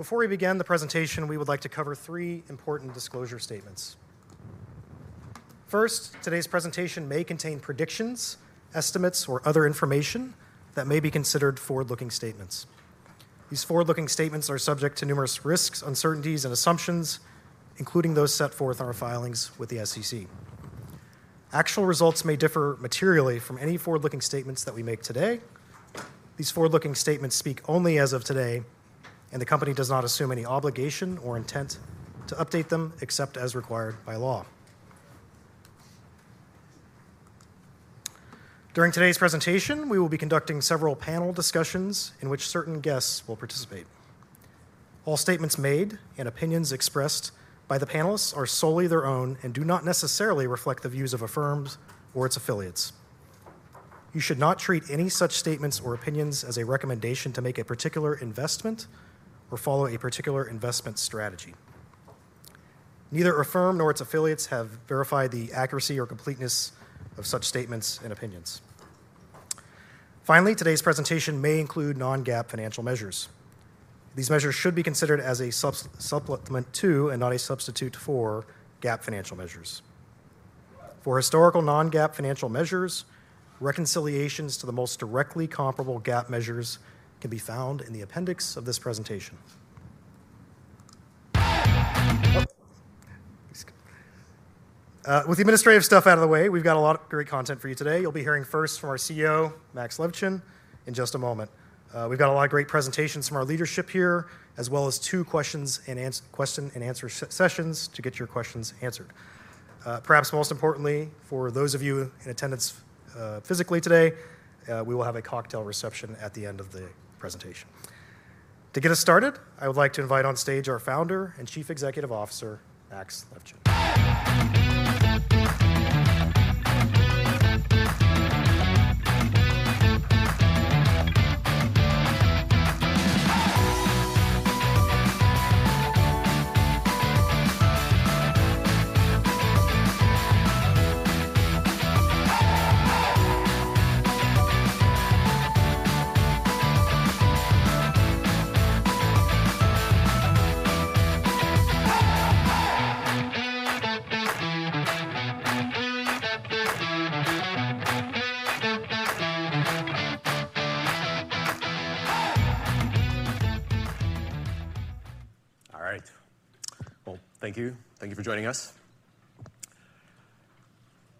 Before we begin the presentation, we would like to cover three important disclosure statements. First, today's presentation may contain predictions, estimates, or other information that may be considered forward-looking statements. These forward-looking statements are subject to numerous risks, uncertainties, and assumptions, including those set forth in our filings with the SEC. Actual results may differ materially from any forward-looking statements that we make today. These forward-looking statements speak only as of today, and the company does not assume any obligation or intent to update them, except as required by law. During today's presentation, we will be conducting several panel discussions in which certain guests will participate. All statements made and opinions expressed by the panelists are solely their own and do not necessarily reflect the views of Affirm or its affiliates. You should not treat any such statements or opinions as a recommendation to make a particular investment or follow a particular investment strategy. Neither Affirm nor its affiliates have verified the accuracy or completeness of such statements and opinions. Finally, today's presentation may include non-GAAP financial measures. These measures should be considered as a supplement to, and not a substitute for, GAAP financial measures. For historical non-GAAP financial measures, reconciliations to the most directly comparable GAAP measures can be found in the appendix of this presentation. With the administrative stuff out of the way, we've got a lot of great content for you today. You'll be hearing first from our CEO, Max Levchin, in just a moment. We've got a lot of great presentations from our leadership here, as well as two question and answer sessions to get your questions answered. Perhaps most importantly, for those of you in attendance, physically today, we will have a cocktail reception at the end of the presentation. To get us started, I would like to invite on stage our Founder and Chief Executive Officer, Max Levchin. All right. Well, thank you. Thank you for joining us.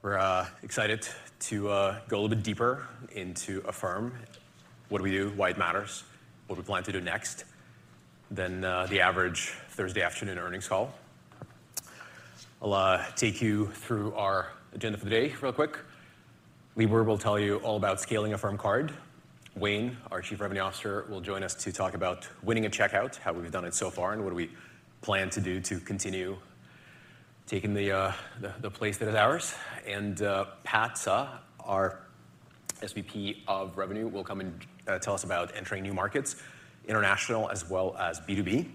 We're excited to go a little bit deeper into Affirm, what do we do, why it matters, what we plan to do next, than the average Thursday afternoon earnings call. I'll take you through our agenda for the day real quick. Libor will tell you all about scaling Affirm Card. Wayne, our Chief Revenue Officer, will join us to talk about winning at checkout, how we've done it so far, and what do we plan to do to continue taking the place that is ours. And Pat Suh, our SVP of Revenue, will come and tell us about entering new markets, international as well as B2B.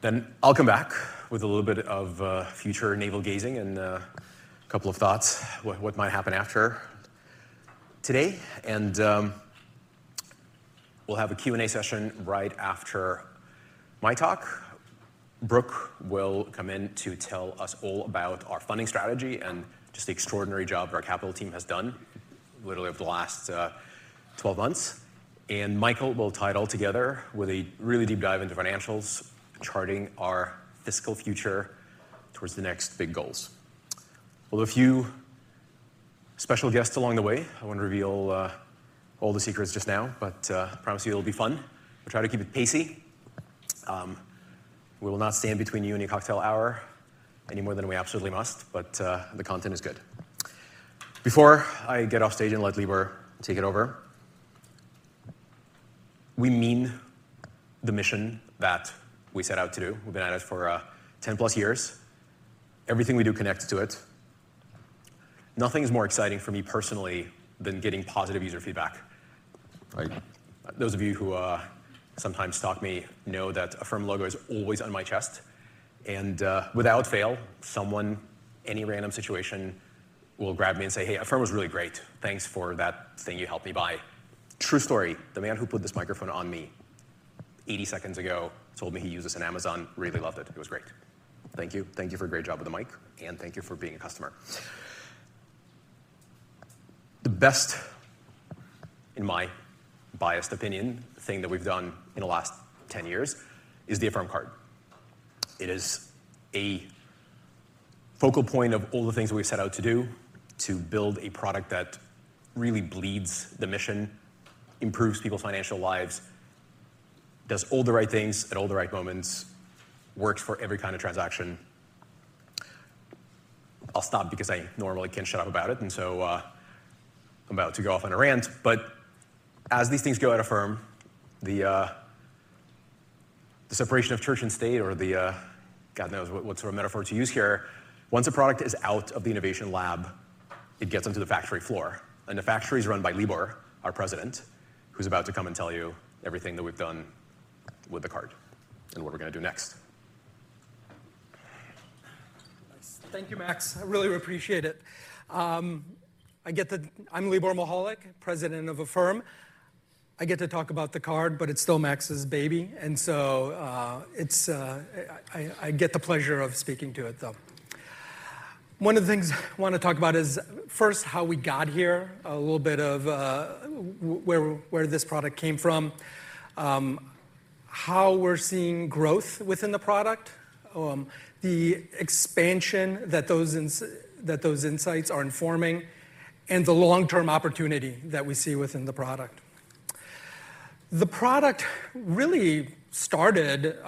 Then I'll come back with a little bit of future navel-gazing and a couple of thoughts, what might happen after today. We'll have a Q&A session right after my talk. Brooke will come in to tell us all about our funding strategy and just the extraordinary job our capital team has done literally over the last 12 months. Michael will tie it all together with a really deep dive into financials, charting our fiscal future towards the next big goals. We'll have a few special guests along the way. I won't reveal all the secrets just now, but I promise you it'll be fun. We'll try to keep it pacey. We will not stand between you and your cocktail hour any more than we absolutely must, but the content is good. Before I get off stage and let Libor take it over, we mean the mission that we set out to do. We've been at it for 10+ years. Everything we do connects to it. Nothing is more exciting for me personally than getting positive user feedback. Like, those of you who sometimes talk to me know that Affirm logo is always on my chest, and without fail, someone, any random situation, will grab me and say, "Hey, Affirm was really great. Thanks for that thing you helped me buy." True story, the man who put this microphone on me 80 seconds ago told me he uses it on Amazon, really loved it. It was great. Thank you. Thank you for a great job with the mic, and thank you for being a customer. The best, in my biased opinion, thing that we've done in the last 10 years is the Affirm Card. It is a focal point of all the things we've set out to do to build a product that really bleeds the mission, improves people's financial lives, does all the right things at all the right moments, works for every kind of transaction. I'll stop because I normally can't shut up about it, and so, I'm about to go off on a rant. But as these things go at Affirm, the separation of church and state or the God knows what sort of metaphor to use here. Once a product is out of the innovation lab, it gets onto the factory floor, and the factory is run by Libor, our President, who's about to come and tell you everything that we've done with the card and what we're gonna do next. Thank you, Max. I really appreciate it. I'm Libor Michalek, President of Affirm. I get to talk about the card, but it's still Max's baby, and so I get the pleasure of speaking to it, though. One of the things I wanna talk about is first, how we got here, a little bit of where this product came from. How we're seeing growth within the product, the expansion that those insights are informing, and the long-term opportunity that we see within the product. The product really started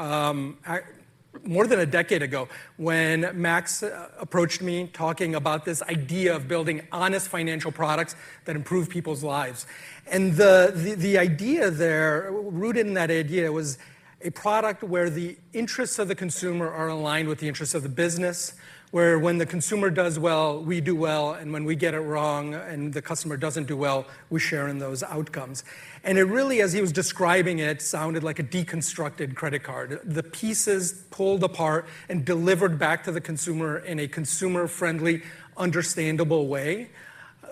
more than a decade ago when Max approached me talking about this idea of building honest financial products that improve people's lives. And the idea there, rooted in that idea, was a product where the interests of the consumer are aligned with the interests of the business, where when the consumer does well, we do well, and when we get it wrong, and the customer doesn't do well, we share in those outcomes. And it really, as he was describing it, sounded like a deconstructed credit card. The pieces pulled apart and delivered back to the consumer in a consumer-friendly, understandable way,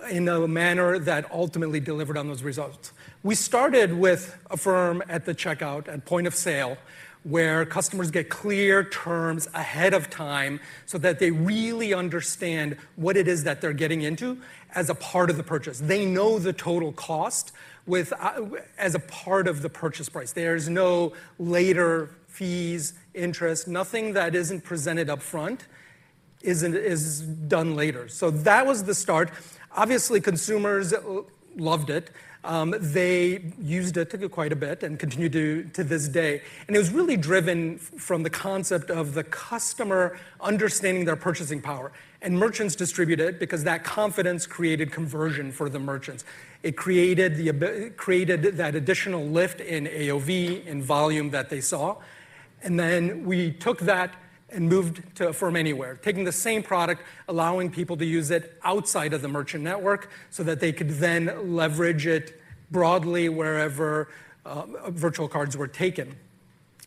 in a manner that ultimately delivered on those results. We started with Affirm at the checkout and point of sale, where customers get clear terms ahead of time so that they really understand what it is that they're getting into as a part of the purchase. They know the total cost as a part of the purchase price. There's no later fees, interest, nothing that isn't presented upfront is done later. So that was the start. Obviously, consumers loved it. They used it quite a bit and continue to this day, and it was really driven from the concept of the customer understanding their purchasing power, and merchants distribute it because that confidence created conversion for the merchants. It created that additional lift in AOV and volume that they saw, and then we took that and moved to Affirm Anywhere. Taking the same product, allowing people to use it outside of the merchant network so that they could then leverage it broadly wherever virtual cards were taken.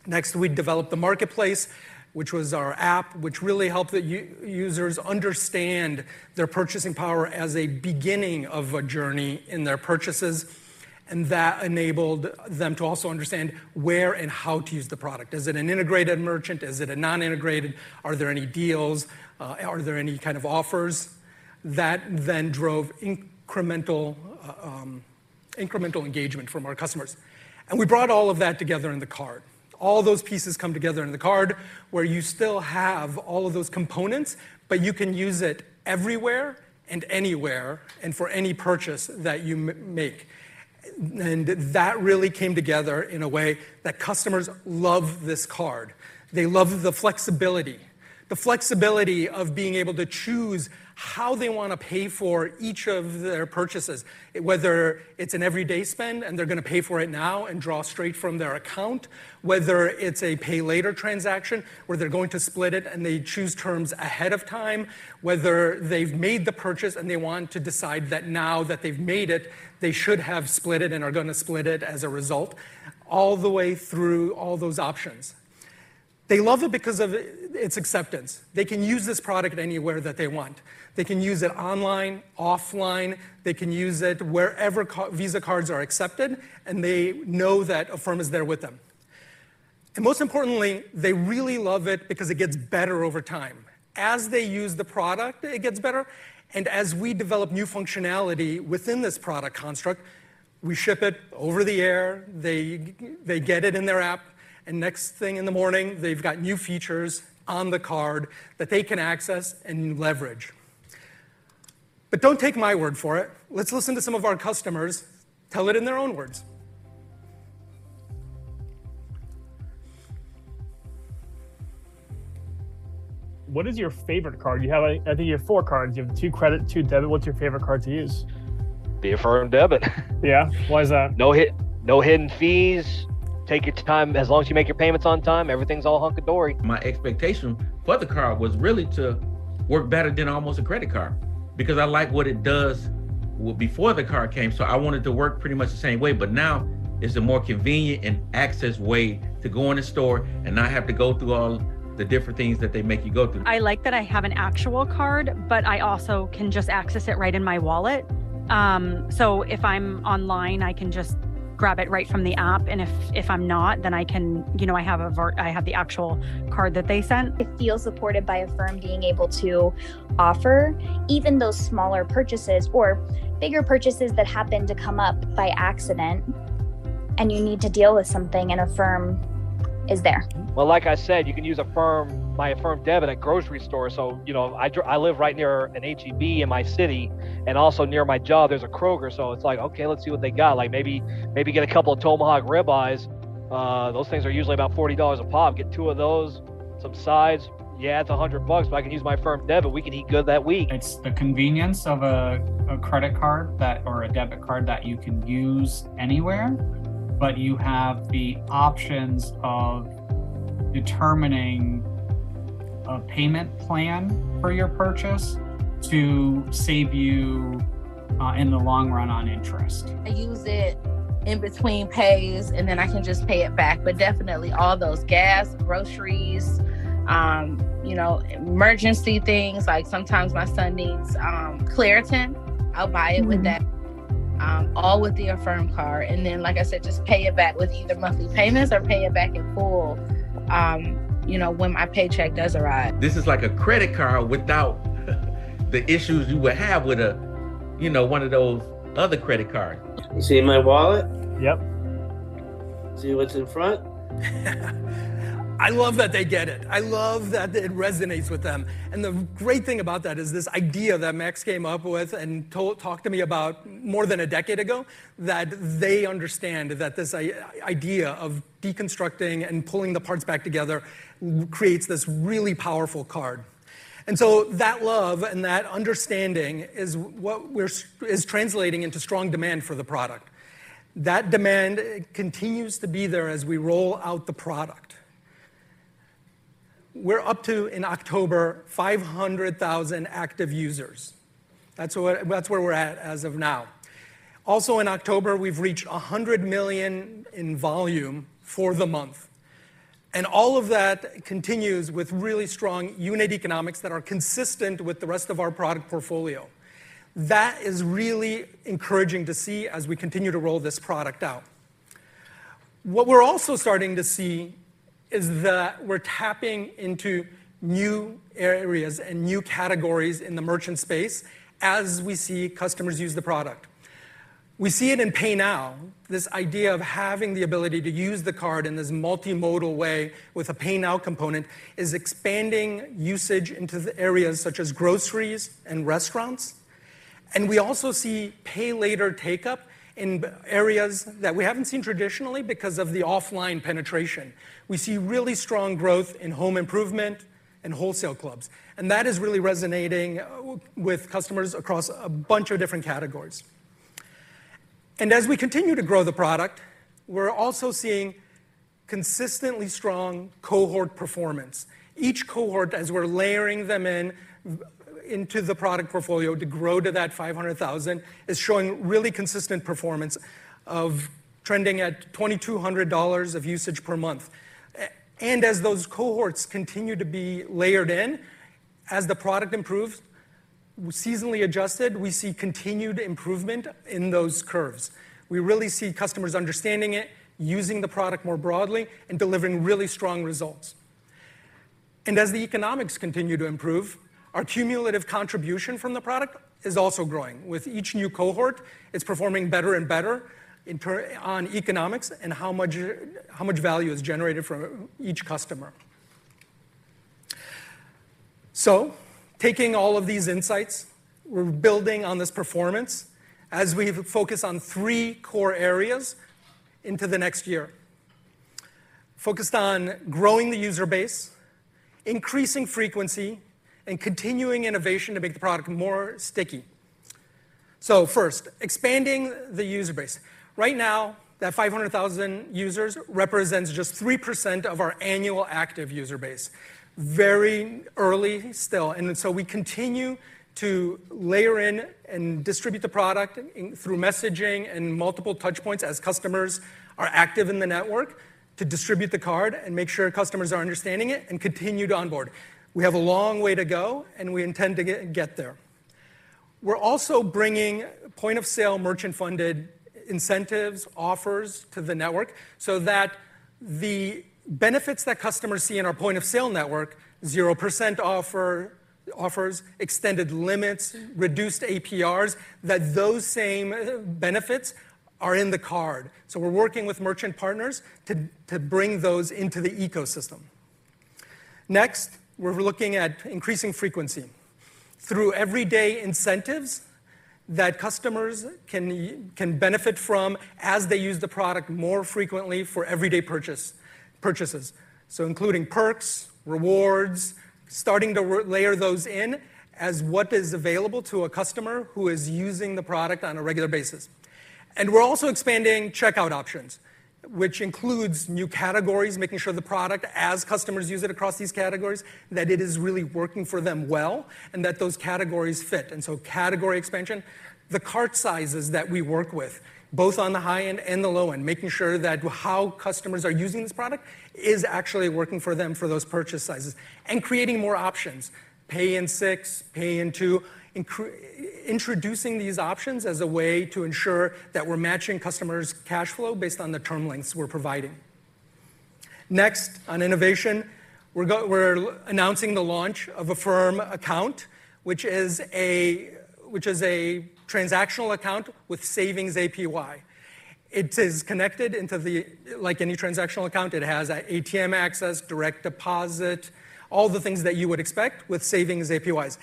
Next, we developed the marketplace, which was our app, which really helped the users understand their purchasing power as a beginning of a journey in their purchases, and that enabled them to also understand where and how to use the product. Is it an integrated merchant? Is it a non-integrated? Are there any deals? Are there any kind of offers? That then drove incremental, incremental engagement from our customers, and we brought all of that together in the card. All those pieces come together in the card, where you still have all of those components, but you can use it everywhere and anywhere, and for any purchase that you make. And that really came together in a way that customers love this card. They love the flexibility, the flexibility of being able to choose how they wanna pay for each of their purchases, whether it's an everyday spend and they're gonna pay for it now and draw straight from their account, whether it's a pay later transaction, where they're going to split it and they choose terms ahead of time, whether they've made the purchase and they want to decide that now that they've made it, they should have split it and are gonna split it as a result, all the way through all those options. They love it because of its acceptance. They can use this product anywhere that they want. They can use it online, offline, they can use it wherever Visa cards are accepted, and they know that Affirm is there with them. And most importantly, they really love it because it gets better over time. As they use the product, it gets better, and as we develop new functionality within this product construct, we ship it over the air, they get it in their app, and next thing in the morning, they've got new features on the card that they can access and leverage. But don't take my word for it. Let's listen to some of our customers tell it in their own words. What is your favorite card? You have, I think you have four cards. You have two credit, two debit. What's your favorite card to use? The Affirm Debit. Yeah? Why is that? No hidden fees, take your time. As long as you make your payments on time, everything's all hunky dory. My expectation for the card was really to work better than almost a credit card, because I like what it does before the card came, so I want it to work pretty much the same way. But now, it's a more convenient and access way to go in the store and not have to go through all the different things that they make you go through. I like that I have an actual card, but I also can just access it right in my wallet. So if I'm online, I can just grab it right from the app, and if I'm not, then I can... You know, I have the actual card that they sent. I feel supported by Affirm being able to offer even those smaller purchases or bigger purchases that happen to come up by accident, and you need to deal with something, and Affirm is there. Well, like I said, you can use Affirm, my Affirm Card at a grocery store, so, you know, I live right near an H-E-B in my city, and also near my job, there's a Kroger, so it's like, "Okay, let's see what they got." Like, maybe, maybe get a couple of tomahawk rib-eyes. Those things are usually about $40 a pop. Get two of those, some sides. Yeah, it's $100, but I can use my Affirm Debit, and we can eat good that week. It's the convenience of a credit card that, or a debit card that you can use anywhere, but you have the options of determining a payment plan for your purchase to save you in the long run on interest. I use it in between pays, and then I can just pay it back. But definitely all those gas, groceries, you know, emergency things. Like, sometimes my son needs Claritin. I'll buy it with that, all with the Affirm Card, and then, like I said, just pay it back with either monthly payments or pay it back in full, you know, when my paycheck does arrive. This is like a credit card without the issues you would have with a, you know, one of those other credit cards. You see my wallet? Yep. See what's in front? I love that they get it. I love that it resonates with them. And the great thing about that is this idea that Max came up with and talked to me about more than a decade ago, that they understand that this idea of deconstructing and pulling the parts back together creates this really powerful card. And so that love and that understanding is what we're is translating into strong demand for the product. That demand continues to be there as we roll out the product. We're up to, in October, 500,000 active users. That's where, that's where we're at as of now. Also, in October, we've reached $100 million in volume for the month, and all of that continues with really strong unit economics that are consistent with the rest of our product portfolio. That is really encouraging to see as we continue to roll this product out. What we're also starting to see is that we're tapping into new areas and new categories in the merchant space as we see customers use the product. We see it in Pay Now. This idea of having the ability to use the card in this multimodal way with a Pay Now component is expanding usage into the areas such as groceries and restaurants. We also see Pay Later take up in areas that we haven't seen traditionally because of the offline penetration. We see really strong growth in home improvement and wholesale clubs, and that is really resonating with customers across a bunch of different categories. As we continue to grow the product, we're also seeing consistently strong cohort performance. Each cohort, as we're layering them in into the product portfolio to grow to that 500,000, is showing really consistent performance of trending at $2,200 of usage per month. And as those cohorts continue to be layered in, as the product improves, seasonally adjusted, we see continued improvement in those curves. We really see customers understanding it, using the product more broadly, and delivering really strong results. And as the economics continue to improve, our cumulative contribution from the product is also growing. With each new cohort, it's performing better and better on economics and how much value is generated from each customer. So taking all of these insights, we're building on this performance as we focus on three core areas into the next year. Focused on growing the user base, increasing frequency, and continuing innovation to make the product more sticky. So first, expanding the user base. Right now, that 500,000 users represents just 3% of our annual active user base. Very early still, and so we continue to layer in and distribute the product in, through messaging and multiple touch points as customers are active in the network, to distribute the card and make sure customers are understanding it and continue to onboard. We have a long way to go, and we intend to get, get there. We're also bringing point-of-sale, merchant-funded incentives, offers to the network so that the benefits that customers see in our point-of-sale network, 0% offer, offers, extended limits, reduced APRs, that those same benefits are in the card. So we're working with merchant partners to, to bring those into the ecosystem. Next, we're looking at increasing frequency through everyday incentives that customers can benefit from as they use the product more frequently for everyday purchases. So including perks, rewards, starting to layer those in as what is available to a customer who is using the product on a regular basis. And we're also expanding checkout options, which includes new categories, making sure the product, as customers use it across these categories, that it is really working for them well and that those categories fit. And so category expansion, the cart sizes that we work with, both on the high end and the low end, making sure that how customers are using this product is actually working for them for those purchase sizes. And creating more options, Pay in 6, Pay in 2, introducing these options as a way to ensure that we're matching customers' cash flow based on the term lengths we're providing. Next, on innovation, we're announcing the launch of Affirm Account, which is a transactional account with savings APY. It is connected into the, like any transactional account, it has ATM access, direct deposit, all the things that you would expect with savings APYs.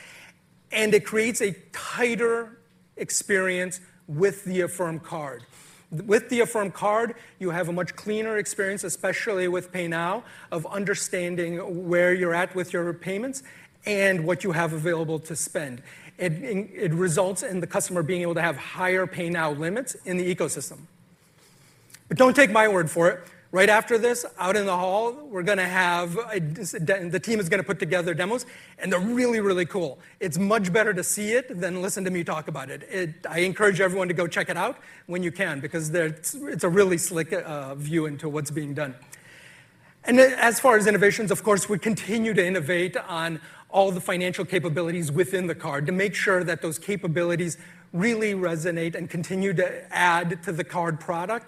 And it creates a tighter experience with the Affirm Card. With the Affirm Card, you have a much cleaner experience, especially with Pay Now, of understanding where you're at with your payments and what you have available to spend. It results in the customer being able to have higher Pay Now limits in the ecosystem. But don't take my word for it. Right after this, out in the hall, we're gonna have demos, so the team is gonna put together demos, and they're really, really cool. It's much better to see it than listen to me talk about it. I encourage everyone to go check it out when you can, because they're—it's a really slick view into what's being done. And then, as far as innovations, of course, we continue to innovate on all the financial capabilities within the card to make sure that those capabilities really resonate and continue to add to the card product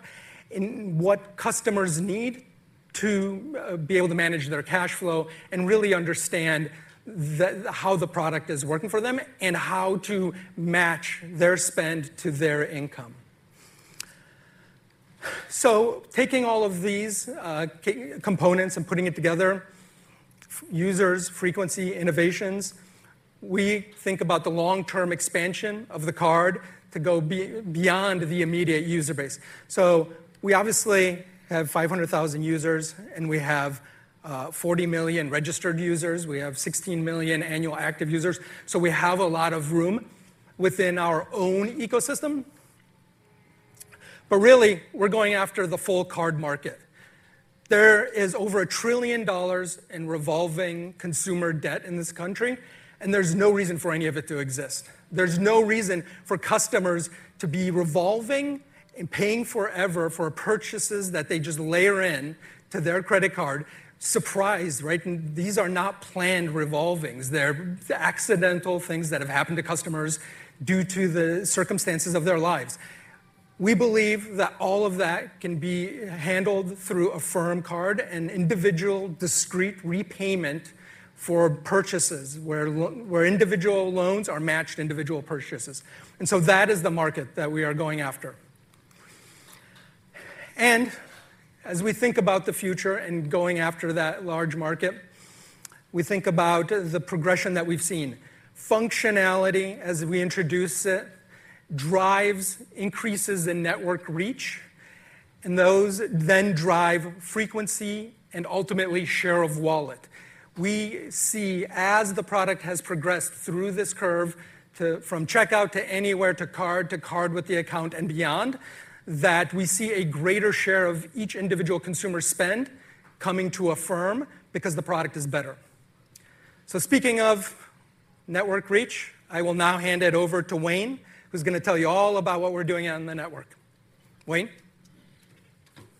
in what customers need to be able to manage their cash flow and really understand the how the product is working for them and how to match their spend to their income. So taking all of these, components and putting it together, users, frequency, innovations, we think about the long-term expansion of the card to go beyond the immediate user base. So we obviously have 500,000 users, and we have forty million registered users. We have 16 million annual active users, so we have a lot of room within our own ecosystem. But really, we're going after the full card market. There is over $1 trillion in revolving consumer debt in this country, and there's no reason for any of it to exist. There's no reason for customers to be revolving and paying forever for purchases that they just layer into their credit card. Surprise, right? And these are not planned revolvings. They're accidental things that have happened to customers due to the circumstances of their lives. We believe that all of that can be handled through Affirm Card and individual discrete repayment for purchases, where individual loans are matched to individual purchases. And so that is the market that we are going after. And as we think about the future and going after that large market, we think about the progression that we've seen. Functionality, as we introduce it, drives increases in network reach, and those then drive frequency and ultimately share of wallet. We see as the product has progressed through this curve to, from checkout to anywhere, to card to card with the account and beyond, that we see a greater share of each individual consumer spend coming to Affirm because the product is better. So speaking of network reach, I will now hand it over to Wayne, who's going to tell you all about what we're doing on the network. Wayne?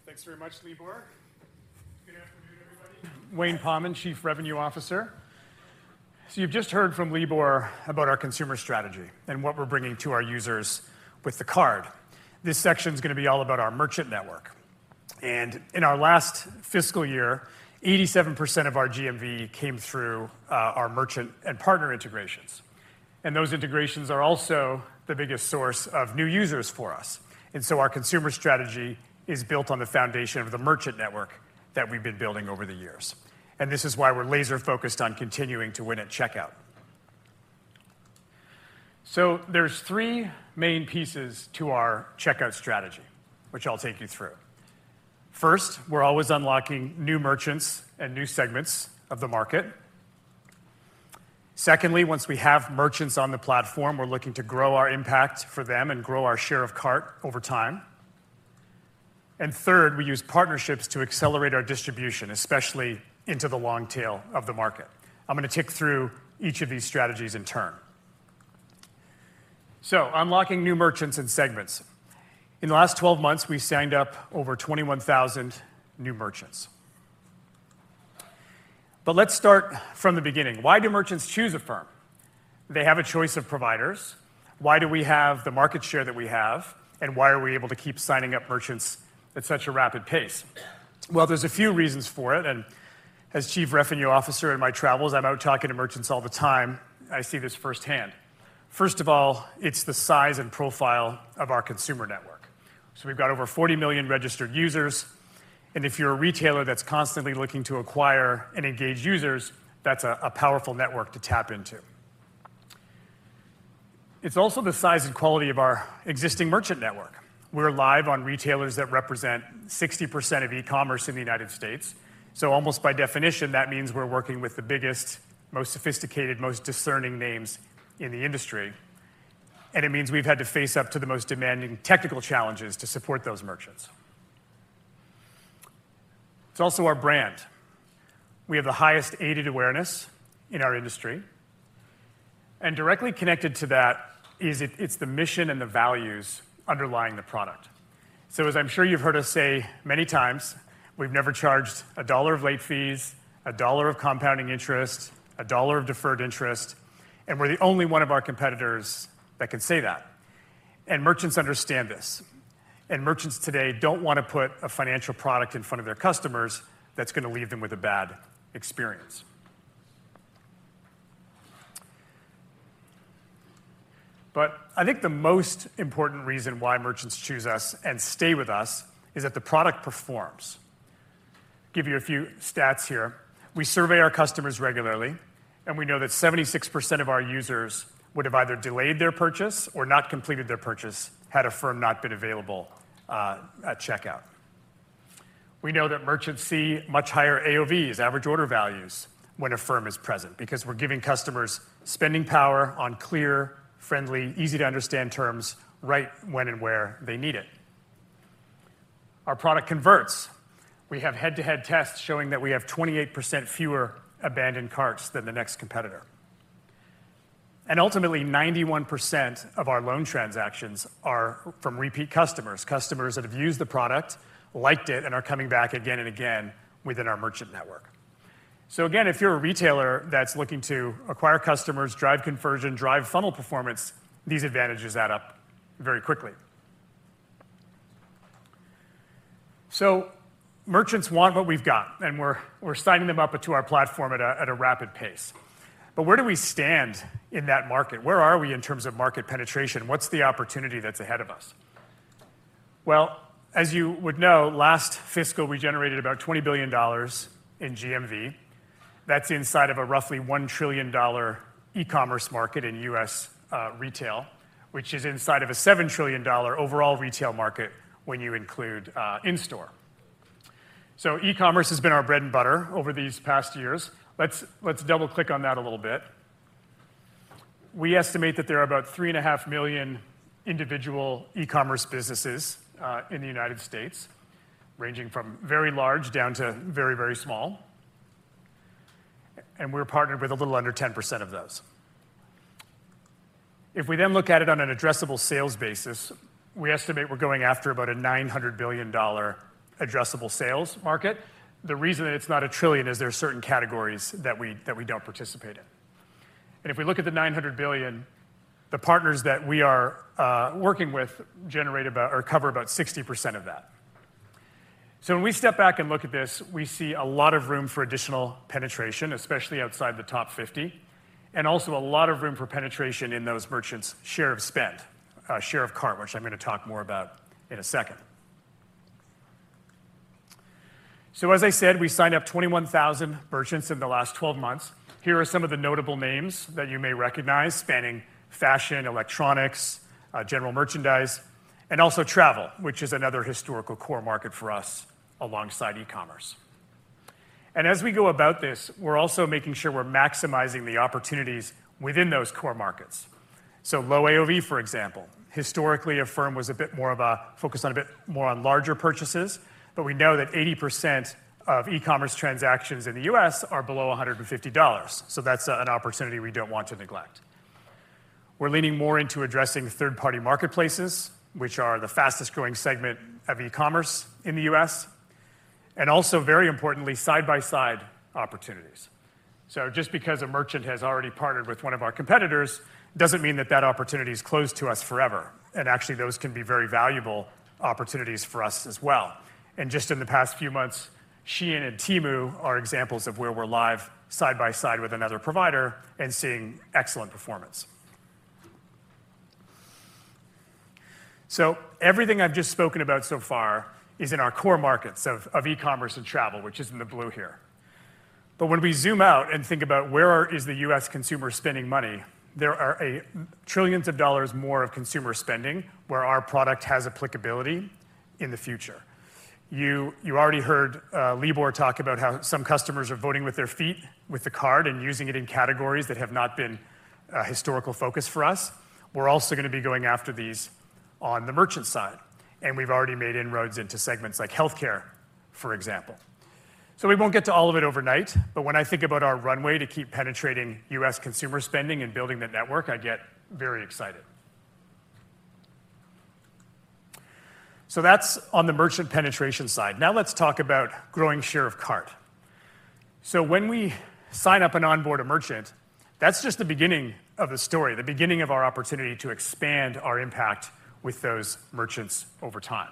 Thanks very much, Libor. Good afternoon, everybody. Wayne Pommen, Chief Revenue Officer. So you've just heard from Libor about our consumer strategy and what we're bringing to our users with the card. This section is going to be all about our merchant network. And in our last fiscal year, 87% of our GMV came through our merchant and partner integrations, and those integrations are also the biggest source of new users for us. And so our consumer strategy is built on the foundation of the merchant network that we've been building over the years. And this is why we're laser-focused on continuing to win at checkout. So there's three main pieces to our checkout strategy, which I'll take you through. First, we're always unlocking new merchants and new segments of the market. Secondly, once we have merchants on the platform, we're looking to grow our impact for them and grow our share of cart over time. And third, we use partnerships to accelerate our distribution, especially into the long tail of the market. I'm going to tick through each of these strategies in turn. So unlocking new merchants and segments. In the last 12 months, we signed up over 21,000 new merchants. But let's start from the beginning. Why do merchants choose Affirm? They have a choice of providers. Why do we have the market share that we have, and why are we able to keep signing up merchants at such a rapid pace? Well, there's a few reasons for it, and as Chief Revenue Officer, in my travels, I'm out talking to merchants all the time, I see this firsthand. First of all, it's the size and profile of our consumer network. So we've got over 40 million registered users, and if you're a retailer that's constantly looking to acquire and engage users, that's a powerful network to tap into. It's also the size and quality of our existing merchant network. We're live on retailers that represent 60% of e-commerce in the United States. So almost by definition, that means we're working with the biggest, most sophisticated, most discerning names in the industry, and it means we've had to face up to the most demanding technical challenges to support those merchants. It's also our brand. We have the highest aided awareness in our industry, and directly connected to that is it's the mission and the values underlying the product. As I'm sure you've heard us say many times, we've never charged a dollar of late fees, a dollar of compounding interest, a dollar of deferred interest, and we're the only one of our competitors that can say that. Merchants understand this, and merchants today don't want to put a financial product in front of their customers that's going to leave them with a bad experience. But I think the most important reason why merchants choose us and stay with us is that the product performs. Give you a few stats here. We survey our customers regularly, and we know that 76% of our users would have either delayed their purchase or not completed their purchase had Affirm not been available at checkout. We know that merchants see much higher AOVs, average order values, when Affirm is present, because we're giving customers spending power on clear, friendly, easy-to-understand terms, right when and where they need it. Our product converts. We have head-to-head tests showing that we have 28% fewer abandoned carts than the next competitor. And ultimately, 91% of our loan transactions are from repeat customers, customers that have used the product, liked it, and are coming back again and again within our merchant network. So again, if you're a retailer that's looking to acquire customers, drive conversion, drive funnel performance, these advantages add up very quickly. So merchants want what we've got, and we're, we're signing them up to our platform at a, at a rapid pace. But where do we stand in that market? Where are we in terms of market penetration? What's the opportunity that's ahead of us? Well, as you would know, last fiscal, we generated about $20 billion in GMV. That's inside of a roughly $1 trillion e-commerce market in U.S., retail, which is inside of a $7 trillion overall retail market when you include in-store. So e-commerce has been our bread and butter over these past years. Let's, let's double-click on that a little bit. We estimate that there are about 3.5 million individual e-commerce businesses in the United States, ranging from very large down to very, very small. And we're partnered with a little under 10% of those. If we then look at it on an addressable sales basis, we estimate we're going after about a $900 billion addressable sales market. The reason that it's not a trillion is there are certain categories that we, that we don't participate in. If we look at the $900 billion, the partners that we are working with generate about or cover about 60% of that. So when we step back and look at this, we see a lot of room for additional penetration, especially outside the top 50, and also a lot of room for penetration in those merchants' share of spend, share of cart, which I'm going to talk more about in a second. So as I said, we signed up 21,000 merchants in the last twelve months. Here are some of the notable names that you may recognize, spanning fashion, electronics, general merchandise, and also travel, which is another historical core market for us alongside e-commerce. And as we go about this, we're also making sure we're maximizing the opportunities within those core markets. So low AOV, for example. Historically, Affirm was a bit more of a focused on a bit more on larger purchases, but we know that 80% of e-commerce transactions in the U.S. are below $150, so that's an opportunity we don't want to neglect. We're leaning more into addressing third-party marketplaces, which are the fastest-growing segment of e-commerce in the U.S., and also, very importantly, side-by-side opportunities. So just because a merchant has already partnered with one of our competitors doesn't mean that that opportunity is closed to us forever, and actually, those can be very valuable opportunities for us as well. And just in the past few months, Shein and Temu are examples of where we're live, side by side with another provider and seeing excellent performance. So everything I've just spoken about so far is in our core markets of e-commerce and travel, which is in the blue here. But when we zoom out and think about where is the U.S. consumer spending money, there are trillions of dollars more of consumer spending where our product has applicability in the future. You already heard Libor talk about how some customers are voting with their feet, with the card, and using it in categories that have not been a historical focus for us. We're also gonna be going after these on the merchant side, and we've already made inroads into segments like healthcare, for example. So we won't get to all of it overnight, but when I think about our runway to keep penetrating U.S. consumer spending and building the network, I get very excited. So that's on the merchant penetration side. Now let's talk about growing share of cart. So when we sign up and onboard a merchant, that's just the beginning of the story, the beginning of our opportunity to expand our impact with those merchants over time.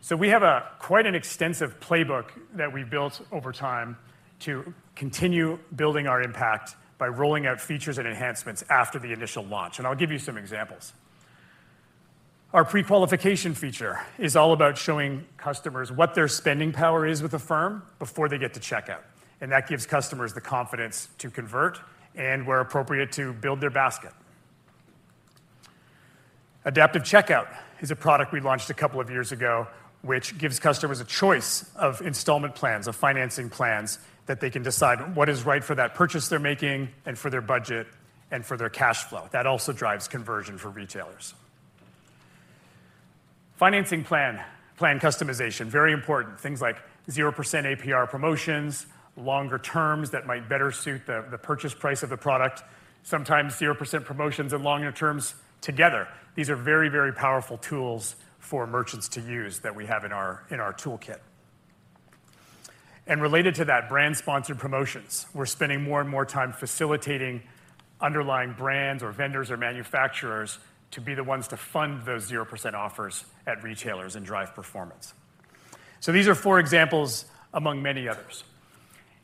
So we have quite an extensive playbook that we built over time to continue building our impact by rolling out features and enhancements after the initial launch, and I'll give you some examples. Our pre-qualification feature is all about showing customers what their spending power is with Affirm before they get to checkout, and that gives customers the confidence to convert and, where appropriate, to build their basket. Adaptive Checkout is a product we launched a couple of years ago, which gives customers a choice of installment plans, of financing plans, that they can decide what is right for that purchase they're making and for their budget and for their cash flow. That also drives conversion for retailers. Financing plan, plan customization, very important. Things like 0% APR promotions, longer terms that might better suit the purchase price of the product, sometimes 0% promotions and longer terms together. These are very, very powerful tools for merchants to use that we have in our toolkit. And related to that, brand-sponsored promotions. We're spending more and more time facilitating underlying brands or vendors or manufacturers to be the ones to fund those 0% offers at retailers and drive performance. So these are four examples among many others,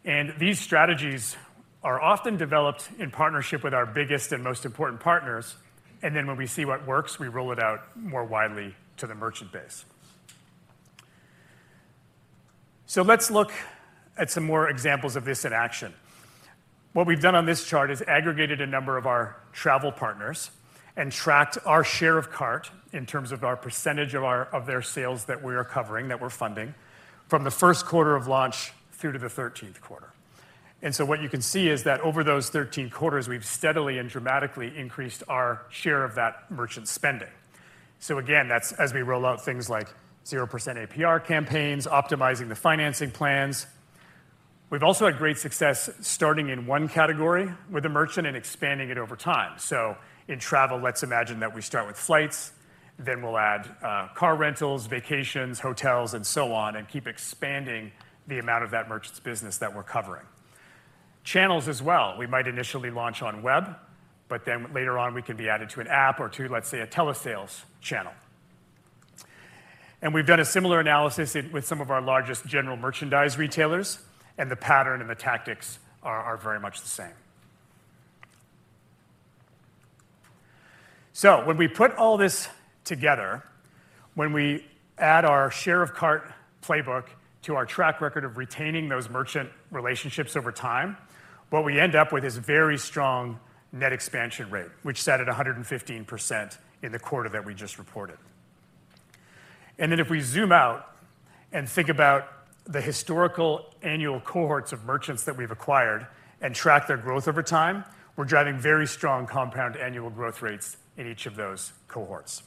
and these strategies are often developed in partnership with our biggest and most important partners, and then when we see what works, we roll it out more widely to the merchant base.... So let's look at some more examples of this in action. What we've done on this chart is aggregated a number of our travel partners and tracked our share of cart in terms of our percentage of their sales that we are covering, that we're funding, from the first quarter of launch through to the thirteenth quarter. And so what you can see is that over those thirteen quarters, we've steadily and dramatically increased our share of that merchant spending. So again, that's as we roll out things like 0% APR campaigns, optimizing the financing plans. We've also had great success starting in one category with a merchant and expanding it over time. So in travel, let's imagine that we start with flights, then we'll add car rentals, vacations, hotels, and so on, and keep expanding the amount of that merchant's business that we're covering. Channels as well, we might initially launch on web, but then later on we can be added to an app or to, let's say, a telesales channel. And we've done a similar analysis it with some of our largest general merchandise retailers, and the pattern and the tactics are very much the same. When we put all this together, when we add our share of cart playbook to our track record of retaining those merchant relationships over time, what we end up with is a very strong net expansion rate, which sat at 115% in the quarter that we just reported. Then if we zoom out and think about the historical annual cohorts of merchants that we've acquired and track their growth over time, we're driving very strong compound annual growth rates in each of those cohorts.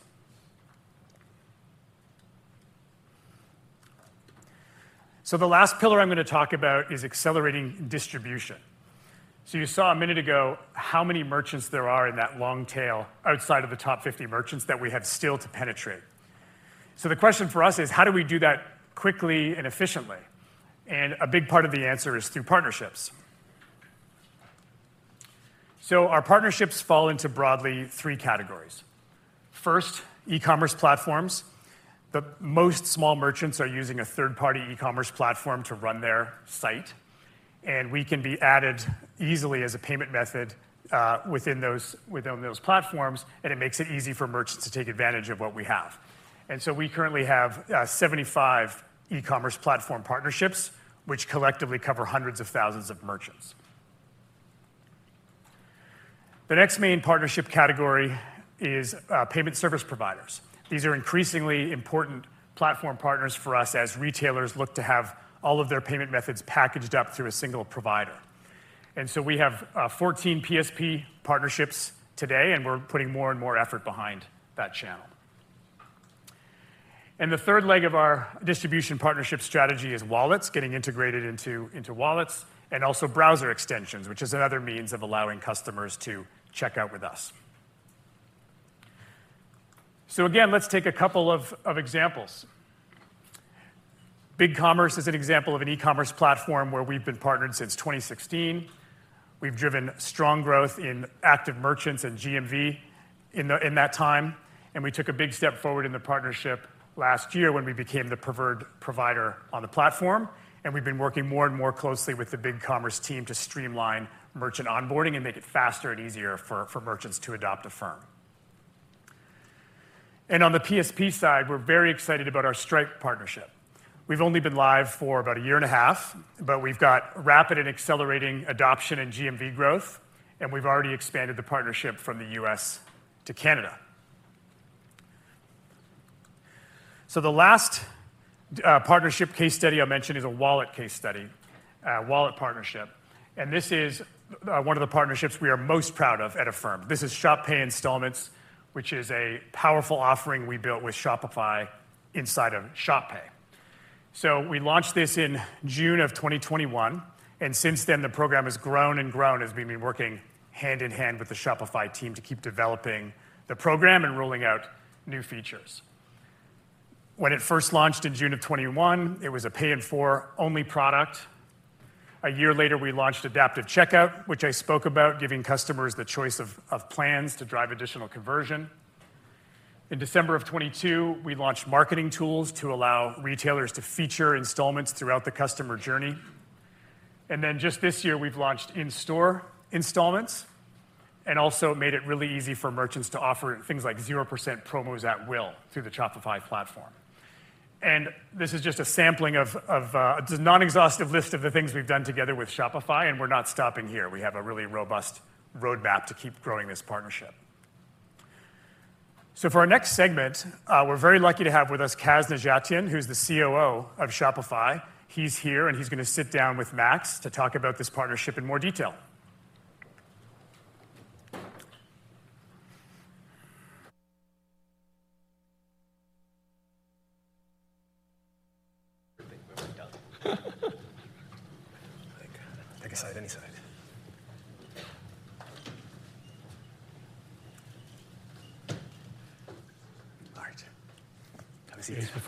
The last pillar I'm going to talk about is accelerating distribution. You saw a minute ago how many merchants there are in that long tail, outside of the top 50 merchants, that we have still to penetrate. The question for us is: how do we do that quickly and efficiently? And a big part of the answer is through partnerships. So our partnerships fall into broadly three categories. First, e-commerce platforms. Most small merchants are using a third-party e-commerce platform to run their site, and we can be added easily as a payment method within those platforms, and it makes it easy for merchants to take advantage of what we have. And so we currently have 75 e-commerce platform partnerships, which collectively cover hundreds of thousands of merchants. The next main partnership category is payment service providers. These are increasingly important platform partners for us as retailers look to have all of their payment methods packaged up through a single provider. And so we have 14 PSP partnerships today, and we're putting more and more effort behind that channel. The third leg of our distribution partnership strategy is wallets, getting integrated into wallets, and also browser extensions, which is another means of allowing customers to check out with us. So again, let's take a couple of examples. BigCommerce is an example of an e-commerce platform where we've been partnered since 2016. We've driven strong growth in active merchants and GMV in that time, and we took a big step forward in the partnership last year when we became the preferred provider on the platform. And we've been working more and more closely with the BigCommerce team to streamline merchant onboarding and make it faster and easier for merchants to adopt Affirm. And on the PSP side, we're very excited about our Stripe partnership. We've only been live for about a year and a half, but we've got rapid and accelerating adoption and GMV growth, and we've already expanded the partnership from the US to Canada. So the last partnership case study I'll mention is a wallet case study, a wallet partnership, and this is one of the partnerships we are most proud of at Affirm. This is Shop Pay Installments, which is a powerful offering we built with Shopify inside of Shop Pay. So we launched this in June of 2021, and since then, the program has grown and grown as we've been working hand in hand with the Shopify team to keep developing the program and rolling out new features. When it first launched in June of 2021, it was a Pay in 4 only product. A year later, we launched Adaptive Checkout, which I spoke about, giving customers the choice of plans to drive additional conversion. In December of 2022, we launched marketing tools to allow retailers to feature installments throughout the customer journey. Then just this year, we've launched in-store installments and also made it really easy for merchants to offer things like zero percent promos at will through the Shopify platform. This is just a sampling of. It's a non-exhaustive list of the things we've done together with Shopify, and we're not stopping here. We have a really robust roadmap to keep growing this partnership. For our next segment, we're very lucky to have with us Kaz Nejatian, who's the COO of Shopify. He's here, and he's going to sit down with Max to talk about this partnership in more detail.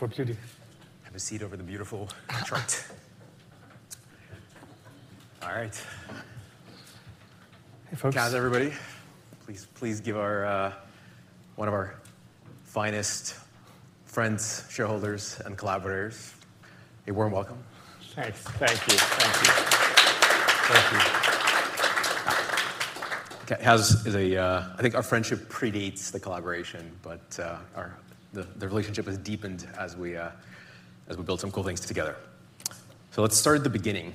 Pick a side, any side. All right. Have a seat. Age before beauty. Have a seat over the beautiful chart. All right. Hey, folks. Kaz, everybody, please, please give our one of our finest friends, shareholders, and collaborators a warm welcome. Thanks. Thank you. Thank you. Thank you. Okay, I think our friendship predates the collaboration, but our relationship has deepened as we built some cool things together. So let's start at the beginning.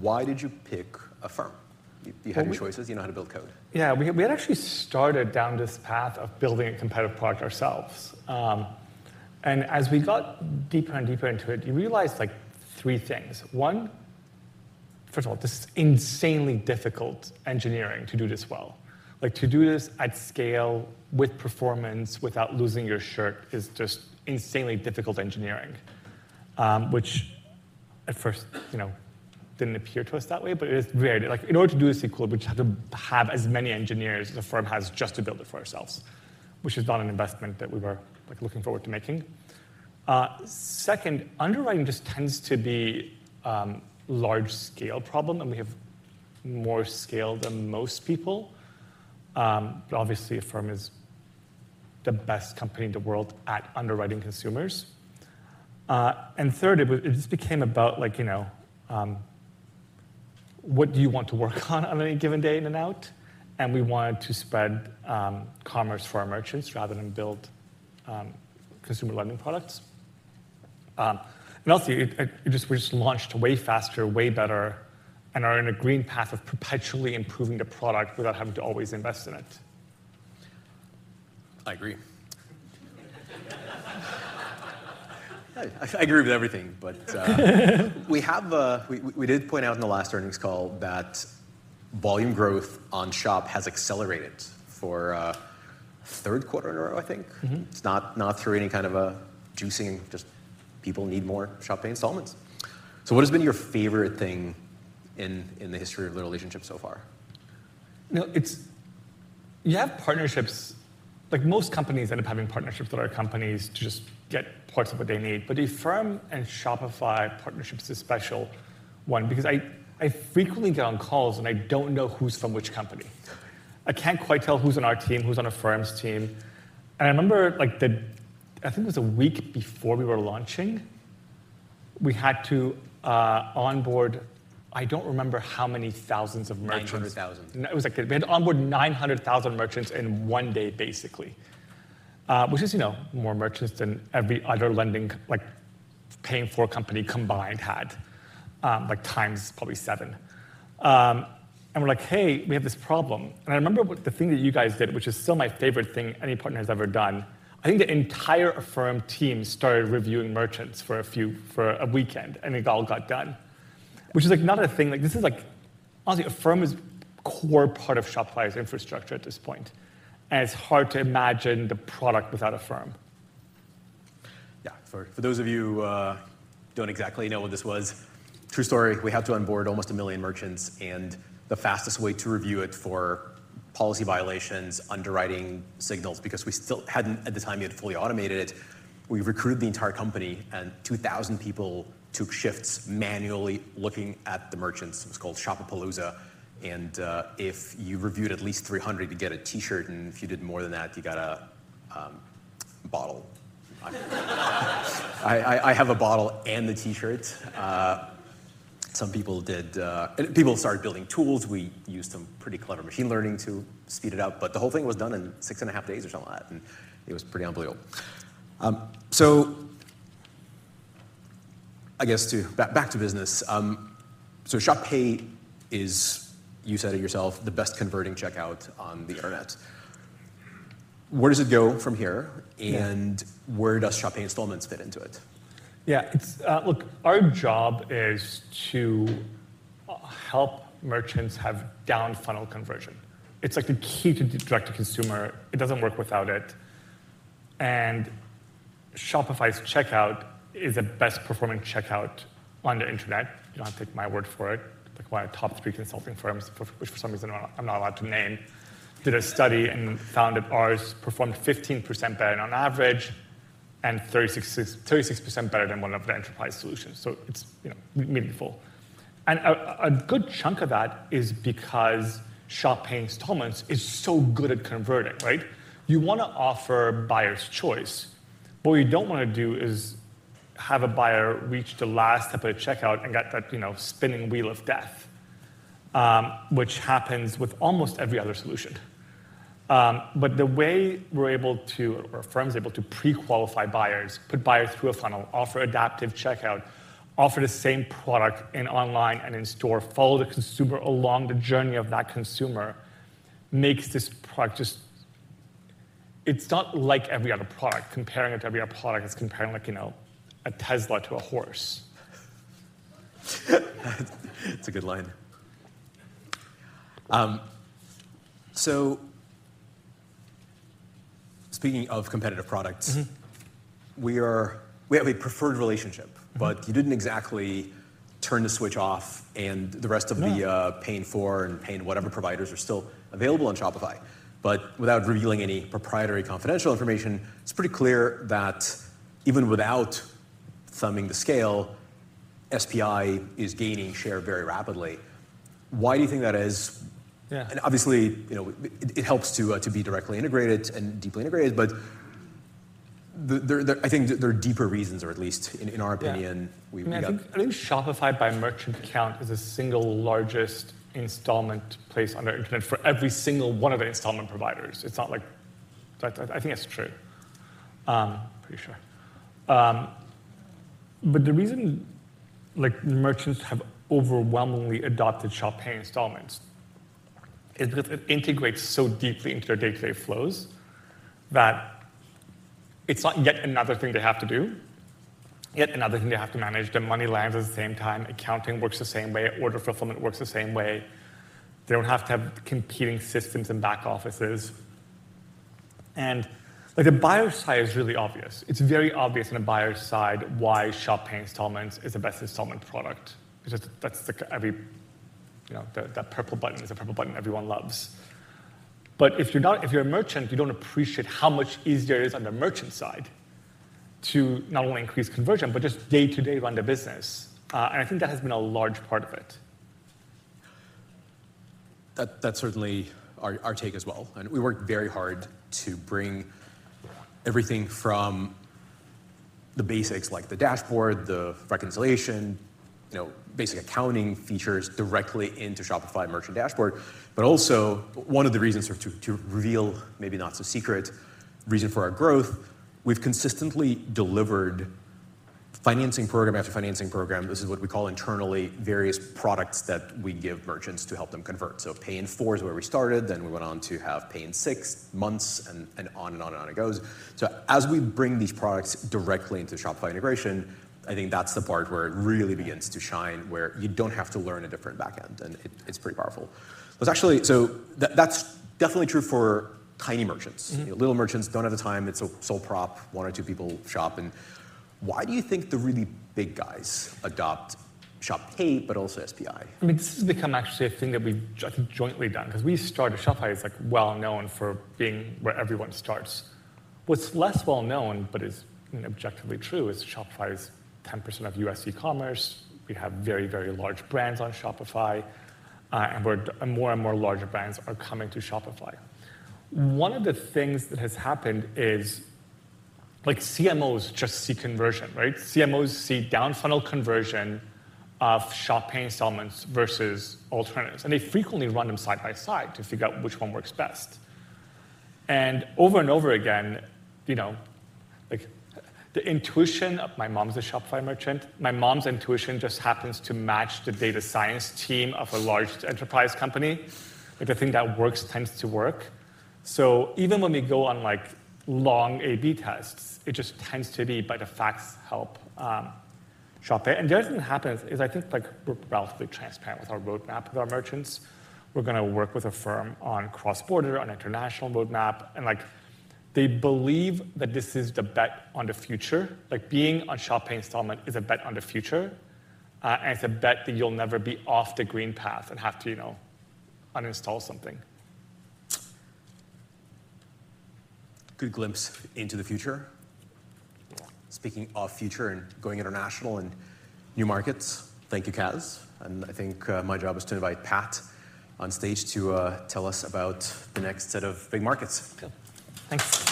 Why did you pick Affirm? Well, we- You, you had your choices. You know how to build code. Yeah, we had actually started down this path of building a competitive product ourselves. And as we got deeper and deeper into it, you realize, like, three things. One, first of all, this is insanely difficult engineering to do this well. Like, to do this at scale, with performance, without losing your shirt, is just insanely difficult engineering. Which at first, you know, didn't appear to us that way, but it is weird. Like, in order to do a sequel, we'd have to have as many engineers as Affirm has just to build it for ourselves, which is not an investment that we were, like, looking forward to making. Second, underwriting just tends to be large scale problem, and we have more scale than most people. But obviously, Affirm is the best company in the world at underwriting consumers. And thirdly, it just became about like, you know, what do you want to work on, on any given day in and out? And we wanted to spread commerce for our merchants rather than build consumer lending products. And also, we just launched way faster, way better, and are in a green path of perpetually improving the product without having to always invest in it. I agree. I agree with everything, but we did point out in the last earnings call that volume growth on Shop has accelerated for a third quarter in a row, I think. Mm-hmm. It's not, not through any kind of a juicing, just people need more Shop Pay Installments. So what has been your favorite thing in the history of the relationship so far? You know, it's you have partnerships, like, most companies end up having partnerships that are companies to just get parts of what they need. But Affirm and Shopify partnership is a special one because I frequently get on calls, and I don't know who's from which company. I can't quite tell who's on our team, who's on Affirm's team. And I remember, like, the... I think it was a week before we were launching, we had to onboard. I don't remember how many thousands of merchants. 900,000. It was like we had to onboard 900,000 merchants in one day, basically. Which is, you know, more merchants than every other lending, like, Pay in 4 a company combined had, like times probably seven. And we're like: "Hey, we have this problem." And I remember the thing that you guys did, which is still my favorite thing any partner has ever done. I think the entire Affirm team started reviewing merchants for a weekend, and it all got done. Which is, like, not a thing, like, this is like... Honestly, Affirm is core part of Shopify's infrastructure at this point, and it's hard to imagine the product without Affirm. Yeah. For those of you who don't exactly know what this was, true story, we had to onboard almost 1 million merchants, and the fastest way to review it for policy violations, underwriting signals, because we still hadn't, at the time, yet fully automated it. We recruited the entire company, and 2,000 people took shifts manually looking at the merchants. It was called Shopapalooza, and if you reviewed at least 300, you get a T-shirt, and if you did more than that, you got a bottle. I have a bottle and the T-shirt. Some people did. People started building tools. We used some pretty clever machine learning to speed it up, but the whole thing was done in 6.5 days or something like that, and it was pretty unbelievable. So I guess back to business. So Shop Pay is, you said it yourself, the best converting checkout on the internet. Where does it go from here? Yeah... and where does Shop Pay Installments fit into it? Yeah, it's... Look, our job is to help merchants have down-funnel conversion. It's, like, the key to direct a consumer. It doesn't work without it. And Shopify's checkout is the best-performing checkout on the internet. You don't have to take my word for it. Like, one of the top three consulting firms, which for some reason I'm not allowed to name, did a study and found that ours performed 15% better on average and 36%-66% better than one of the enterprise solutions. So it's, you know, meaningful. And a good chunk of that is because Shop Pay Installments is so good at converting, right? You wanna offer buyers choice. What you don't wanna do is have a buyer reach the last step of the checkout and get that, you know, spinning wheel of death, which happens with almost every other solution. But the way we're able to, or Affirm is able to pre-qualify buyers, put buyers through a funnel, offer Adaptive Checkout, offer the same product in online and in store, follow the consumer along the journey of that consumer, makes this product just... It's not like every other product. Comparing it to every other product is comparing like, you know, a Tesla to a horse. That's a good line. So speaking of competitive products- Mm-hmm… we have a preferred relationship Mm-hmm... but you didn't exactly turn the switch off, and the rest of the- No... paying for and paying whatever providers are still available on Shopify. But without revealing any proprietary, confidential information, it's pretty clear that even without thumbing the scale, SPI is gaining share very rapidly. Why do you think that is? Yeah. Obviously, you know, it helps to be directly integrated and deeply integrated, but there are deeper reasons, or at least in our opinion. Yeah. We, we- I think Shopify by merchant count is the single largest installment place on the internet for every single one of the installment providers. It's not like... I think that's true. Pretty sure. But the reason, like, merchants have overwhelmingly adopted Shop Pay Installments is because it integrates so deeply into their day-to-day flows, that it's not yet another thing they have to do, yet another thing they have to manage. The money lands at the same time, accounting works the same way, order fulfillment works the same way. They don't have to have competing systems and back offices. And, like, the buyer side is really obvious. It's very obvious on the buyer side why Shop Pay Installments is the best installment product. 'Cause that's, that's like every, you know, the, that purple button is the purple button everyone loves. But if you're a merchant, you don't appreciate how much easier it is on the merchant side to not only increase conversion, but just day-to-day run the business. And I think that has been a large part of it. That's certainly our take as well, and we worked very hard to bring everything from the basics like the dashboard, the reconciliation, you know, basic accounting features directly into Shopify merchant dashboard. But also, one of the reasons to reveal, maybe not so secret reason for our growth, we've consistently delivered financing program after financing program. This is what we call internally various products that we give merchants to help them convert. So Pay in 4 is where we started, then we went on to have Pay in 6 months, and on and on and on it goes. So as we bring these products directly into Shopify integration, I think that's the part where it really begins to shine, where you don't have to learn a different back end, and it's pretty powerful. There's actually... So that's definitely true for tiny merchants. Mm-hmm. Little merchants don't have the time. It's a sole prop, one or two people shop. Why do you think the really big guys adopt Shop Pay, but also SPI? I mean, this has become actually a thing that we've jointly done because we started Shopify as, like, well known for being where everyone starts. What's less well known, but is objectively true, is Shopify is 10% of U.S. e-commerce. We have very, very large brands on Shopify, and more and more larger brands are coming to Shopify. One of the things that has happened is, like, CMOs just see conversion, right? CMOs see down-funnel conversion of Shop Pay Installments versus alternatives, and they frequently run them side by side to figure out which one works best. And over and over again, you know, like, the intuition of my mom's a Shopify merchant. My mom's intuition just happens to match the data science team of a large enterprise company, like, the thing that works tends to work. So even when we go on, like, long A/B tests, it just tends to be by default helps Shop Pay. And the other thing that happens is I think, like, we're relatively transparent with our roadmap with our merchants. We're gonna work with Affirm on cross-border, on international roadmap, and, like, they believe that this is the bet on the future. Like, being on Shop Pay Installments is a bet on the future, and it's a bet that you'll never be off the green path and have to, you know, uninstall something. Good glimpse into the future. Speaking of future and going international and new markets, thank you, Kaz. I think my job is to invite Pat on stage to tell us about the next set of big markets. Cool. Thanks.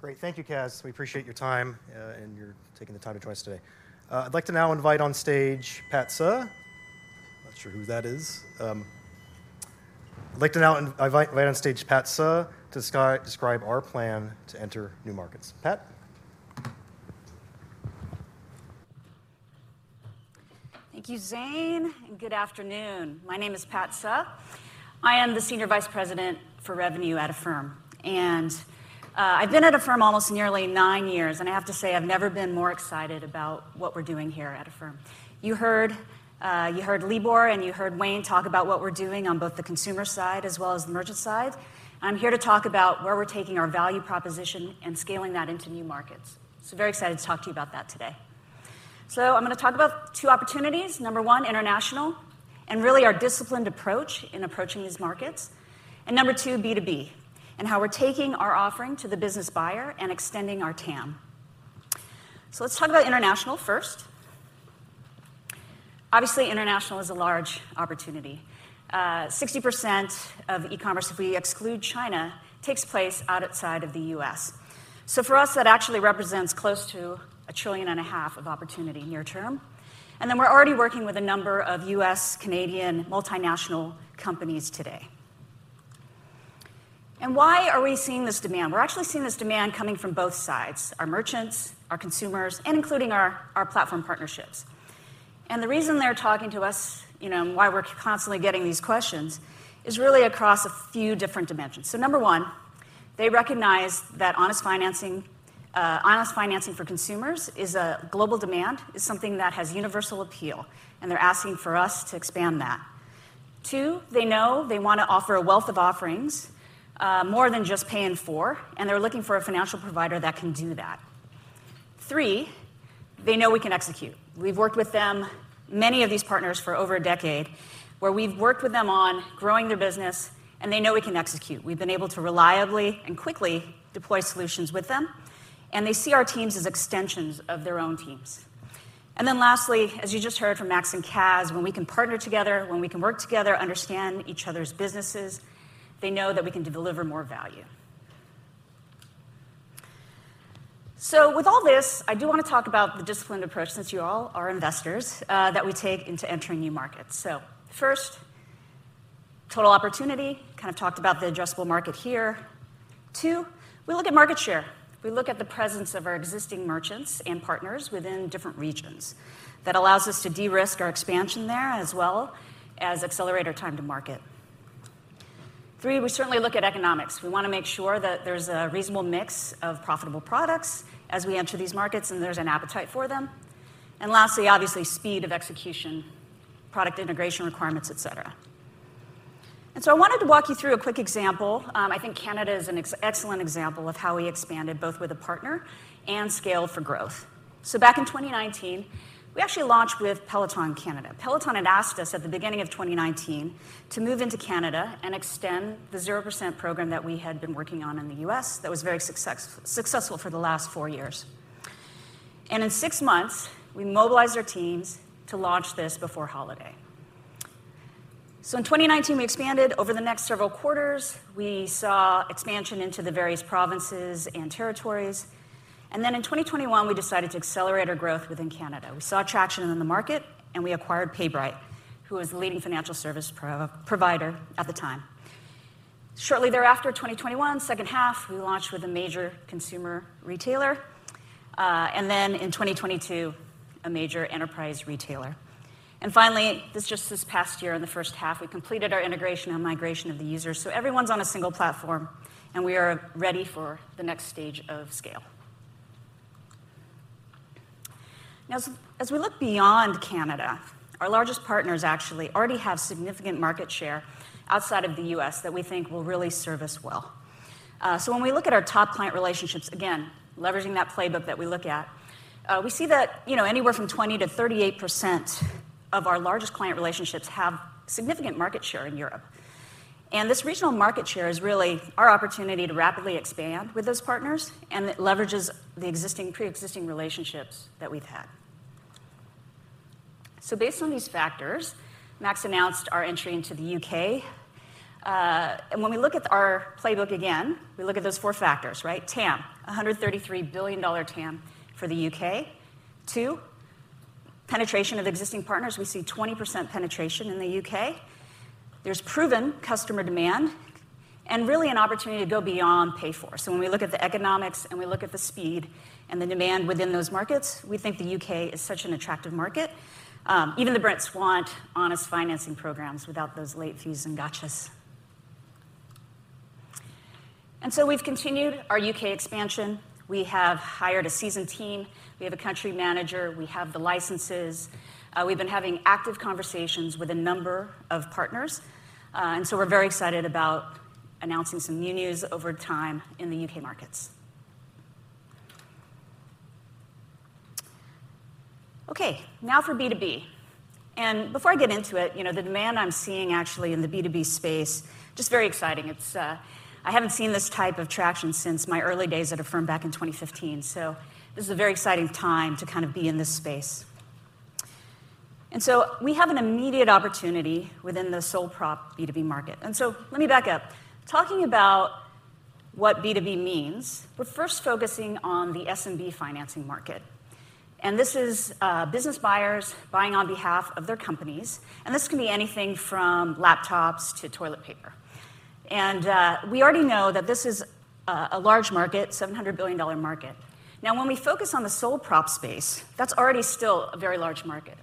Great. Thank you, Kaz. We appreciate your time, and you're taking the time of yours today. I'd like to now invite on stage Pat Suh. Not sure who that is. I'd like to now invite on stage Pat Suh to describe our plan to enter new markets. Pat? Thank you, Zane, and good afternoon. My name is Pat Suh. I am the Senior Vice President for Revenue at Affirm, and, I've been at Affirm almost nearly nine years, and I have to say, I've never been more excited about what we're doing here at Affirm. You heard, you heard Libor, and you heard Wayne talk about what we're doing on both the consumer side as well as the merchant side. I'm here to talk about where we're taking our value proposition and scaling that into new markets. So very excited to talk to you about that today. So I'm gonna talk about two opportunities: number one, international, and really our disciplined approach in approaching these markets; and number two, B2B, and how we're taking our offering to the business buyer and extending our TAM. So let's talk about international first. Obviously, international is a large opportunity. 60% of e-commerce, if we exclude China, takes place outside of the U.S. So for us, that actually represents close to $1.5 trillion of opportunity near term. And then we're already working with a number of U.S., Canadian, multinational companies today. And why are we seeing this demand? We're actually seeing this demand coming from both sides: our merchants, our consumers, and including our, our platform partnerships. And the reason they're talking to us, you know, and why we're constantly getting these questions, is really across a few different dimensions. So number one, they recognize that honest financing, honest financing for consumers is a global demand, is something that has universal appeal, and they're asking for us to expand that. Two, they know they want to offer a wealth of offerings, more than just Pay in 4, and they're looking for a financial provider that can do that. Three, they know we can execute. We've worked with them, many of these partners for over a decade, where we've worked with them on growing their business, and they know we can execute. We've been able to reliably and quickly deploy solutions with them, and they see our teams as extensions of their own teams.... And then lastly, as you just heard from Max and Kaz, when we can partner together, when we can work together, understand each other's businesses, they know that we can deliver more value. So with all this, I do want to talk about the disciplined approach, since you all are investors, that we take into entering new markets. So first, total opportunity. Kind of talked about the addressable market here. Two, we look at market share. We look at the presence of our existing merchants and partners within different regions. That allows us to de-risk our expansion there, as well as accelerate our time to market. Three, we certainly look at economics. We want to make sure that there's a reasonable mix of profitable products as we enter these markets, and there's an appetite for them. And lastly, obviously, speed of execution, product integration requirements, et cetera. And so I wanted to walk you through a quick example. I think Canada is an excellent example of how we expanded both with a partner and scaled for growth. So back in 2019, we actually launched with Peloton Canada. Peloton had asked us at the beginning of 2019 to move into Canada and extend the 0% program that we had been working on in the U.S. that was very successful for the last four years. And in six months, we mobilized our teams to launch this before holiday. So in 2019, we expanded. Over the next several quarters, we saw expansion into the various provinces and territories, and then in 2021, we decided to accelerate our growth within Canada. We saw traction in the market, and we acquired PayBright, who was the leading financial service provider at the time. Shortly thereafter, 2021, second half, we launched with a major consumer retailer, and then in 2022, a major enterprise retailer. And finally, just this past year, in the first half, we completed our integration and migration of the users. So everyone's on a single platform, and we are ready for the next stage of scale. Now, as we look beyond Canada, our largest partners actually already have significant market share outside of the U.S. that we think will really serve us well. So when we look at our top client relationships, again, leveraging that playbook that we look at, we see that, you know, anywhere from 20%-38% of our largest client relationships have significant market share in Europe. And this regional market share is really our opportunity to rapidly expand with those partners, and it leverages the existing pre-existing relationships that we've had. So based on these factors, Max announced our entry into the U.K. And when we look at our playbook again, we look at those four factors, right? TAM, $133 billion TAM for the U.K. Two, penetration of existing partners. We see 20% penetration in the UK. There's proven customer demand and really an opportunity to go beyond Pay in 4. So when we look at the economics, and we look at the speed and the demand within those markets, we think the U.K. is such an attractive market. Even the Brits want honest financing programs without those late fees and gotchas. And so we've continued our U.K. expansion. We have hired a seasoned team, we have a country manager, we have the licenses. We've been having active conversations with a number of partners, and so we're very excited about announcing some new news over time in the U.K. markets. Okay, now for B2B, and before I get into it, you know, the demand I'm seeing actually in the B2B space, just very exciting. It's, I haven't seen this type of traction since my early days at Affirm back in 2015, so this is a very exciting time to kind of be in this space. And so we have an immediate opportunity within the sole prop B2B market. And so let me back up. Talking about what B2B means, we're first focusing on the SMB financing market, and this is, business buyers buying on behalf of their companies, and this can be anything from laptops to toilet paper. And, we already know that this is, a large market, $700 billion market. Now, when we focus on the sole prop space, that's already still a very large market,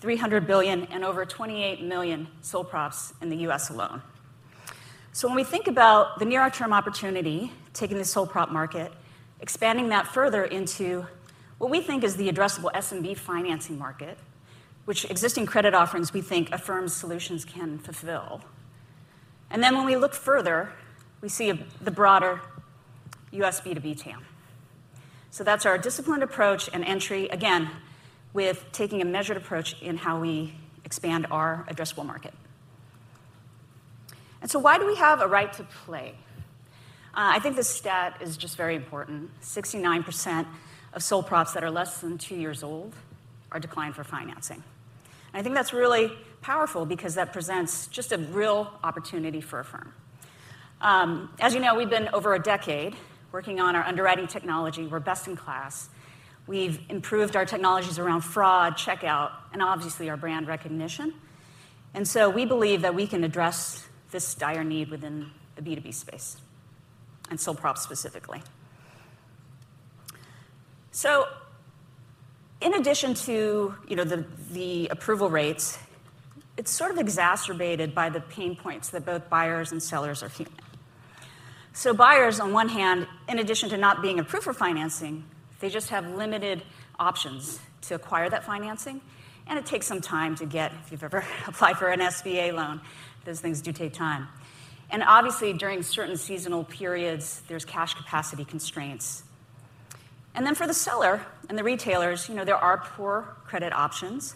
$300 billion and over 28 million sole props in the U.S. alone. So when we think about the near-term opportunity, taking this sole prop market, expanding that further into what we think is the addressable SMB financing market, which existing credit offerings we think Affirm's solutions can fulfill. And then when we look further, we see the broader U.S. B2B TAM. So that's our disciplined approach and entry, again, with taking a measured approach in how we expand our addressable market. Why do we have a right to play? I think this stat is just very important. 69% of sole props that are less than two years old are declined for financing. And I think that's really powerful because that presents just a real opportunity for Affirm. As you know, we've been over a decade working on our underwriting technology. We're best in class. We've improved our technologies around fraud, checkout, and obviously, our brand recognition. And so we believe that we can address this dire need within the B2B space and sole props specifically. So in addition to, you know, the approval rates, it's sort of exacerbated by the pain points that both buyers and sellers are feeling. So buyers, on one hand, in addition to not being approved for financing, they just have limited options to acquire that financing, and it takes some time to get. If you've ever applied for an SBA loan, those things do take time. And obviously, during certain seasonal periods, there's cash capacity constraints. And then for the seller and the retailers, you know, there are poor credit options,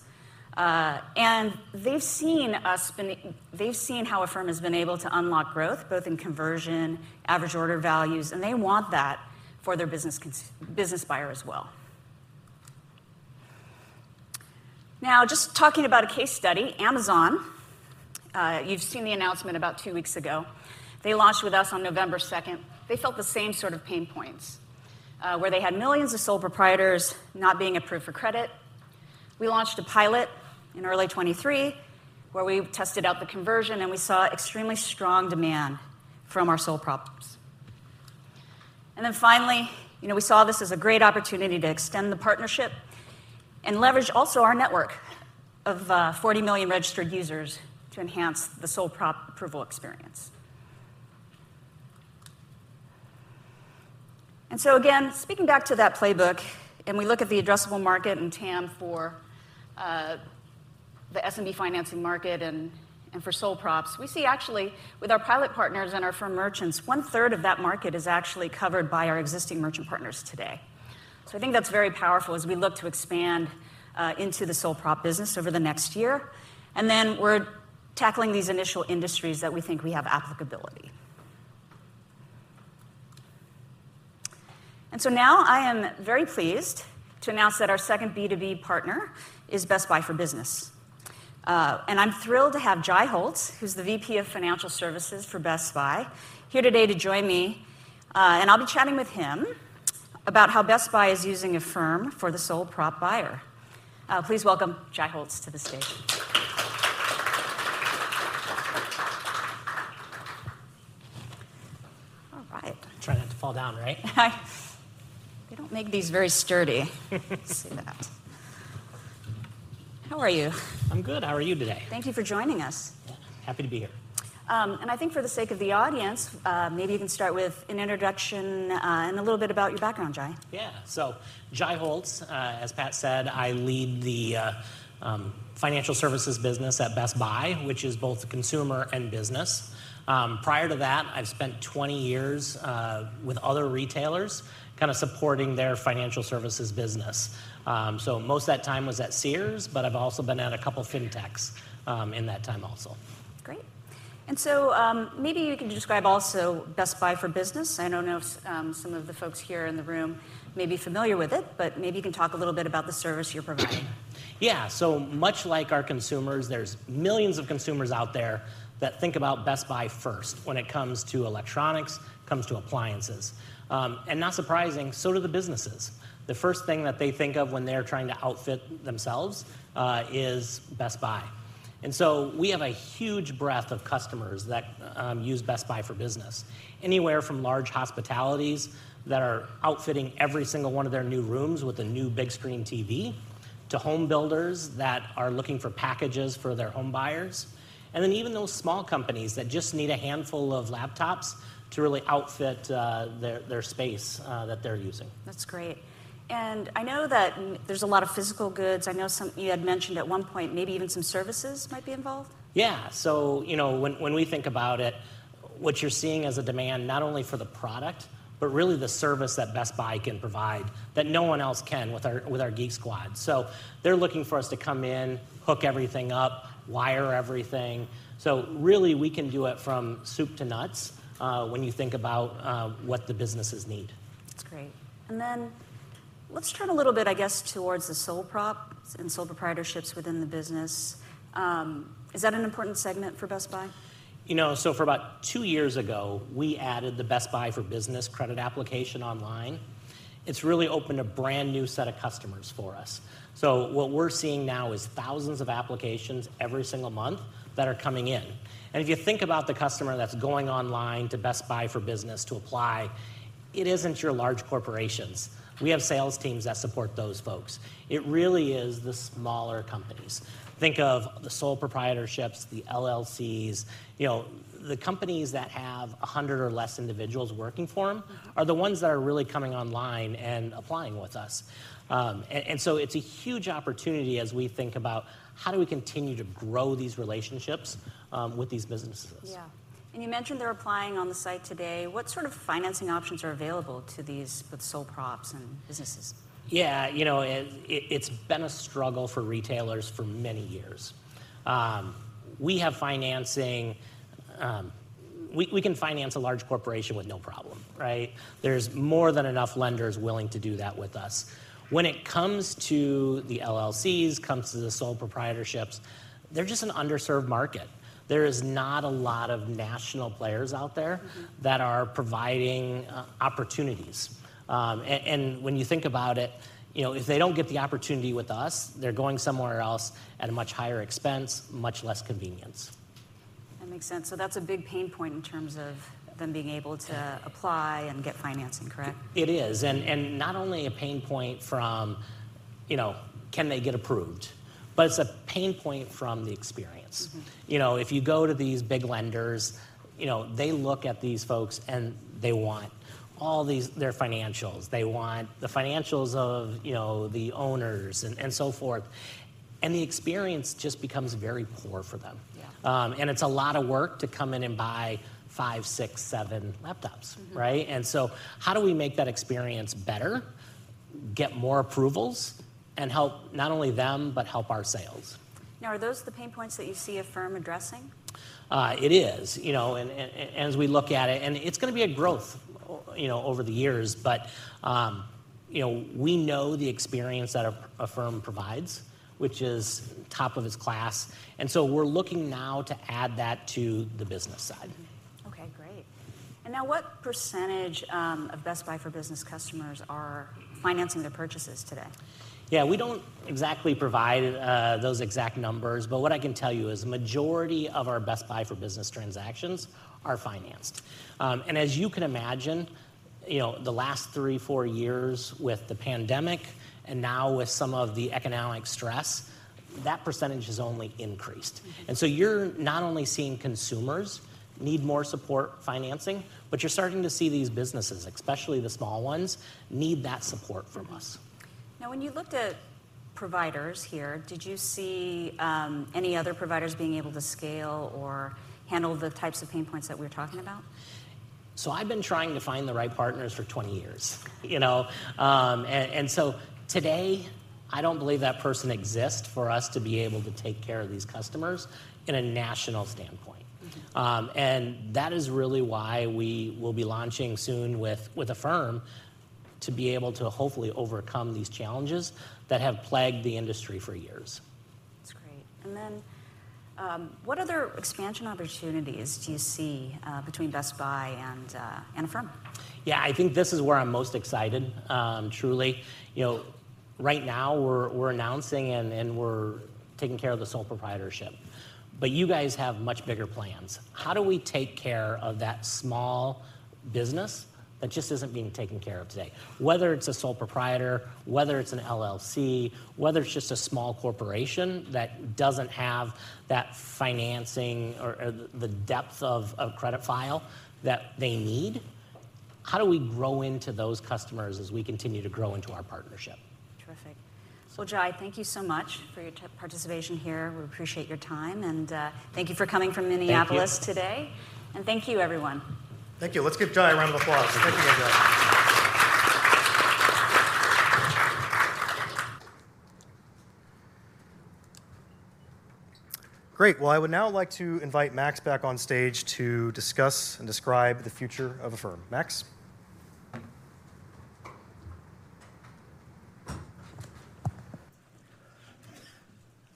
and they've seen how Affirm has been able to unlock growth, both in conversion, average order values, and they want that for their business buyer as well. Now, just talking about a case study, Amazon, you've seen the announcement about two weeks ago. They launched with us on November second. They felt the same sort of pain points, where they had millions of sole proprietors not being approved for credit. We launched a pilot in early 2023, where we tested out the conversion, and we saw extremely strong demand from our sole props. And then finally, you know, we saw this as a great opportunity to extend the partnership and leverage also our network of 40 million registered users to enhance the sole prop approval experience. And so again, speaking back to that playbook, and we look at the addressable market and TAM for the SMB financing market and for sole props, we see actually, with our pilot partners and our firm merchants, one-third of that market is actually covered by our existing merchant partners today. So I think that's very powerful as we look to expand into the sole prop business over the next year. And then, we're tackling these initial industries that we think we have applicability. And so now, I am very pleased to announce that our second B2B partner is Best Buy for Business. And I'm thrilled to have Jai Holtz, who's the VP of Financial Services for Best Buy, here today to join me. And I'll be chatting with him about how Best Buy is using Affirm for the sole prop buyer. Please welcome Jai Holtz to the stage. All right. Try not to fall down, right? They don't make these very sturdy. See that. How are you? I'm good. How are you today? Thank you for joining us. Happy to be here. I think for the sake of the audience, maybe you can start with an introduction, and a little bit about your background, Jai. Yeah. So Jai Holtz, as Pat said, I lead the financial services business at Best Buy, which is both consumer and business. Prior to that, I've spent 20 years with other retailers, kinda supporting their financial services business. So most of that time was at Sears, but I've also been at a couple of fintechs in that time also. Great. And so, maybe you can describe also Best Buy for Business. I don't know if, some of the folks here in the room may be familiar with it, but maybe you can talk a little bit about the service you're providing. Yeah. So much like our consumers, there's millions of consumers out there that think about Best Buy first when it comes to electronics, comes to appliances. Not surprising, so do the businesses. The first thing that they think of when they're trying to outfit themselves is Best Buy. And so we have a huge breadth of customers that use Best Buy for Business, anywhere from large hospitalities that are outfitting every single one of their new rooms with a new big screen TV, to home builders that are looking for packages for their home buyers, and then even those small companies that just need a handful of laptops to really outfit their space that they're using. That's great. I know that there's a lot of physical goods. I know some you had mentioned at one point, maybe even some services might be involved? Yeah. So, you know, when we think about it, what you're seeing as a demand, not only for the product, but really the service that Best Buy can provide that no one else can with our Geek Squad. So they're looking for us to come in, hook everything up, wire everything. So really, we can do it from soup to nuts when you think about what the businesses need. That's great. Then let's turn a little bit, I guess, towards the sole props and sole proprietorships within the business. Is that an important segment for Best Buy? You know, so for about two years ago, we added the Best Buy for Business credit application online. It's really opened a brand new set of customers for us. So what we're seeing now is thousands of applications every single month that are coming in. And if you think about the customer that's going online to Best Buy for Business to apply, it isn't your large corporations. We have sales teams that support those folks. It really is the smaller companies. Think of the sole proprietorships, the LLCs, you know, the companies that have 100 or less individuals working for them are the ones that are really coming online and applying with us. And so it's a huge opportunity as we think about: how do we continue to grow these relationships, with these businesses? Yeah. You mentioned they're applying on the site today. What sort of financing options are available to these with sole props and businesses? Yeah, you know, it's been a struggle for retailers for many years. We have financing. We can finance a large corporation with no problem, right? There's more than enough lenders willing to do that with us. When it comes to the LLCs, comes to the sole proprietorships, they're just an underserved market. There is not a lot of national players out there- Mm-hmm. That are providing opportunities. And when you think about it, you know, if they don't get the opportunity with us, they're going somewhere else at a much higher expense, much less convenience. That makes sense. So that's a big pain point in terms of them being able to apply and get financing, correct? It is, and not only a pain point from, you know, can they get approved, but it's a pain point from the experience. Mm-hmm. You know, if you go to these big lenders, you know, they look at these folks, and they want all these, their financials. They want the financials of, you know, the owners and, and so forth, and the experience just becomes very poor for them. Yeah. It's a lot of work to come in and buy five, six, seven laptops. Mm-hmm. Right? And so how do we make that experience better, get more approvals, and help not only them but help our sales? Now, are those the pain points that you see Affirm addressing? It is, you know, as we look at it, and it's gonna be a growth, oh, you know, over the years. But, you know, we know the experience that Affirm provides, which is top of its class, and so we're looking now to add that to the business side. Okay, great. Now, what percentage of Best Buy for Business customers are financing their purchases today? Yeah, we don't exactly provide those exact numbers, but what I can tell you is majority of our Best Buy for Business transactions are financed. As you can imagine, you know, the last three to four years with the pandemic and now with some of the economic stress, that percentage has only increased. Mm-hmm. You're not only seeing consumers need more support financing, but you're starting to see these businesses, especially the small ones, need that support from us. Mm-hmm. Now, when you looked at providers here, did you see any other providers being able to scale or handle the types of pain points that we're talking about? So I've been trying to find the right partners for 20 years, you know? And so today, I don't believe that person exists for us to be able to take care of these customers in a national standpoint. Mm-hmm. That is really why we will be launching soon with Affirm to be able to hopefully overcome these challenges that have plagued the industry for years. That's great. And then, what other expansion opportunities do you see between Best Buy and Affirm? Yeah, I think this is where I'm most excited, truly. You know, right now, we're announcing and we're taking care of the sole proprietorship, but you guys have much bigger plans. How do we take care of that small business that just isn't being taken care of today? Whether it's a sole proprietor, whether it's an LLC, whether it's just a small corporation that doesn't have that financing or the depth of credit file that they need, how do we grow into those customers as we continue to grow into our partnership? Terrific. Well, Jai, thank you so much for your participation here. We appreciate your time, and thank you for coming from Minneapolis. Thank you... today. And thank you, everyone. Thank you. Let's give Jai a round of applause. Thank you, again. Great! Well, I would now like to invite Max back on stage to discuss and describe the future of Affirm. Max?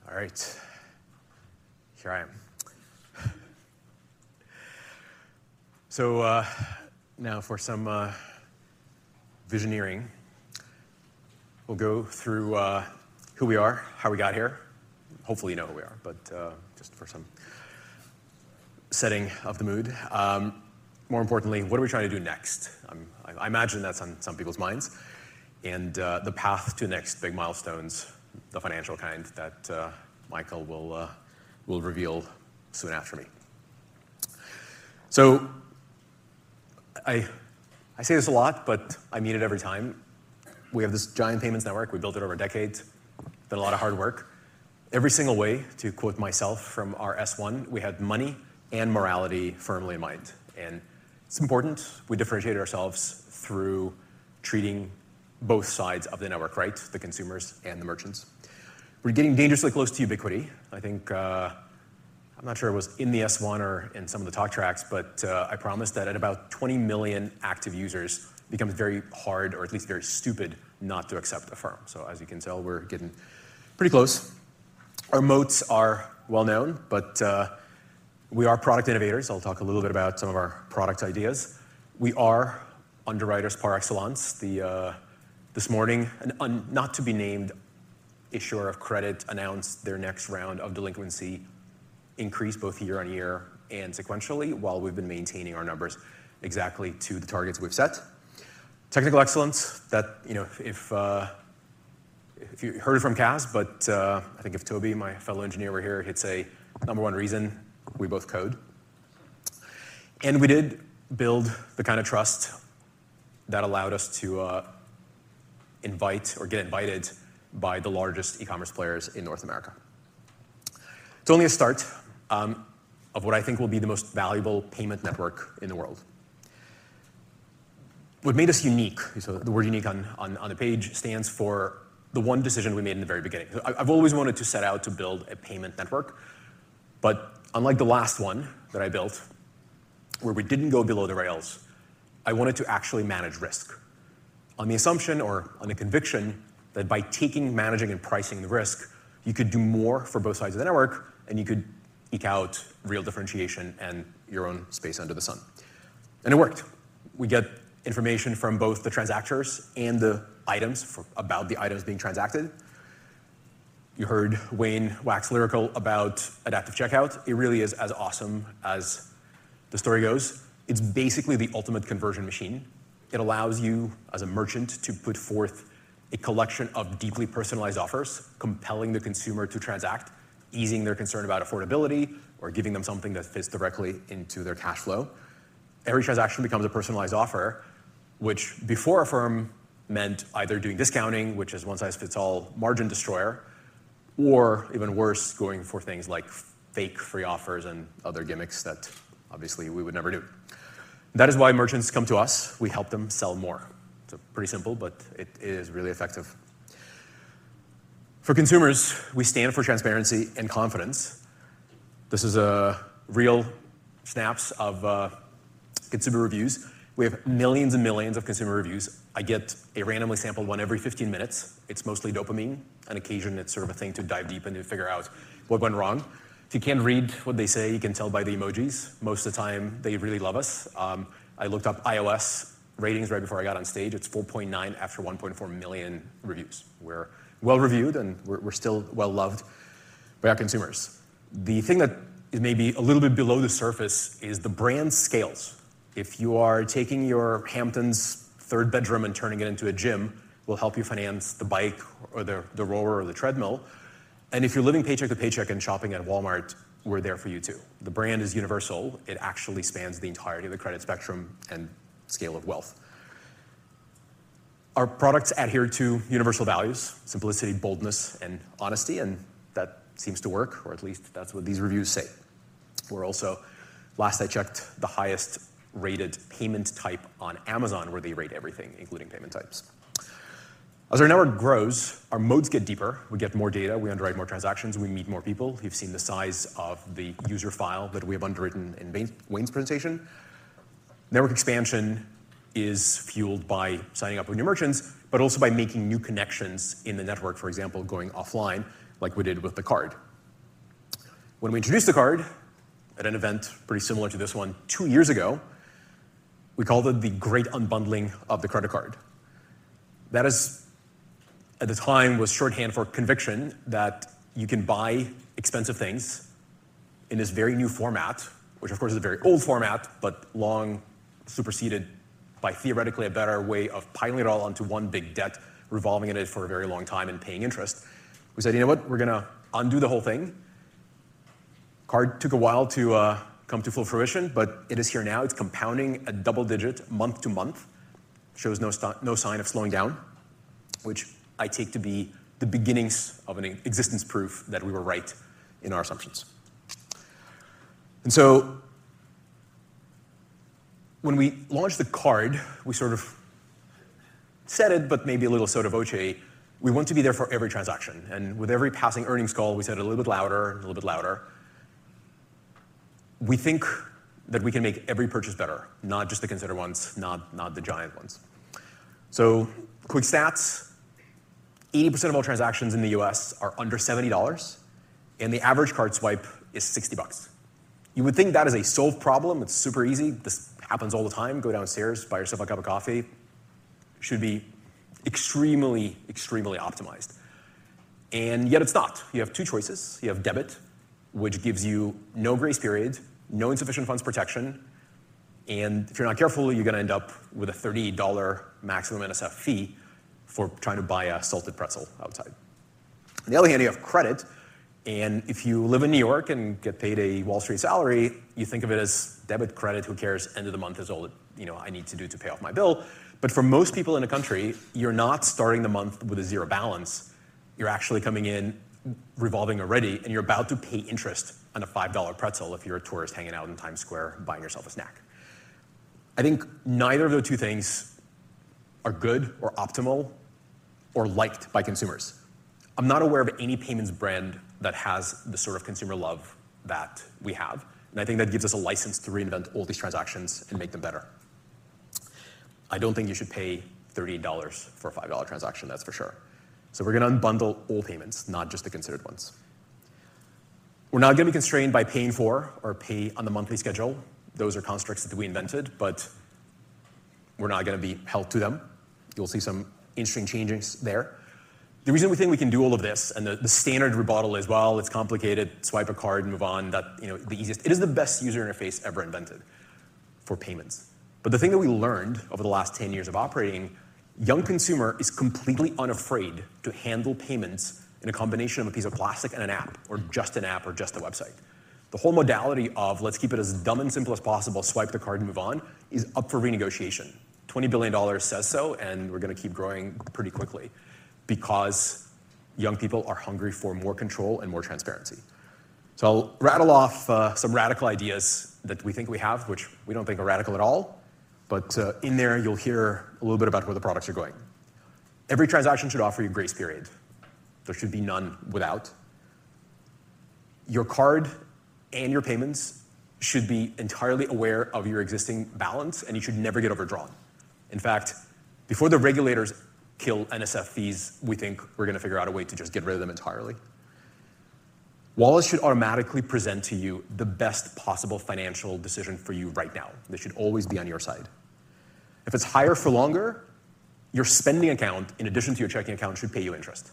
All right. Here I am. So, now, for some, visioneering, we'll go through, who we are, how we got here. Hopefully, you know who we are, but, just for some setting of the mood. More importantly, what are we trying to do next? I imagine that's on some people's minds, and, the path to the next big milestones, the financial kind that, Michael will, reveal soon after me. So I say this a lot, but I mean it every time: We have this giant payments network. We built it over decades, did a lot of hard work. Every single way, to quote myself from our S-1, "We had money and morality firmly in mind." And it's important we differentiate ourselves through treating both sides of the network, right? The consumers and the merchants. We're getting dangerously close to ubiquity. I think, I'm not sure it was in the S-1 or in some of the talk tracks, but, I promise that at about 20 million active users, it becomes very hard or at least very stupid, not to accept Affirm. So as you can tell, we're getting pretty close. Our moats are well known, but, we are product innovators. I'll talk a little bit about some of our product ideas. We are underwriters par excellence. This morning, an unnamed issuer of credit, announced their next round of delinquency increased both year-over-year and sequentially, while we've been maintaining our numbers exactly to the targets we've set. Technical excellence, that, you know, if you heard it from Kaz, but I think if Tobi, my fellow engineer, were here, he'd say, "Number one reason, we both code." And we did build the kind of trust that allowed us to invite or get invited by the largest e-commerce players in North America. It's only a start of what I think will be the most valuable payment network in the world. What made us unique, so the word unique on the page stands for the one decision we made in the very beginning. I've always wanted to set out to build a payment network, but unlike the last one that I built, where we didn't go below the rails, I wanted to actually manage risk. On the assumption or on the conviction that by taking, managing, and pricing the risk, you could do more for both sides of the network, and you could eke out real differentiation and your own space under the sun. It worked. We get information from both the transactors and the items about the items being transacted. You heard Wayne wax lyrical about Adaptive Checkout. It really is as awesome as the story goes. It's basically the ultimate conversion machine. It allows you, as a merchant, to put forth a collection of deeply personalized offers, compelling the consumer to transact, easing their concern about affordability or giving them something that fits directly into their cash flow. Every transaction becomes a personalized offer, which before Affirm, meant either doing discounting, which is one-size-fits-all margin destroyer, or even worse, going for things like fake free offers and other gimmicks that obviously we would never do. That is why merchants come to us. We help them sell more. It's pretty simple, but it is really effective. For consumers, we stand for transparency and confidence. This is a real snapshot of consumer reviews. We have millions and millions of consumer reviews. I get a randomly sampled one every 15 minutes. It's mostly dopamine. On occasion, it's sort of a thing to dive deep into to figure out what went wrong. If you can't read what they say, you can tell by the emojis. Most of the time, they really love us. I looked up iOS ratings right before I got on stage. It's 4.9 after 1.4 million reviews. We're well-reviewed, and we're, we're still well-loved by our consumers. The thing that is maybe a little bit below the surface is the brand scales. If you are taking your Hamptons third bedroom and turning it into a gym, we'll help you finance the bike or the, the rower or the treadmill, and if you're living paycheck to paycheck and shopping at Walmart, we're there for you, too. The brand is universal. It actually spans the entirety of the credit spectrum and scale of wealth. Our products adhere to universal values: simplicity, boldness, and honesty, and that seems to work, or at least that's what these reviews say. We're also, last I checked, the highest-rated payment type on Amazon, where they rate everything, including payment types. As our network grows, our modes get deeper. We get more data, we underwrite more transactions, we meet more people. You've seen the size of the user file that we have underwritten in Wayne's presentation. Network expansion is fueled by signing up with new merchants, but also by making new connections in the network, for example, going offline, like we did with the card. When we introduced the card at an event pretty similar to this one two years ago, we called it the great unbundling of the credit card. That is, at the time, was shorthand for conviction that you can buy expensive things in this very new format, which, of course, is a very old format, but long superseded by theoretically a better way of piling it all onto one big debt, revolving it for a very long time, and paying interest. We said, "You know what? We're gonna undo the whole thing." Card took a while to come to full fruition, but it is here now. It's compounding at double-digit month-to-month. Shows no sign of slowing down, which I take to be the beginnings of an existence proof that we were right in our assumptions. And so when we launched the card, we sort of said it, but maybe a little sotto voce, we want to be there for every transaction, and with every passing earnings call, we said it a little bit louder and a little bit louder. We think that we can make every purchase better, not just the considered ones, not the giant ones. So quick stats. 80% of all transactions in the U.S. are under $70, and the average card swipe is $60. You would think that is a solved problem. It's super easy. This happens all the time. Go downstairs, buy yourself a cup of coffee. Should be extremely, extremely optimized, and yet it's not. You have two choices. You have debit, which gives you no grace period, no insufficient funds protection, and if you're not careful, you're going to end up with a $30 maximum NSF fee for trying to buy a salted pretzel outside. On the other hand, you have credit, and if you live in New York and get paid a Wall Street salary, you think of it as debit, credit, who cares? End of the month is all that, you know, I need to do to pay off my bill. But for most people in the country, you're not starting the month with a 0 balance. You're actually coming in revolving already, and you're about to pay interest on a $5 pretzel if you're a tourist hanging out in Times Square, buying yourself a snack. I think neither of the two things are good or optimal or liked by consumers. I'm not aware of any payments brand that has the sort of consumer love that we have, and I think that gives us a license to reinvent all these transactions and make them better. I don't think you should pay $30 for a $5 transaction, that's for sure. So we're going to unbundle all payments, not just the considered ones. We're not going to be constrained by paying for or pay on the monthly schedule. Those are constructs that we invented, but we're not going to be held to them. You'll see some interesting changes there. The reason we think we can do all of this, and the standard rebuttal is: Well, it's complicated. Swipe a card and move on. That, you know, the easiest—it is the best user interface ever invented for payments. But the thing that we learned over the last 10 years of operating, young consumer is completely unafraid to handle payments in a combination of a piece of plastic and an app or just an app or just a website. The whole modality of 'let's keep it as dumb and simple as possible, swipe the card and move on,' is up for renegotiation. $20 billion says so, and we're going to keep growing pretty quickly because young people are hungry for more control and more transparency. So I'll rattle off some radical ideas that we think we have, which we don't think are radical at all, but in there, you'll hear a little bit about where the products are going. Every transaction should offer you a grace period. There should be none without. Your card and your payments should be entirely aware of your existing balance, and you should never get overdrawn. In fact, before the regulators kill NSF fees, we think we're going to figure out a way to just get rid of them entirely. Wallets should automatically present to you the best possible financial decision for you right now. They should always be on your side. If it's higher for longer, your spending account, in addition to your checking account, should pay you interest.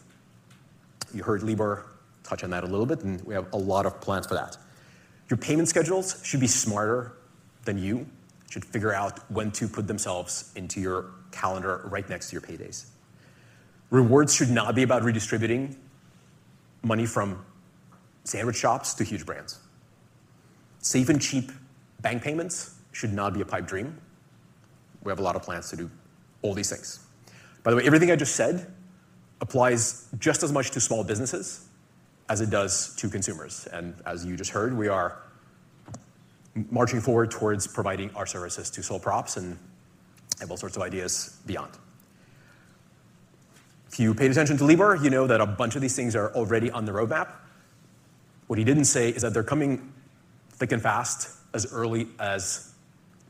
You heard Libor touch on that a little bit, and we have a lot of plans for that. Your payment schedules should be smarter than you, should figure out when to put themselves into your calendar right next to your paydays. Rewards should not be about redistributing money from sandwich shops to huge brands. Safe and cheap bank payments should not be a pipe dream. We have a lot of plans to do all these things. By the way, everything I just said applies just as much to small businesses as it does to consumers, and as you just heard, we are marching forward towards providing our services to sole props and, and all sorts of ideas beyond. If you paid attention to Libor, you know that a bunch of these things are already on the roadmap. What he didn't say is that they're coming thick and fast as early as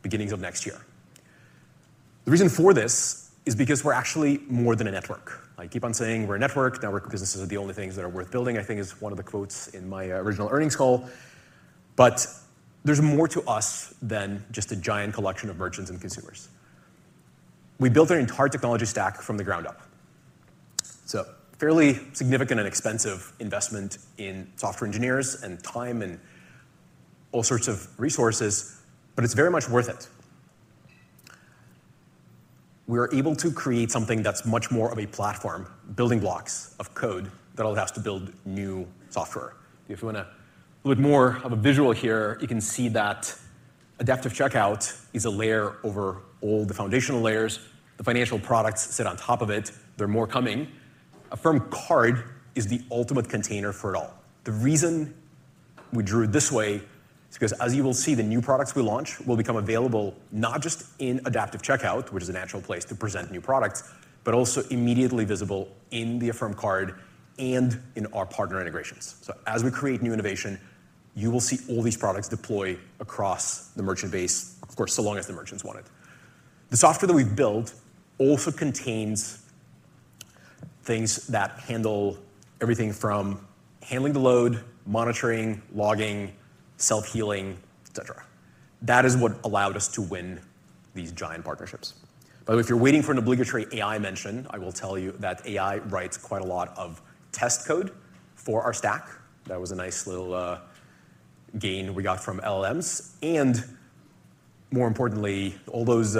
beginnings of next year. The reason for this is because we're actually more than a network. I keep on saying we're a network. Network businesses are the only things that are worth building, I think is one of the quotes in my original earnings call. But there's more to us than just a giant collection of merchants and consumers. We built our entire technology stack from the ground up. It's a fairly significant and expensive investment in software engineers and time and all sorts of resources, but it's very much worth it. We are able to create something that's much more of a platform, building blocks of code that all has to build new software. If you want a little more of a visual here, you can see that Adaptive Checkout is a layer over all the foundational layers. The financial products sit on top of it. There are more coming. Affirm Card is the ultimate container for it all. The reason we drew it this way is 'cause as you will see, the new products we launch will become available not just in Adaptive Checkout, which is a natural place to present new products, but also immediately visible in the Affirm Card and in our partner integrations. So as we create new innovation, you will see all these products deploy across the merchant base, of course, so long as the merchants want it. The software that we've built also contains things that handle everything from handling the load, monitoring, logging, self-healing, et cetera. That is what allowed us to win these giant partnerships. By the way, if you're waiting for an obligatory AI mention, I will tell you that AI writes quite a lot of test code for our stack. That was a nice little gain we got from LLMs. More importantly, all those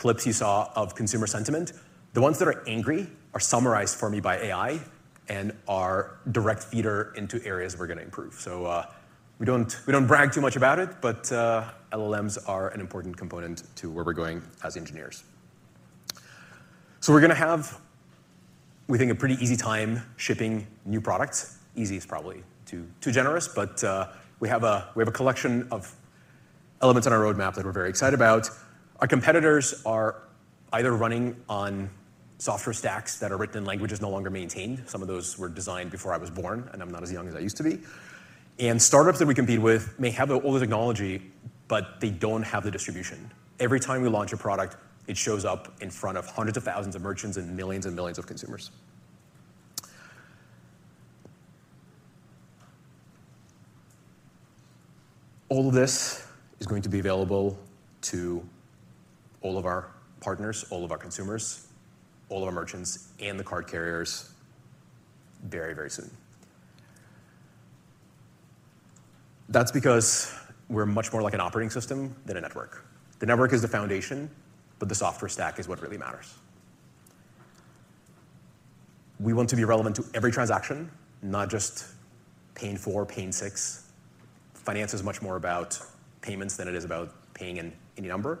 clips you saw of consumer sentiment, the ones that are angry, are summarized for me by AI and are direct feeder into areas we're gonna improve. So, we don't, we don't brag too much about it, but LLMs are an important component to where we're going as engineers. So we're gonna have, we think, a pretty easy time shipping new products. Easy is probably too, too generous, but we have a, we have a collection of elements on our roadmap that we're very excited about. Our competitors are either running on software stacks that are written in languages no longer maintained. Some of those were designed before I was born, and I'm not as young as I used to be. And startups that we compete with may have the old technology, but they don't have the distribution. Every time we launch a product, it shows up in front of hundreds of thousands of merchants and millions and millions of consumers. All of this is going to be available to all of our partners, all of our consumers, all of our merchants, and the card carriers very, very soon. That's because we're much more like an operating system than a network. The network is the foundation, but the software stack is what really matters. We want to be relevant to every transaction, not just Pay in 4, Pay in 6. Finance is much more about payments than it is about paying in any number,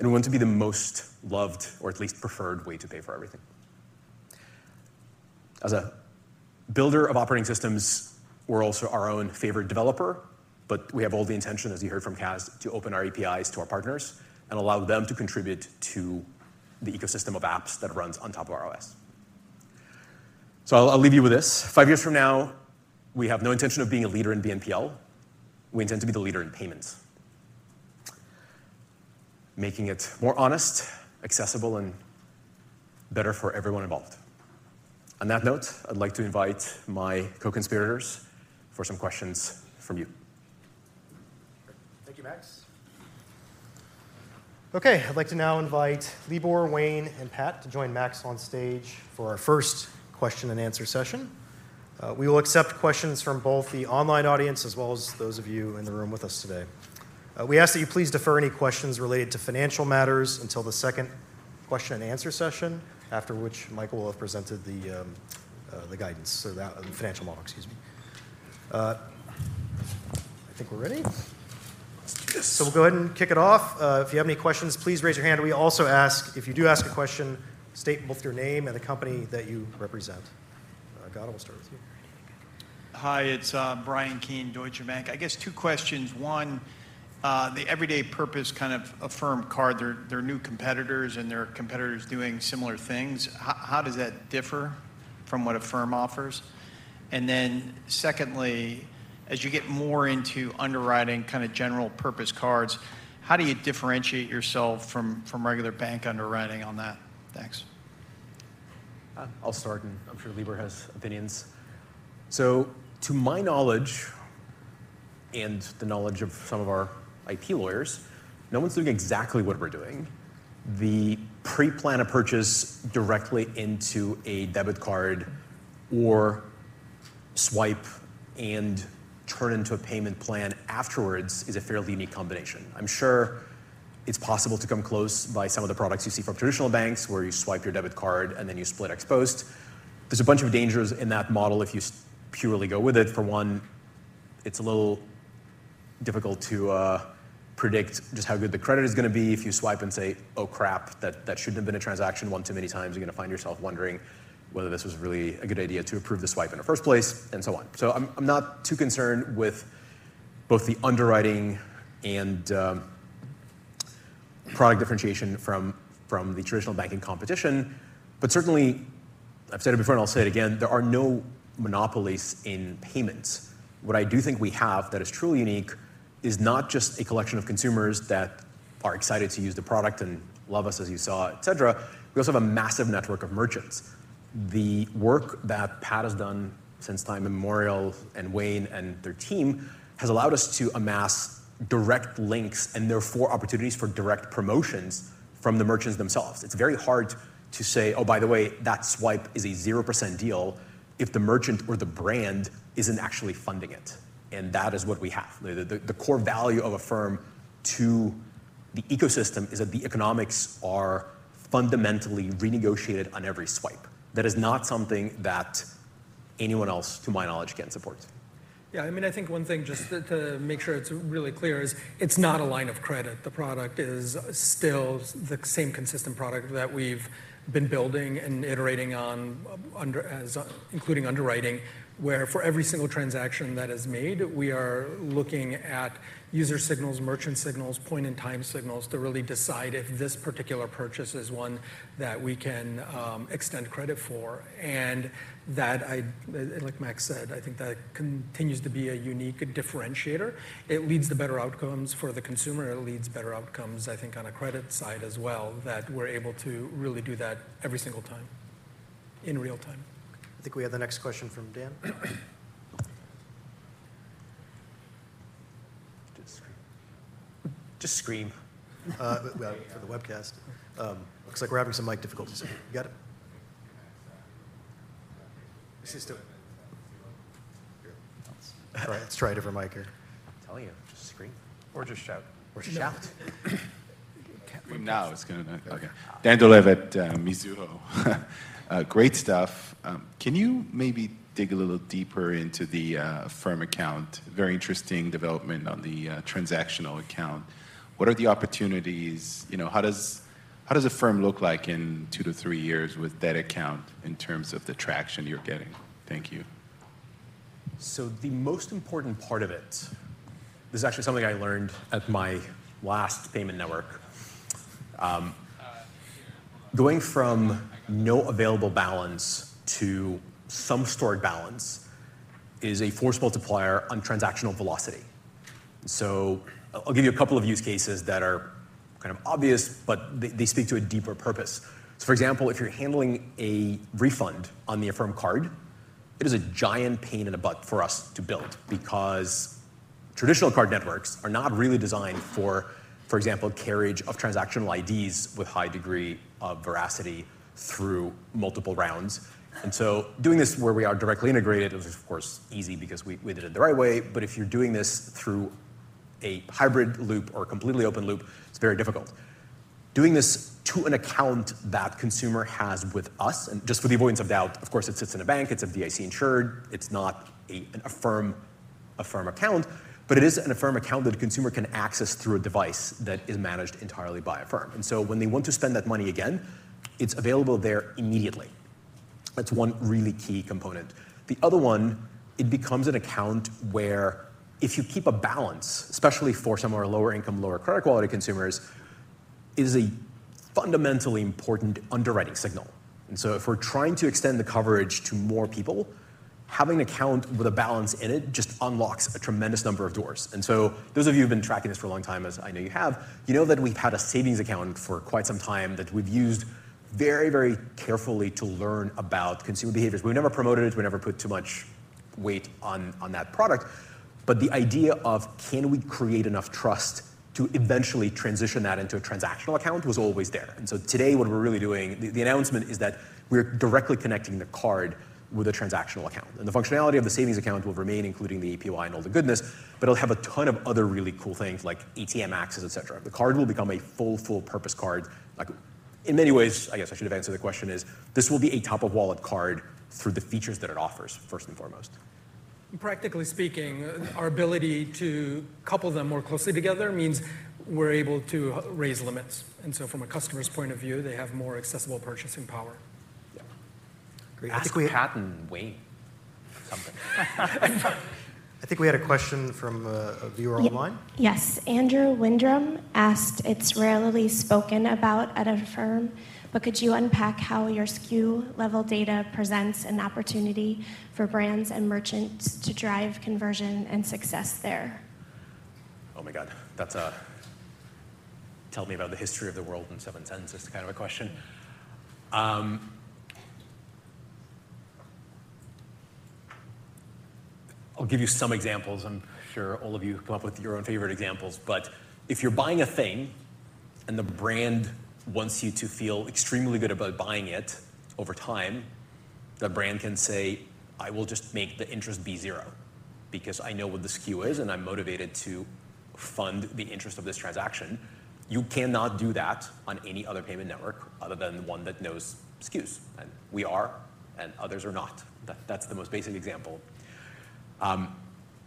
and we want to be the most loved or at least preferred way to pay for everything. As a builder of operating systems, we're also our own favorite developer, but we have all the intention, as you heard from Kaz, to open our APIs to our partners and allow them to contribute to the ecosystem of apps that runs on top of our OS. So I'll leave you with this. Five years from now, we have no intention of being a leader in BNPL. We intend to be the leader in payments, making it more honest, accessible, and better for everyone involved. On that note, I'd like to invite my co-conspirators for some questions from you. Thank you, Max. Okay, I'd like to now invite Libor, Wayne, and Pat to join Max on stage for our first question and answer session. We will accept questions from both the online audience as well as those of you in the room with us today. We ask that you please defer any questions related to financial matters until the second question and answer session, after which Michael will have presented the financial model, excuse me. I think we're ready. So we'll go ahead and kick it off. If you have any questions, please raise your hand. We also ask, if you do ask a question, state both your name and the company that you represent. Bryan, we'll start with you. Hi, it's Bryan Keane, Deutsche Bank. I guess two questions. One, the everyday purpose, kind of, Affirm Card, their, their new competitors and their competitors doing similar things. How, how does that differ from what Affirm offers? And then secondly, as you get more into underwriting kind of general purpose cards, how do you differentiate yourself from, from regular bank underwriting on that? Thanks. I'll start, and I'm sure Libor has opinions. So to my knowledge, and the knowledge of some of our IP lawyers, no one's doing exactly what we're doing. The pre-plan a purchase directly into a debit card or swipe and turn into a payment plan afterwards is a fairly unique combination. I'm sure it's possible to come close by some of the products you see from traditional banks, where you swipe your debit card and then you split ex-post. There's a bunch of dangers in that model if you purely go with it. For one, it's a little difficult to predict just how good the credit is gonna be if you swipe and say, "Oh, crap, that shouldn't have been a transaction," one too many times, you're gonna find yourself wondering whether this was really a good idea to approve the swipe in the first place, and so on. So I'm not too concerned with both the underwriting and product differentiation from the traditional banking competition. But certainly, I've said it before and I'll say it again: there are no monopolies in payments. What I do think we have that is truly unique is not just a collection of consumers that are excited to use the product and love us, as you saw, et cetera, we also have a massive network of merchants. The work that Pat has done since time immemorial, and Wayne and their team, has allowed us to amass direct links and therefore opportunities for direct promotions from the merchants themselves. It's very hard to say, "Oh, by the way, that swipe is a 0% deal," if the merchant or the brand isn't actually funding it, and that is what we have. The core value of Affirm to the ecosystem is that the economics are fundamentally renegotiated on every swipe. That is not something that anyone else, to my knowledge, can support. Yeah, I mean, I think one thing, just to make sure it's really clear, is it's not a line of credit. The product is still the same consistent product that we've been building and iterating on under as a including underwriting, where for every single transaction that is made, we are looking at user signals, merchant signals, point-in-time signals to really decide if this particular purchase is one that we can extend credit for. And that, like Max said, I think that continues to be a unique differentiator. It leads to better outcomes for the consumer. It leads better outcomes, I think, on a credit side as well, that we're able to really do that every single time in real time. I think we have the next question from Dan. Just scream. Just scream. But for the webcast. Looks like we're having some mic difficulties. You got it? Let's just do it. Here. Let's try a different mic here. I'm telling you, just scream. Or just shout. Okay. Dan Dolev at Mizuho. Great stuff. Can you maybe dig a little deeper into the Affirm Account? Very interesting development on the transactional account. What are the opportunities? You know, how does Affirm look like in two to three years with that account in terms of the traction you're getting? Thank you. So the most important part of it, this is actually something I learned at my last payment network. Going from no available balance to some stored balance is a force multiplier on transactional velocity. So I'll give you a couple of use cases that are kind of obvious, but they speak to a deeper purpose. So for example, if you're handling a refund on the Affirm Card, it is a giant pain in the butt for us to build because traditional card networks are not really designed for example, carriage of transactional IDs with high degree of veracity through multiple rounds. And so doing this where we are directly integrated is, of course, easy because we did it the right way, but if you're doing this through a hybrid loop or completely open loop, it's very difficult. Doing this to an account that consumer has with us, and just for the avoidance of doubt, of course, it sits in a bank, it's FDIC insured, it's not an Affirm, Affirm Account, but it is an Affirm Account that a consumer can access through a device that is managed entirely by Affirm. And so when they want to spend that money again, it's available there immediately. That's one really key component. The other one, it becomes an account where if you keep a balance, especially for some of our lower income, lower credit quality consumers, it is a fundamentally important underwriting signal. And so if we're trying to extend the coverage to more people, having an account with a balance in it just unlocks a tremendous number of doors. Those of you who've been tracking this for a long time, as I know you have, you know that we've had a savings account for quite some time, that we've used very, very carefully to learn about consumer behaviors. We've never promoted it, we've never put too much weight on that product. But the idea of, can we create enough trust to eventually transition that into a transactional account was always there. So today, what we're really doing, the announcement is that we're directly connecting the card with a transactional account, and the functionality of the savings account will remain, including the APY and all the goodness, but it'll have a ton of other really cool things like ATM access, et cetera. The card will become a full-purpose card. Like, in many ways, I guess I should have answered the question, is this will be a top-of-wallet card through the features that it offers, first and foremost. Practically speaking, our ability to couple them more closely together means we're able to raise limits. And so from a customer's point of view, they have more accessible purchasing power. Yeah. Great. I think we had a question from a viewer online. Yes. Andrew Windram asked: It's rarely spoken about at Affirm, but could you unpack how your SKU level data presents an opportunity for brands and merchants to drive conversion and success there? Oh, my God, that's a "Tell me about the history of the world in seven sentences" kind of a question. I'll give you some examples. I'm sure all of you can come up with your own favorite examples, but if you're buying a thing and the brand wants you to feel extremely good about buying it, over time, the brand can say, "I will just make the interest be zero, because I know what the SKU is, and I'm motivated to fund the interest of this transaction." You cannot do that on any other payment network other than one that knows SKUs, and we are and others are not. That's the most basic example.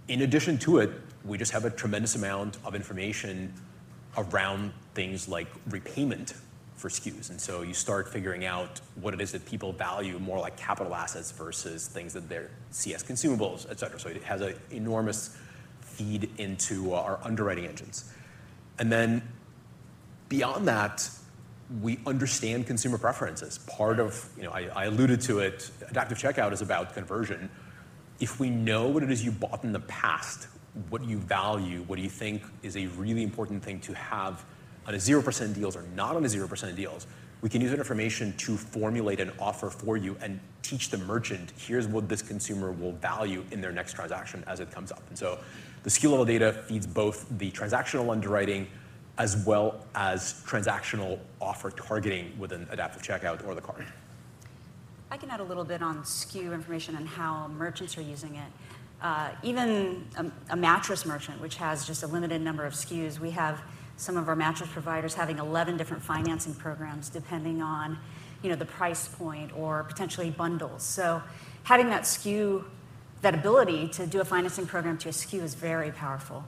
In addition to it, we just have a tremendous amount of information around things like repayment for SKUs. And so you start figuring out what it is that people value more, like capital assets versus things that they see as consumables, et cetera. So it has an enormous feed into our underwriting engines. And then beyond that, we understand consumer preferences. Part of, you know, I, I alluded to it, Adaptive Checkout is about conversion. If we know what it is you bought in the past, what you value, what you think is a really important thing to have on a 0% deals or not on a 0% deals, we can use that information to formulate an offer for you and teach the merchant, "Here's what this consumer will value in their next transaction as it comes up." And so the SKU level data feeds both the transactional underwriting as well as transactional offer targeting with an Adaptive Checkout or the card. I can add a little bit on SKU information and how merchants are using it. Even a mattress merchant, which has just a limited number of SKUs, we have some of our mattress providers having 11 different financing programs, depending on, you know, the price point or potentially bundles. So having that SKU, that ability to do a financing program to a SKU is very powerful.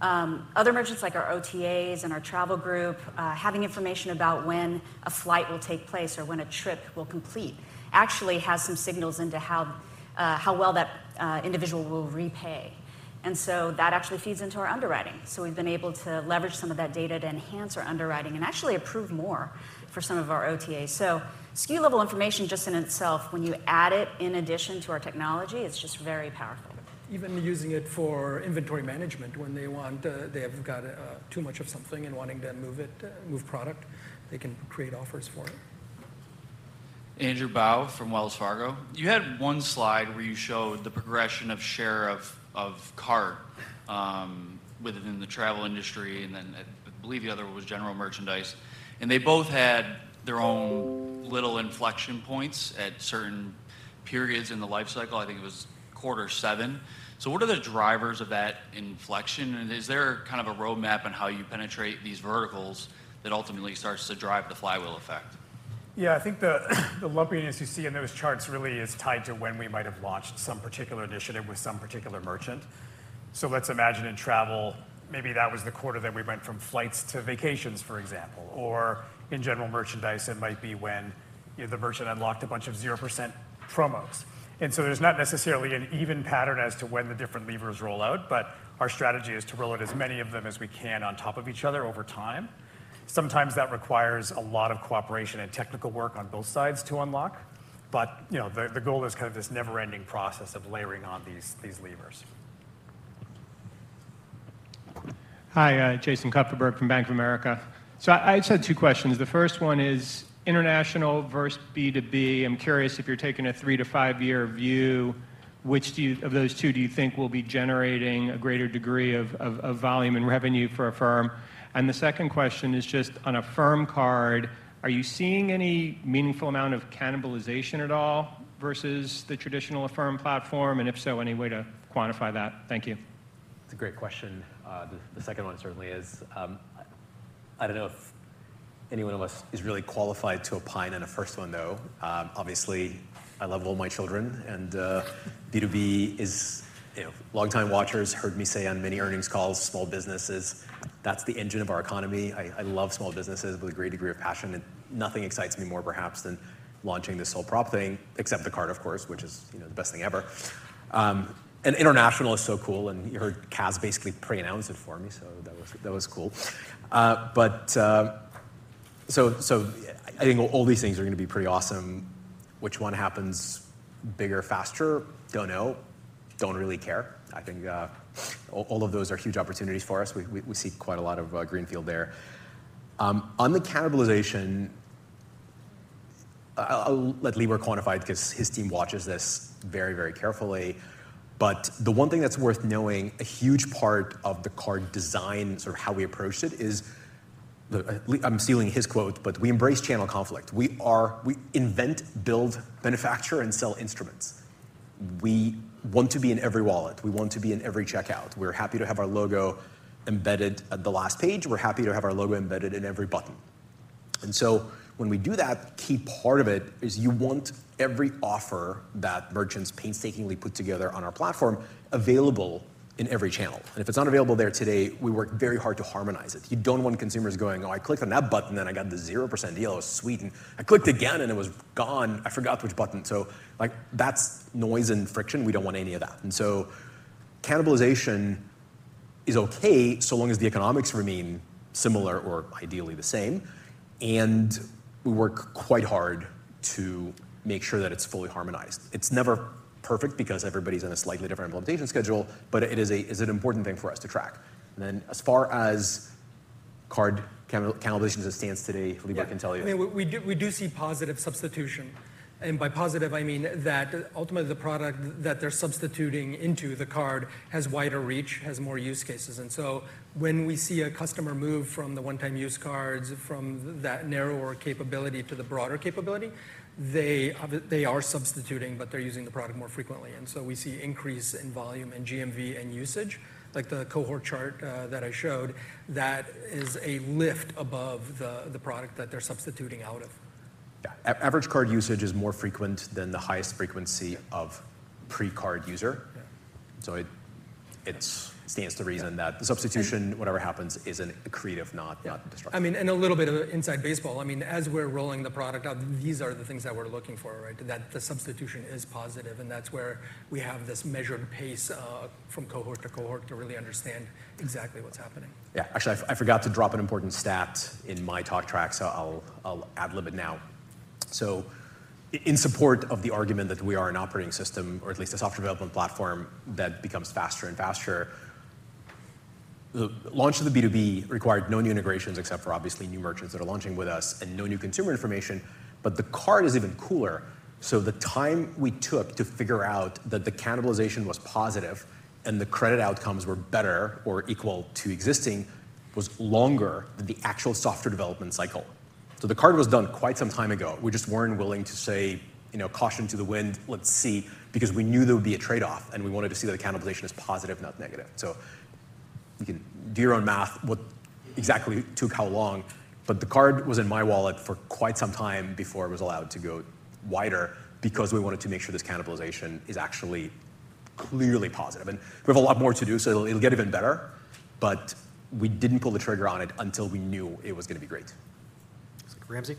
Other merchants, like our OTAs and our travel group, having information about when a flight will take place or when a trip will complete, actually has some signals into how well that individual will repay. And so that actually feeds into our underwriting. So we've been able to leverage some of that data to enhance our underwriting and actually approve more for some of our OTAs. SKU level information just in itself, when you add it in addition to our technology, it's just very powerful. Even using it for inventory management, when they want, they have got too much of something and wanting to move it, move product, they can create offers for it. Andrew Bauch from Wells Fargo. You had one slide where you showed the progression of share of, of card, within the travel industry, and then I believe the other one was general merchandise. They both had their own little inflection points at certain periods in the life cycle. I think it was quarter seven. What are the drivers of that inflection, and is there kind of a roadmap on how you penetrate these verticals that ultimately starts to drive the flywheel effect? Yeah, I think the lumpiness you see in those charts really is tied to when we might have launched some particular initiative with some particular merchant. So let's imagine in travel, maybe that was the quarter that we went from flights to vacations, for example. Or in general merchandise, it might be when the merchant unlocked a bunch of 0% promos. And so there's not necessarily an even pattern as to when the different levers roll out, but our strategy is to roll out as many of them as we can on top of each other over time. Sometimes that requires a lot of cooperation and technical work on both sides to unlock, but you know, the goal is kind of this never-ending process of layering on these levers. Hi, Jason Kupferberg from Bank of America. So I just had two questions. The first one is international versus B2B. I'm curious if you're taking a three- to five-year view, which do you—of those two, do you think will be generating a greater degree of volume and revenue for Affirm? And the second question is just on Affirm Card, are you seeing any meaningful amount of cannibalization at all versus the traditional Affirm platform? And if so, any way to quantify that? Thank you. That's a great question. The second one certainly is. I don't know if anyone of us is really qualified to opine on the first one, though. Obviously, I love all my children, and B2B is, you know... Long-time watchers heard me say on many earnings calls, small businesses, that's the engine of our economy. I love small businesses with a great degree of passion, and nothing excites me more, perhaps, than launching this sole prop thing, except the card, of course, which is, you know, the best thing ever. And international is so cool, and you heard Kaz basically pre-announce it for me, so that was cool. But I think all these things are going to be pretty awesome. Which one happens bigger, faster? Don't know. Don't really care. I think all of those are huge opportunities for us. We see quite a lot of greenfield there. On the cannibalization, I'll let Libor quantify it because his team watches this very, very carefully. But the one thing that's worth knowing, a huge part of the card design or how we approached it is the. I'm stealing his quote, but, "We embrace channel conflict." We are. We invent, build, manufacture, and sell instruments. We want to be in every wallet. We want to be in every checkout. We're happy to have our logo embedded at the last page. We're happy to have our logo embedded in every button. And so when we do that, key part of it is you want every offer that merchants painstakingly put together on our platform available in every channel. And if it's not available there today, we work very hard to harmonize it. You don't want consumers going: "Oh, I clicked on that button, then I got the zero percent deal. It was sweet, and I clicked again, and it was gone. I forgot which button." So like, that's noise and friction. We don't want any of that. And so cannibalization is okay, so long as the economics remain similar or ideally the same, and we work quite hard to make sure that it's fully harmonized. It's never perfect because everybody's on a slightly different implementation schedule, but it is an important thing for us to track. Then, as far as card cannibalization stands today, Libor can tell you. Yeah, I mean, we do, we do see positive substitution. And by positive, I mean that ultimately, the product that they're substituting into the card has wider reach, has more use cases. And so when we see a customer move from the one-time use cards, from that narrower capability to the broader capability, they, they are substituting, but they're using the product more frequently. And so we see increase in volume and GMV and usage, like the cohort chart that I showed, that is a lift above the, the product that they're substituting out of. Yeah, average card usage is more frequent than the highest frequency of pre-card user. Yeah. It stands to reason. Yeah - that the substitution, whatever happens, is an accretive, not destructive. Yeah. I mean, and a little bit of inside baseball, I mean, as we're rolling the product out, these are the things that we're looking for, right? That the substitution is positive, and that's where we have this measured pace, from cohort to cohort to really understand exactly what's happening. Yeah. Actually, I forgot to drop an important stat in my talk track, so I'll ad lib it now. So in support of the argument that we are an operating system or at least a software development platform that becomes faster and faster, the launch of the B2B required no new integrations, except for obviously new merchants that are launching with us and no new consumer information, but the card is even cooler. So the time we took to figure out that the cannibalization was positive and the credit outcomes were better or equal to existing was longer than the actual software development cycle. So the card was done quite some time ago. We just weren't willing to say, you know, "Caution to the wind, let's see," because we knew there would be a trade-off, and we wanted to see that the cannibalization is positive, not negative. So you can do your own math, what exactly took how long, but the card was in my wallet for quite some time before it was allowed to go wider because we wanted to make sure this cannibalization is actually clearly positive. And we have a lot more to do, so it'll get even better, but we didn't pull the trigger on it until we knew it was going to be great. Ramsey?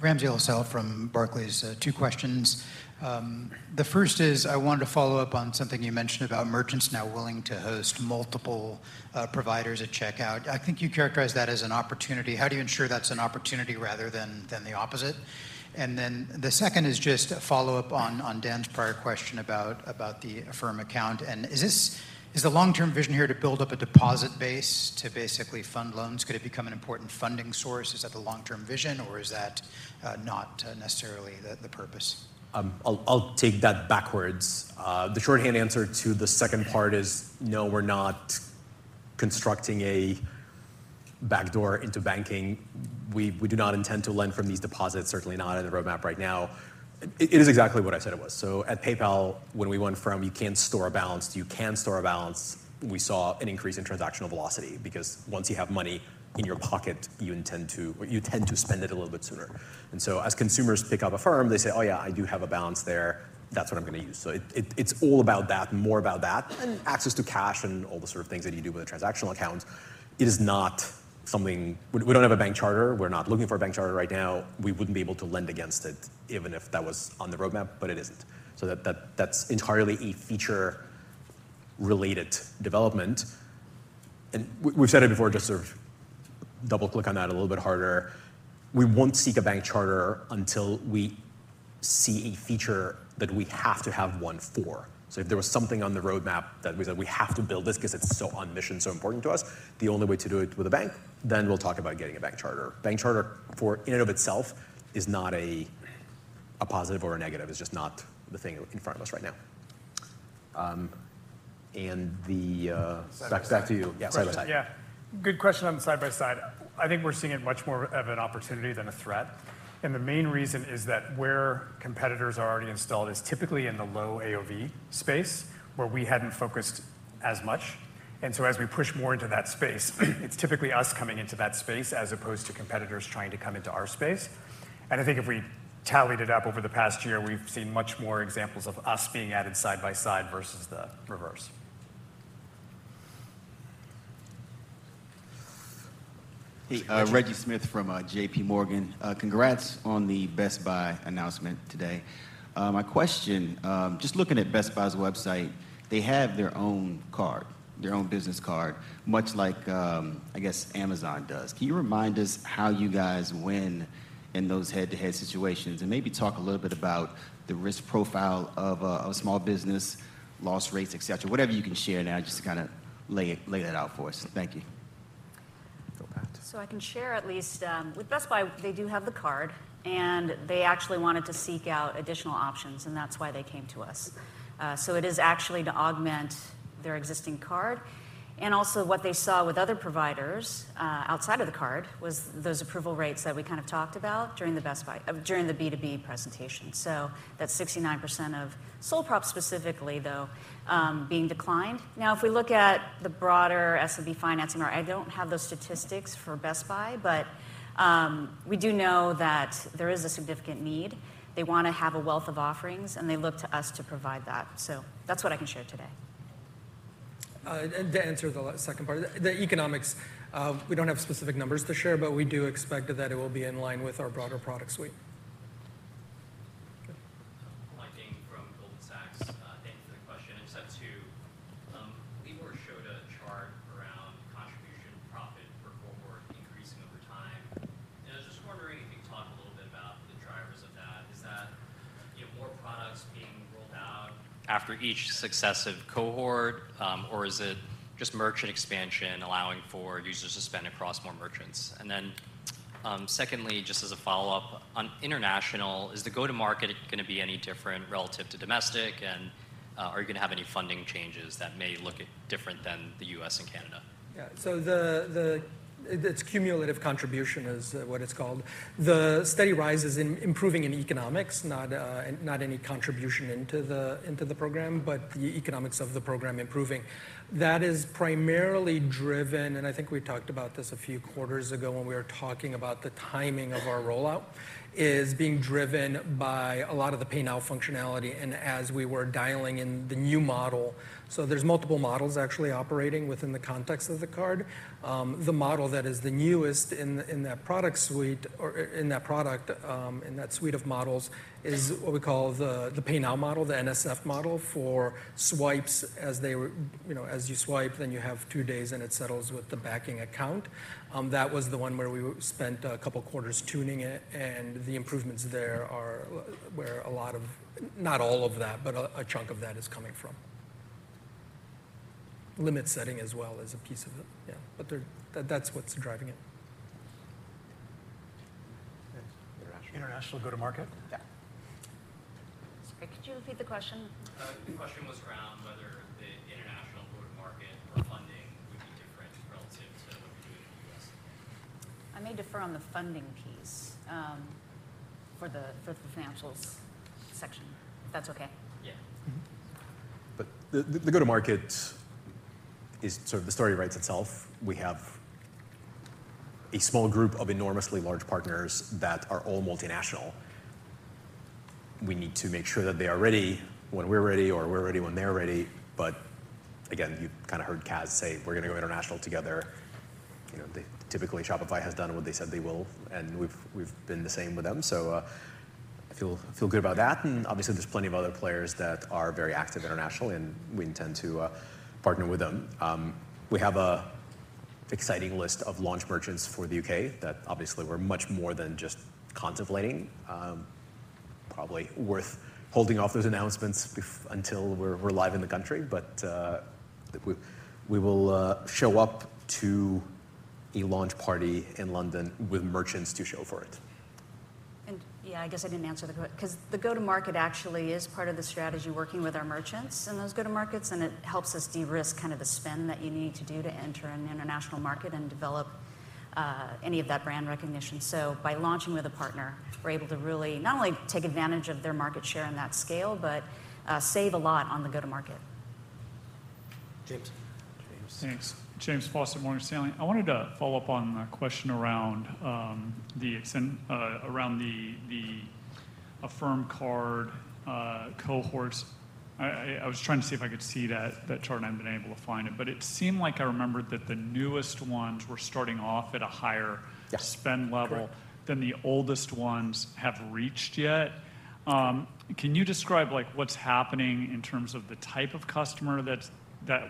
Ramsey El-Assal from Barclays. Two questions. The first is, I wanted to follow up on something you mentioned about merchants now willing to host multiple providers at checkout. I think you characterized that as an opportunity. How do you ensure that's an opportunity rather than the opposite? And then the second is just a follow-up on Dan's prior question about the Affirm Account. And is this the long-term vision here to build up a deposit base to basically fund loans? Could it become an important funding source? Is that the long-term vision, or is that not necessarily the purpose? I'll take that backwards. The shorthand answer to the second part is no, we're not constructing a backdoor into banking. We do not intend to lend from these deposits, certainly not on the roadmap right now. It is exactly what I said it was. So at PayPal, when we went from you can't store a balance to you can store a balance, we saw an increase in transactional velocity because once you have money in your pocket, you intend to... or you tend to spend it a little bit sooner. And so as consumers pick up Affirm, they say, "Oh, yeah, I do have a balance there. That's what I'm going to use." So it's all about that, more about that, and access to cash and all the sort of things that you do with a transactional account. It is not something—we don't have a bank charter. We're not looking for a bank charter right now. We wouldn't be able to lend against it even if that was on the roadmap, but it isn't. So that's entirely a feature-related development. And we've said it before, just sort of double-click on that a little bit harder. We won't seek a bank charter until we see a feature that we have to have one for. So if there was something on the roadmap that we said, "We have to build this because it's so on mission, so important to us," the only way to do it with a bank, then we'll talk about getting a bank charter. Bank charter in and of itself is not a positive or a negative. It's just not the thing in front of us right now. Um, and the, uh- Side by side. Back, back to you. Yeah, side by side. Yeah. Good question on the side by side. I think we're seeing it much more of an opportunity than a threat. And the main reason is that where competitors are already installed is typically in the low AOV space, where we hadn't focused as much. And so as we push more into that space, it's typically us coming into that space as opposed to competitors trying to come into our space. And I think if we tallied it up over the past year, we've seen much more examples of us being added side by side versus the reverse. Hey. Reggie Smith from JPMorgan. Congrats on the Best Buy announcement today. My question, just looking at Best Buy's website, they have their own card, their own business card, much like I guess Amazon does. Can you remind us how you guys win in those head-to-head situations? And maybe talk a little bit about the risk profile of a small business, loss rates, et cetera. Whatever you can share now, just to kind of lay that out for us. Thank you. Go, Pat. I can share at least, with Best Buy, they do have the card, and they actually wanted to seek out additional options, and that's why they came to us. So it is actually to augment their existing card. And also what they saw with other providers outside of the card was those approval rates that we kind of talked about during the Best Buy during the B2B presentation. So that's 69% of sole props specifically, though being declined. Now, if we look at the broader SMB financing, I don't have those statistics for Best Buy, but we do know that there is a significant need. They want to have a wealth of offerings, and they look to us to provide that. So that's what I can share today. To answer the last second part, the economics, we don't have specific numbers to share, but we do expect that it will be in line with our broader product suite. Hi, Michael Ng from Goldman Sachs. Thank you for the question. It's up to, Libor showed a chart around contribution profit per cohort increasing over time. And I was just wondering if you could talk a little bit about the drivers of that. Is that, you know, more products being rolled out after each successive cohort, or is it just merchant expansion allowing for users to spend across more merchants? And then secondly, just as a follow-up, on international, is the go-to-market gonna be any different relative to domestic? And, are you gonna have any funding changes that may look different than the U.S. and Canada? Yeah. So it's cumulative contribution is what it's called. The steady rises in improving in economics, not any contribution into the program, but the economics of the program improving. That is primarily driven, and I think we talked about this a few quarters ago when we were talking about the timing of our rollout, is being driven by a lot of the Pay Now functionality, and as we were dialing in the new model. So there's multiple models actually operating within the context of the card. The model that is the newest in that product suite in that product, in that suite of models, is what we call the Pay Now model, the NSF model for swipes as you swipe, then you have two days, and it settles with the backing account. That was the one where we spent a couple of quarters tuning it, and the improvements there are where a lot of... Not all of that, but a chunk of that is coming from. Limit setting as well is a piece of it. Yeah, but that, that's what's driving it. International. International go-to-market? Yeah. Sorry, could you repeat the question? The question was around whether the international go-to-market or funding would be different relative to what you do in the U.S. I may defer on the funding piece, for the financials section, if that's okay? Yeah. The go-to-market is sort of the story writes itself. We have a small group of enormously large partners that are all multinational. We need to make sure that they are ready when we're ready, or we're ready when they're ready. But again, you've kind of heard Kaz say, we're gonna go international together. You know, they typically, Shopify has done what they said they will, and we've been the same with them. So, I feel good about that. And obviously, there's plenty of other players that are very active internationally, and we intend to partner with them. We have a exciting list of launch merchants for the U.K. that obviously we're much more than just contemplating. Probably worth holding off those announcements until we're live in the country, but we will show up to a launch party in London with merchants to show for it. Yeah, I guess I didn't answer 'cause the go-to-market actually is part of the strategy, working with our merchants in those go-to-markets, and it helps us de-risk kind of the spend that you need to do to enter an international market and develop any of that brand recognition. So by launching with a partner, we're able to really not only take advantage of their market share on that scale, but save a lot on the go-to-market. James. Thanks. James Faucette, Morgan Stanley. I wanted to follow up on a question around the extent around the Affirm Card cohorts. I was trying to see if I could see that chart, and I've been able to find it, but it seemed like I remembered that the newest ones were starting off at a higher- Yeah... spend level- Correct... than the oldest ones have reached yet. Can you describe like what's happening in terms of the type of customer that's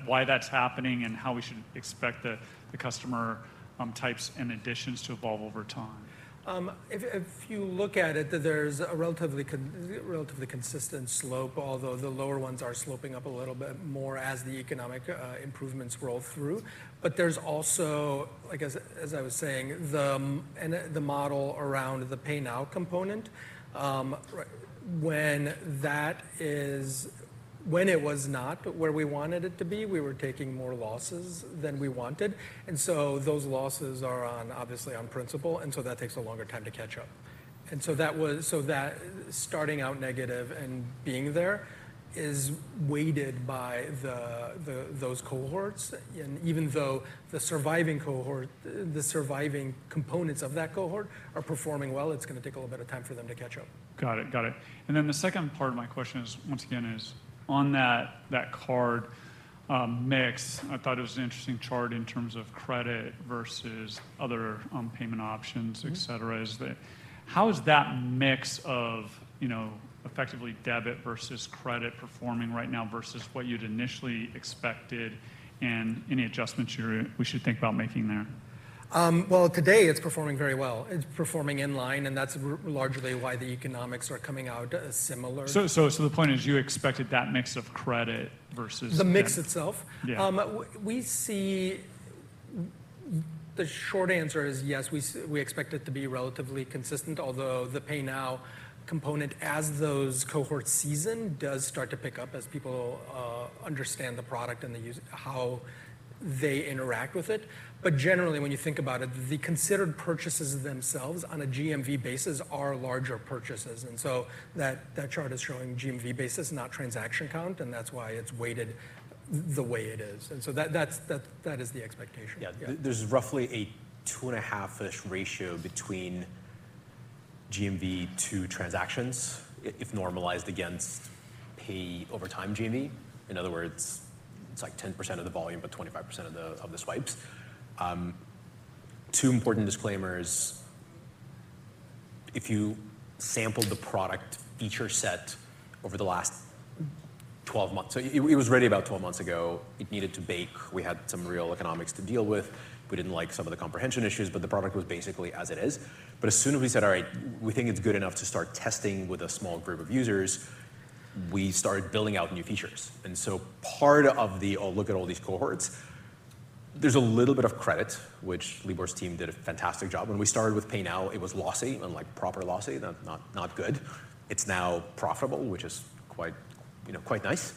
why that's happening, and how we should expect the customer types and additions to evolve over time? If you look at it, there's a relatively consistent slope, although the lower ones are sloping up a little bit more as the economic improvements roll through. But there's also, I guess, as I was saying, the model around the Pay Now component. When it was not where we wanted it to be, we were taking more losses than we wanted, and so those losses are on, obviously, on principal, and so that takes a longer time to catch up. And so that starting out negative and being there is weighted by those cohorts. And even though the surviving cohort, the surviving components of that cohort are performing well, it's gonna take a little bit of time for them to catch up. Got it. Got it. And then the second part of my question is, once again, is on that, that card mix. I thought it was an interesting chart in terms of credit versus other payment options- Mm-hmm How is that mix of, you know, effectively debit versus credit performing right now versus what you'd initially expected, and any adjustments you're, we should think about making there? Well, today, it's performing very well. It's performing in line, and that's largely why the economics are coming out as similar. So, the point is, you expected that mix of credit versus- The mix itself? Yeah. The short answer is yes. We expect it to be relatively consistent, although the Pay Now component, as those cohorts season, does start to pick up as people understand the product and the use-how they interact with it. But generally, when you think about it, the considered purchases themselves on a GMV basis are larger purchases, and so that chart is showing GMV basis, not transaction count, and that's why it's weighted the way it is. And so that's the expectation. Yeah. Yeah. There's roughly a 2.5x-ish ratio between GMV to transactions if normalized against pay over time GMV. In other words, it's like 10% of the volume, but 25% of the swipes. Two important disclaimers: If you sampled the product feature set over the last 12 months... So it was ready about 12 months ago. It needed to bake. We had some real economics to deal with. We didn't like some of the comprehension issues, but the product was basically as it is. But as soon as we said, "All right, we think it's good enough to start testing with a small group of users," we started building out new features. And so part of the "Oh, look at all these cohorts," there's a little bit of credit, which Libor's team did a fantastic job. When we started with Pay Now, it was lossy, and like proper lossy, not, not, not good. It's now profitable, which is quite, you know, quite nice.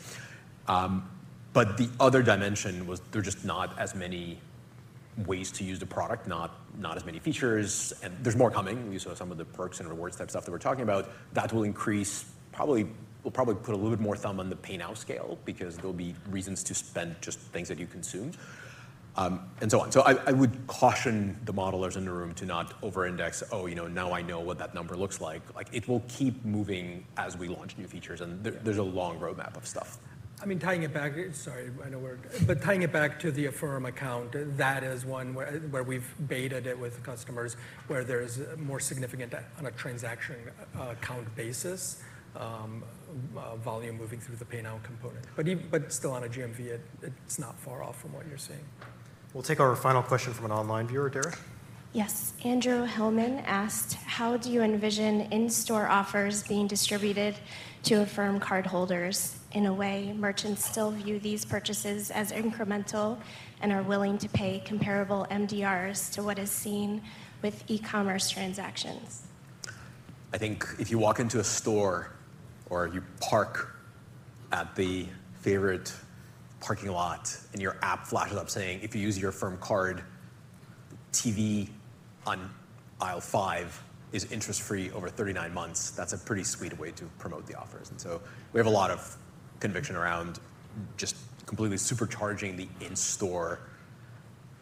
But the other dimension was there's just not as many ways to use the product, not, not as many features, and there's more coming. You saw some of the perks and rewards type stuff that we're talking about. That will increase, probably, we'll probably put a little bit more thumb on the Pay Now scale because there'll be reasons to spend just things that you consumed, and so on. So I, I would caution the modelers in the room to not over-index, "Oh, you know, now I know what that number looks like." Like, it will keep moving as we launch new features, and there, there's a long roadmap of stuff. I mean, tying it back, sorry, I know we're... But tying it back to the Affirm Account, that is one where we've beta'd it with customers, where there's more significant on a transaction account basis volume moving through the Pay Now component. But still on a GMV, it's not far off from what you're seeing. We'll take our final question from an online viewer. Dara? Yes. Andrew Hillman asked: How do you envision in-store offers being distributed to Affirm cardholders? In a way, merchants still view these purchases as incremental and are willing to pay comparable MDRs to what is seen with e-commerce transactions. I think if you walk into a store, or you park at the favorite parking lot, and your app flashes up saying, "If you use your Affirm Card, TV on aisle five is interest-free over 39 months," that's a pretty sweet way to promote the offers. And so we have a lot of conviction around just completely supercharging the in-store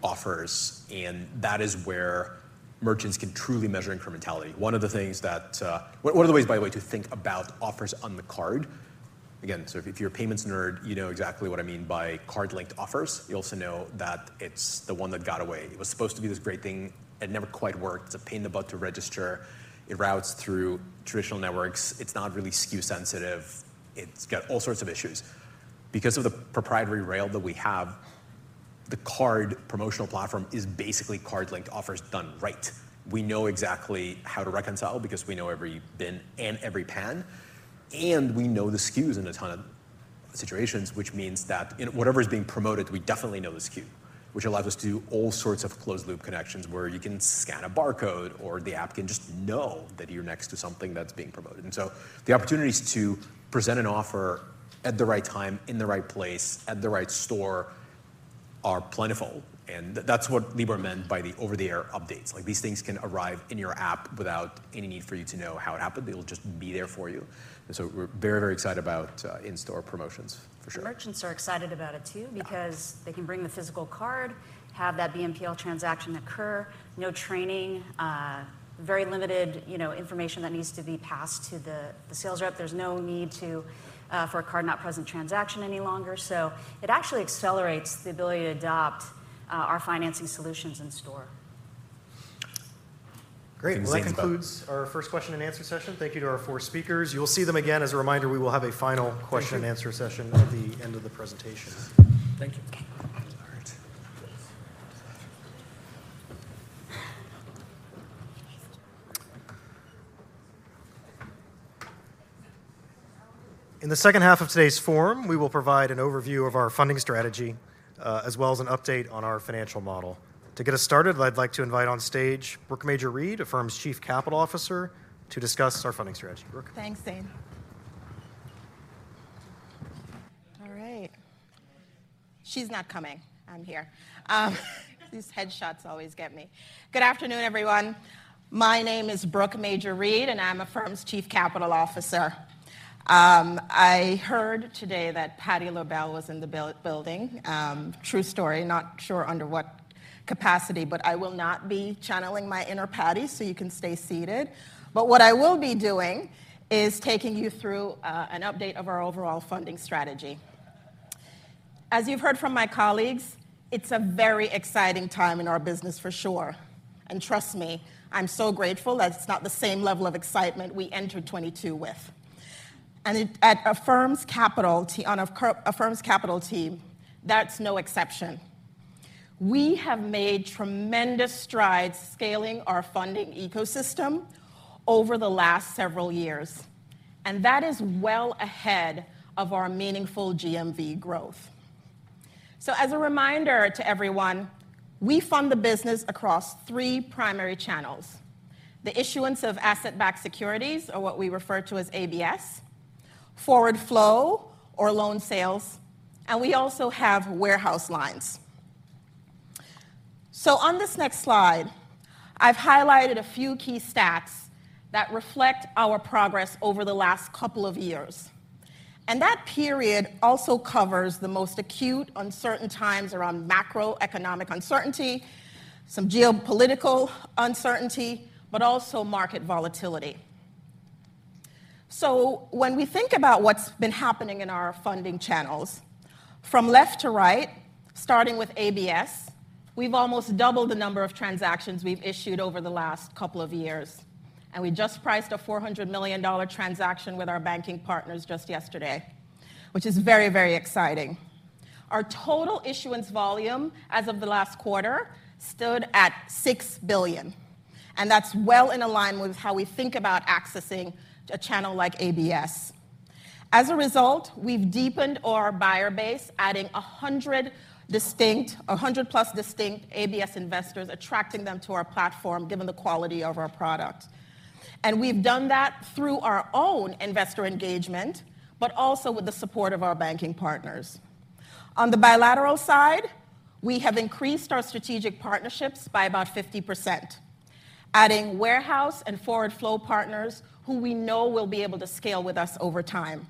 offers, and that is where merchants can truly measure incrementality. One of the things that, One, one of the ways, by the way, to think about offers on the card, again, so if you're a payments nerd, you know exactly what I mean by card-linked offers. You also know that it's the one that got away. It was supposed to be this great thing. It never quite worked. It's a pain in the butt to register. It routes through traditional networks. It's not really SKU sensitive. It's got all sorts of issues. Because of the proprietary rail that we have, the card promotional platform is basically card-linked offers done right. We know exactly how to reconcile because we know every BIN and every PAN, and we know the SKUs in a ton of situations, which means that, you know, whatever is being promoted, we definitely know the SKU, which allows us to do all sorts of closed-loop connections where you can scan a barcode or the app can just know that you're next to something that's being promoted. And so the opportunities to present an offer at the right time, in the right place, at the right store, are plentiful, and that's what Libor meant by the over-the-air updates. Like, these things can arrive in your app without any need for you to know how it happened. It'll just be there for you. We're very, very excited about in-store promotions, for sure. Merchants are excited about it, too, because they can bring the physical card, have that BNPL transaction occur, no training, very limited, you know, information that needs to be passed to the, the sales rep. There's no need to, for a card-not-present transaction any longer. So it actually accelerates the ability to adopt, our financing solutions in store. Great. Well, said about- Well, that concludes our first question and answer session. Thank you to our four speakers. You'll see them again. As a reminder, we will have a final question- Thank you... and answer session at the end of the presentation. Thank you. All right. In the second half of today's forum, we will provide an overview of our funding strategy, as well as an update on our financial model. To get us started, I'd like to invite on stage Brooke Major-Reid, Affirm's Chief Capital Officer, to discuss our funding strategy. Brooke? Thanks, Zane. All right. She's not coming. I'm here. These headshots always get me. Good afternoon, everyone. My name is Brooke Major-Reid, and I'm Affirm's Chief Capital Officer. I heard today that Patti LaBelle was in the building. True story, not sure under what capacity, but I will not be channeling my inner Patti, so you can stay seated. But what I will be doing is taking you through an update of our overall funding strategy. As you've heard from my colleagues, it's a very exciting time in our business for sure, and trust me, I'm so grateful that it's not the same level of excitement we entered 2022 with. And at Affirm's capital team, on Affirm's capital team, that's no exception. We have made tremendous strides scaling our funding ecosystem over the last several years, and that is well ahead of our meaningful GMV growth. So as a reminder to everyone, we fund the business across three primary channels: the issuance of asset-backed securities, or what we refer to as ABS, forward flow or loan sales, and we also have warehouse lines. So on this next slide, I've highlighted a few key stats that reflect our progress over the last couple of years, and that period also covers the most acute, uncertain times around macroeconomic uncertainty, some geopolitical uncertainty, but also market volatility. So when we think about what's been happening in our funding channels, from left to right, starting with ABS, we've almost doubled the number of transactions we've issued over the last couple of years, and we just priced a $400 million transaction with our banking partners just yesterday, which is very, very exciting. Our total issuance volume as of the last quarter stood at $6 billion, and that's well in alignment with how we think about accessing a channel like ABS. As a result, we've deepened our buyer base, adding 100 distinct, 100+ distinct ABS investors, attracting them to our platform, given the quality of our product. And we've done that through our own investor engagement, but also with the support of our banking partners. On the bilateral side, we have increased our strategic partnerships by about 50%, adding warehouse and forward flow partners who we know will be able to scale with us over time.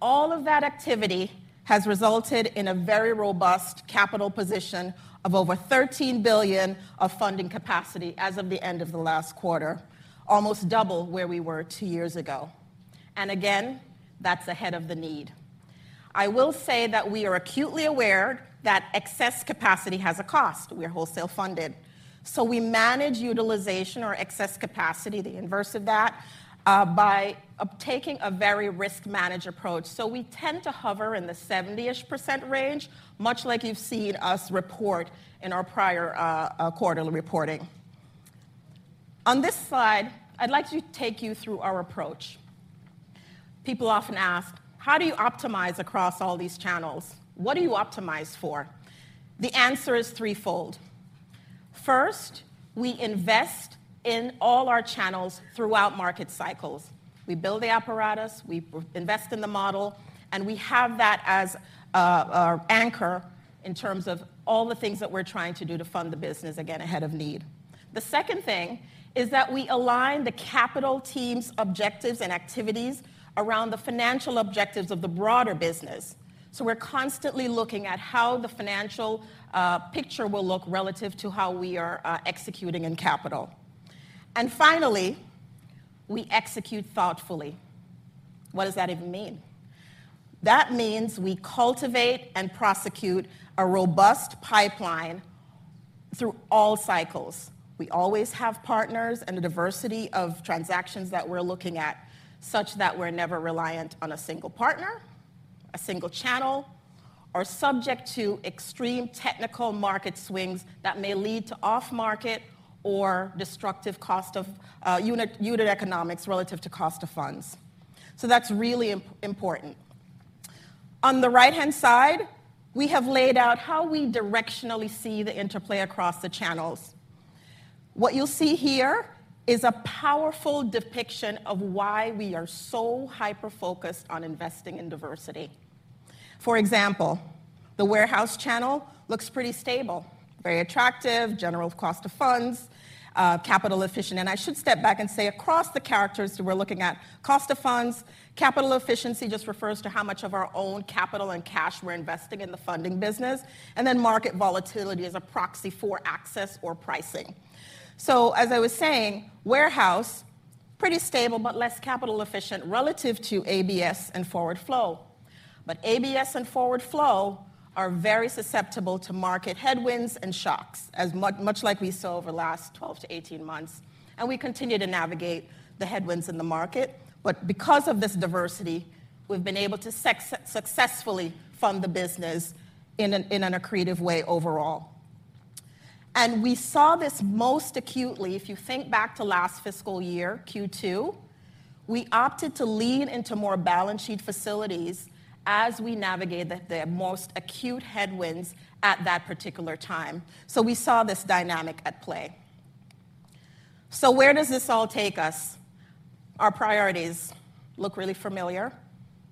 All of that activity has resulted in a very robust capital position of over $13 billion of funding capacity as of the end of the last quarter, almost double where we were two years ago. And again, that's ahead of the need. I will say that we are acutely aware that excess capacity has a cost. We are wholesale funded, so we manage utilization or excess capacity, the inverse of that, by undertaking a very risk-managed approach. So we tend to hover in the 70-ish% range, much like you've seen us report in our prior quarterly reporting. On this slide, I'd like to take you through our approach. People often ask: How do you optimize across all these channels? What do you optimize for? The answer is threefold. First, we invest in all our channels throughout market cycles. We build the apparatus, we invest in the model, and we have that as our anchor in terms of all the things that we're trying to do to fund the business, again, ahead of need. The second thing is that we align the capital team's objectives and activities around the financial objectives of the broader business. We're constantly looking at how the financial picture will look relative to how we are executing in capital. Finally, we execute thoughtfully. What does that even mean? That means we cultivate and prosecute a robust pipeline through all cycles. We always have partners and a diversity of transactions that we're looking at, such that we're never reliant on a single partner, a single channel, or subject to extreme technical market swings that may lead to off-market or destructive cost of unit economics relative to cost of funds. So that's really important. On the right-hand side, we have laid out how we directionally see the interplay across the channels. What you'll see here is a powerful depiction of why we are so hyper-focused on investing in diversity. For example, the warehouse channel looks pretty stable, very attractive, general cost of funds, capital efficient. And I should step back and say, across the channels, we're looking at cost of funds. Capital efficiency just refers to how much of our own capital and cash we're investing in the funding business, and then market volatility as a proxy for access or pricing. So as I was saying, warehouse, pretty stable, but less capital efficient relative to ABS and forward flow. But ABS and forward flow are very susceptible to market headwinds and shocks, as much like we saw over the last 12 to 18 months, and we continue to navigate the headwinds in the market. But because of this diversity, we've been able to successfully fund the business in an accretive way overall. And we saw this most acutely, if you think back to last fiscal year, Q2, we opted to lean into more balance sheet facilities as we navigated the most acute headwinds at that particular time. So we saw this dynamic at play. So where does this all take us? Our priorities look really familiar,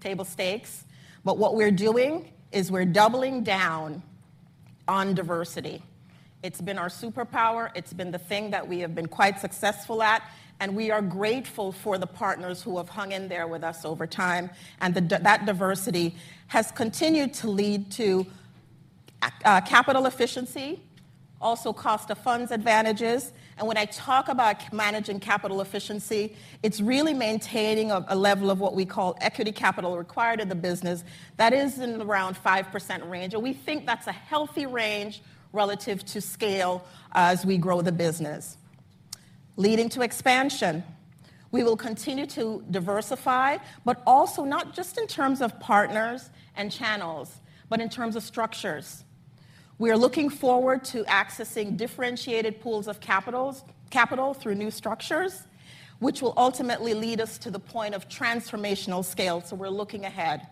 table stakes, but what we're doing is we're doubling down on diversity. It's been our superpower, it's been the thing that we have been quite successful at, and we are grateful for the partners who have hung in there with us over time, and the diversity has continued to lead to capital efficiency, also cost of funds advantages. When I talk about managing capital efficiency, it's really maintaining a level of what we call equity capital required of the business. That is in the around 5% range, and we think that's a healthy range relative to scale as we grow the business. Leading to expansion, we will continue to diversify, but also not just in terms of partners and channels, but in terms of structures. We are looking forward to accessing differentiated pools of capital through new structures, which will ultimately lead us to the point of transformational scale, so we're looking ahead.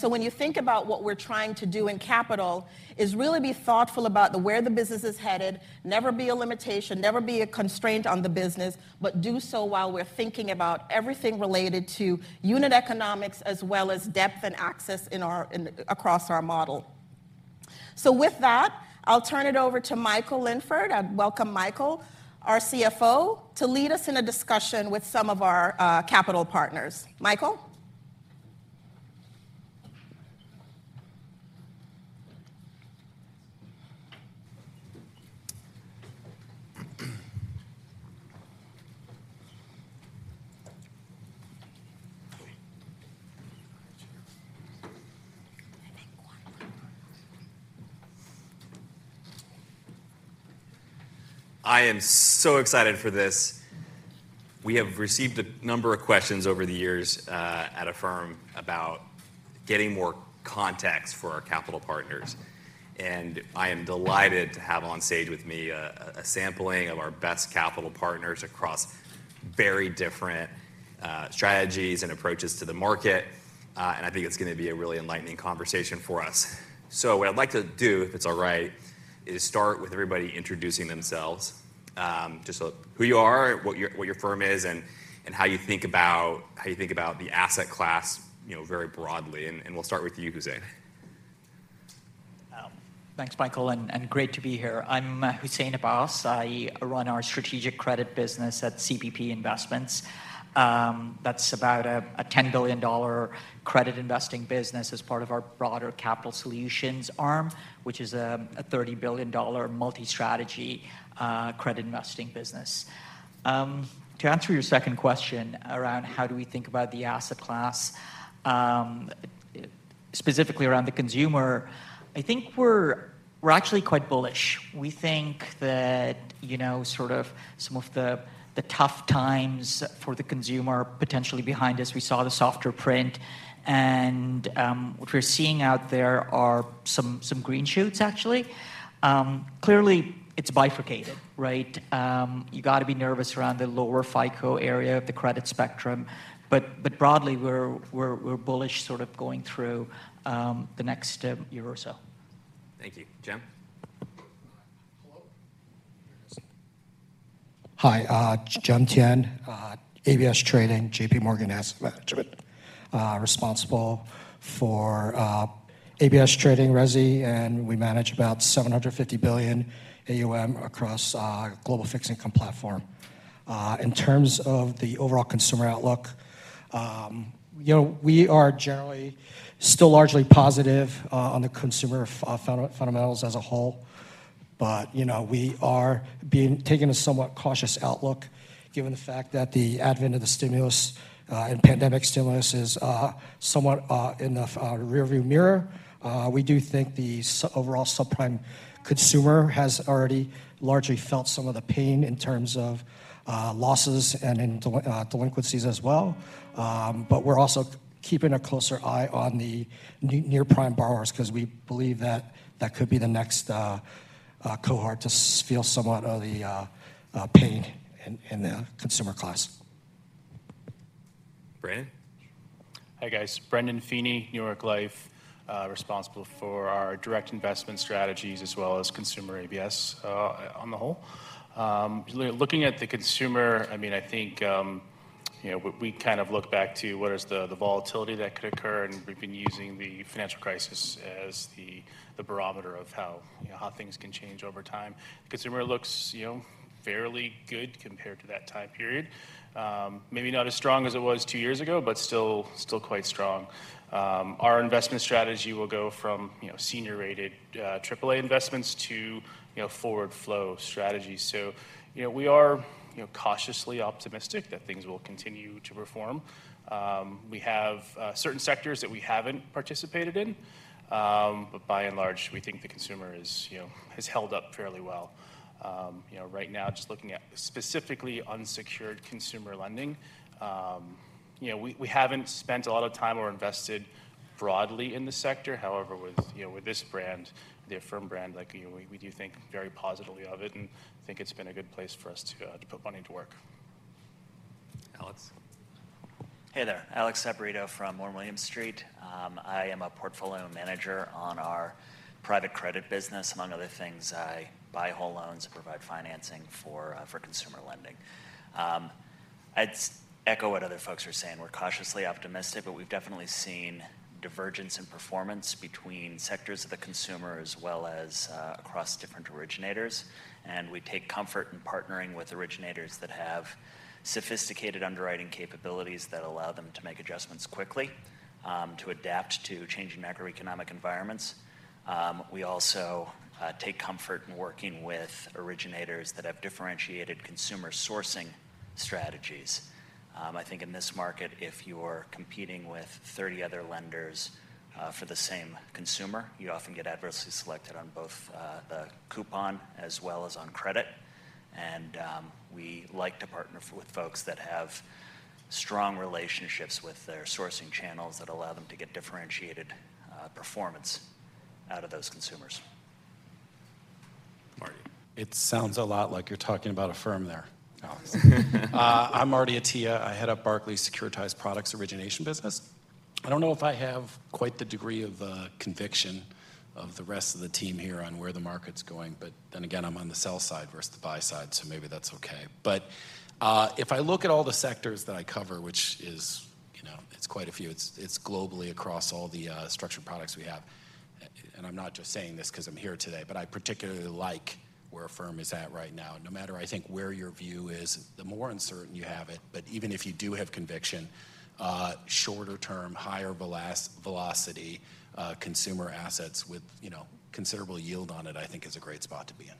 When you think about what we're trying to do in capital, is really be thoughtful about where the business is headed. Never be a limitation, never be a constraint on the business, but do so while we're thinking about everything related to unit economics as well as depth and access across our model. With that, I'll turn it over to Michael Linford. I welcome Michael, our CFO, to lead us in a discussion with some of our capital partners. Michael? I am so excited for this. We have received a number of questions over the years at Affirm about getting more context for our capital partners, and I am delighted to have on stage with me a sampling of our best capital partners across very different strategies and approaches to the market. And I think it's gonna be a really enlightening conversation for us. So what I'd like to do, if it's all right, is start with everybody introducing themselves. Just so who you are, what your firm is, and how you think about how you think about the asset class, you know, very broadly, and we'll start with you, Hussein. Thanks, Michael, and great to be here. I'm Hussein Abbas. I run our strategic credit business at CPP Investments. That's about a $10 billion credit investing business as part of our broader capital solutions arm, which is a $30 billion multi-strategy credit investing business. To answer your second question around how do we think about the asset class, specifically around the consumer, I think we're actually quite bullish. We think that, you know, sort of some of the tough times for the consumer are potentially behind us. We saw the softer print, and what we're seeing out there are some green shoots, actually. Clearly, it's bifurcated, right? You gotta be nervous around the lower FICO area of the credit spectrum, but broadly, we're bullish sort of going through the next year or so. Thank you. Jem? Hello. Hi, Jem Tian, ABS Trading, JP Morgan Asset Management. Responsible for ABS Trading, Resi, and we manage about $750 billion AUM across our global fixed income platform. In terms of the overall consumer outlook, you know, we are generally still largely positive on the consumer fundamentals as a whole. But, you know, we are taking a somewhat cautious outlook, given the fact that the advent of the stimulus and pandemic stimulus is somewhat in the rearview mirror. We do think the overall subprime consumer has already largely felt some of the pain in terms of losses and in delinquencies as well. But we're also keeping a closer eye on the near-prime borrowers 'cause we believe that could be the next cohort to feel somewhat of the pain in the consumer class. Brendan? Hi, guys. Brendan Feeney, New York Life, responsible for our direct investment strategies as well as consumer ABS, on the whole. Looking at the consumer, I mean, I think, you know, we, we kind of look back to what is the, the volatility that could occur, and we've been using the financial crisis as the, the barometer of how, you know, how things can change over time. Consumer looks, you know, fairly good compared to that time period. Maybe not as strong as it was two years ago, but still, still quite strong. Our investment strategy will go from, you know, senior-rated, triple A investments to, you know, forward-flow strategies. So, you know, we are, you know, cautiously optimistic that things will continue to perform. We have certain sectors that we haven't participated in, but by and large, we think the consumer is, you know, has held up fairly well. You know, right now, just looking at specifically unsecured consumer lending, you know, we haven't spent a lot of time or invested broadly in the sector. However, with, you know, with this brand, the Affirm brand, like, you know, we do think very positively of it and think it's been a good place for us to put money to work. Alex? Hey there, Alex Saporito from One William Street. I am a portfolio manager on our private credit business. Among other things, I buy whole loans and provide financing for consumer lending. I'd echo what other folks are saying. We're cautiously optimistic, but we've definitely seen divergence in performance between sectors of the consumer as well as across different originators. And we take comfort in partnering with originators that have sophisticated underwriting capabilities that allow them to make adjustments quickly to adapt to changing macroeconomic environments. We also take comfort in working with originators that have differentiated consumer sourcing strategies. I think in this market, if you're competing with 30 other lenders for the same consumer, you often get adversely selected on both the coupon as well as on credit. We like to partner with folks that have strong relationships with their sourcing channels that allow them to get differentiated performance out of those consumers. Marty? It sounds a lot like you're talking about Affirm there, Alex. I'm Marty Attea. I head up Barclays' Securitized Products Origination business. I don't know if I have quite the degree of conviction of the rest of the team here on where the market's going, but then again, I'm on the sell side versus the buy side, so maybe that's okay. But if I look at all the sectors that I cover, which is, you know, it's quite a few, it's globally across all the structured products we have, and I'm not just saying this 'cause I'm here today, but I particularly like where Affirm is at right now. No matter, I think, where your view is, the more uncertain you have it, but even if you do have conviction, shorter term, higher velocity, consumer assets with, you know, considerable yield on it, I think it's a great spot to be in.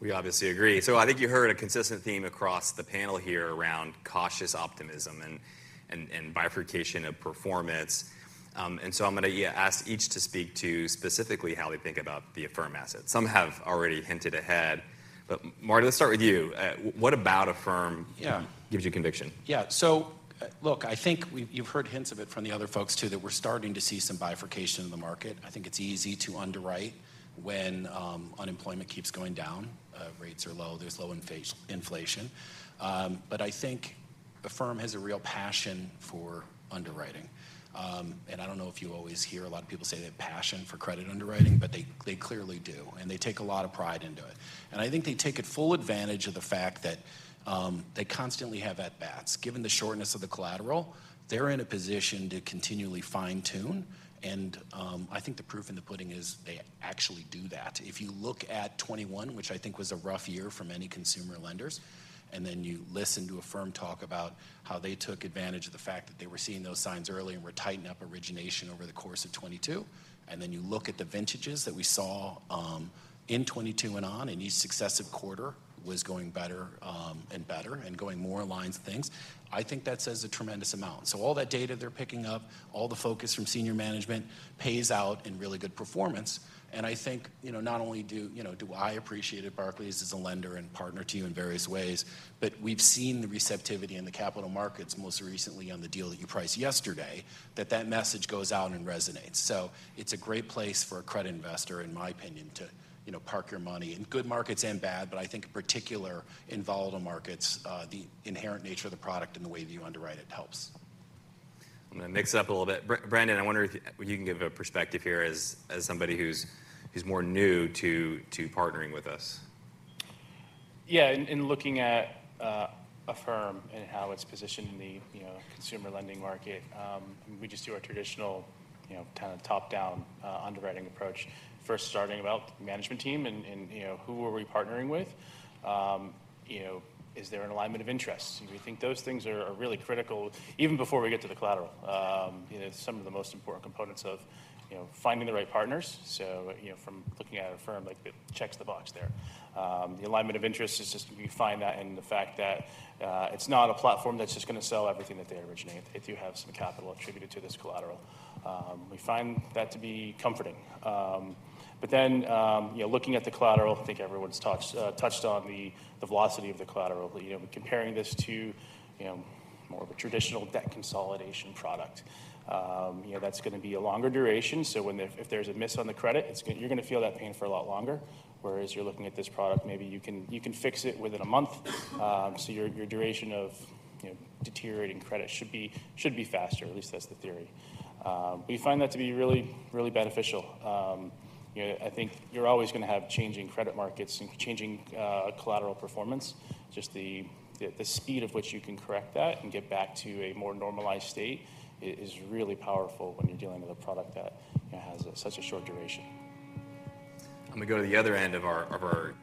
We obviously agree. So I think you heard a consistent theme across the panel here around cautious optimism and bifurcation of performance. And so I'm gonna, yeah, ask each to speak to specifically how they think about the Affirm asset. Some have already hinted ahead, but Marty, let's start with you. What about Affirm- Yeah - gives you conviction? Yeah. So, look, I think we've heard hints of it from the other folks, too, that we're starting to see some bifurcation in the market. I think it's easy to underwrite when unemployment keeps going down, rates are low, there's low inflation. But I think Affirm has a real passion for underwriting. And I don't know if you always hear a lot of people say they have passion for credit underwriting, but they clearly do, and they take a lot of pride into it. And I think they take full advantage of the fact that they constantly have at bats. Given the shortness of the collateral, they're in a position to continually fine-tune, and I think the proof in the pudding is they actually do that. If you look at 2021, which I think was a rough year for many consumer lenders, and then you listen to Affirm talk about how they took advantage of the fact that they were seeing those signs early and were tightening up origination over the course of 2022, and then you look at the vintages that we saw in 2022 and on, and each successive quarter was going better, and better and going more in line with things, I think that says a tremendous amount. So all that data they're picking up, all the focus from senior management pays out in really good performance. I think, you know, not only do, you know, do I appreciate at Barclays as a lender and partner to you in various ways, but we've seen the receptivity in the capital markets, most recently on the deal that you priced yesterday, that that message goes out and resonates. So it's a great place for a credit investor, in my opinion, to, you know, park your money in good markets and bad, but I think in particular, in volatile markets, the inherent nature of the product and the way that you underwrite it helps. I'm gonna mix it up a little bit. Brendan, I wonder if you can give a perspective here as somebody who's more new to partnering with us. Yeah, in looking at Affirm and how it's positioned in the, you know, consumer lending market, we just do our traditional, you know, kind of top-down underwriting approach. First starting about management team and, you know, who are we partnering with? You know, is there an alignment of interests? We think those things are really critical even before we get to the collateral. You know, some of the most important components of, you know, finding the right partners. So, you know, from looking at Affirm, like, it checks the box there. The alignment of interest is just we find that and the fact that it's not a platform that's just gonna sell everything that they originate. They do have some capital attributed to this collateral. We find that to be comforting. But then, you know, looking at the collateral, I think everyone's touched on the velocity of the collateral. You know, comparing this to, you know, more of a traditional debt consolidation product, you know, that's gonna be a longer duration. So if there's a miss on the credit, you're gonna feel that pain for a lot longer, whereas you're looking at this product, maybe you can fix it within a month. So your duration of, you know, deteriorating credit should be faster, at least that's the theory. We find that to be really, really beneficial. You know, I think you're always gonna have changing credit markets and changing collateral performance. Just the speed of which you can correct that and get back to a more normalized state is really powerful when you're dealing with a product that, you know, has such a short duration. I'm gonna go to the other end of our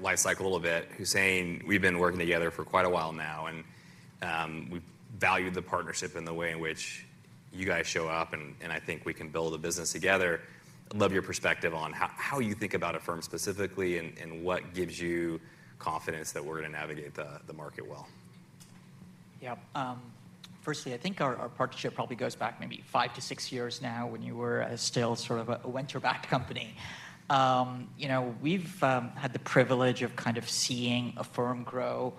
life cycle a little bit. Hussain, we've been working together for quite a while now, and we've valued the partnership and the way in which you guys show up, and I think we can build a business together. I'd love your perspective on how you think about Affirm specifically, and what gives you confidence that we're gonna navigate the market well? Yeah, firstly, I think our partnership probably goes back maybe five to six years now, when you were still sort of a venture-backed company. You know, we've had the privilege of kind of seeing Affirm grow,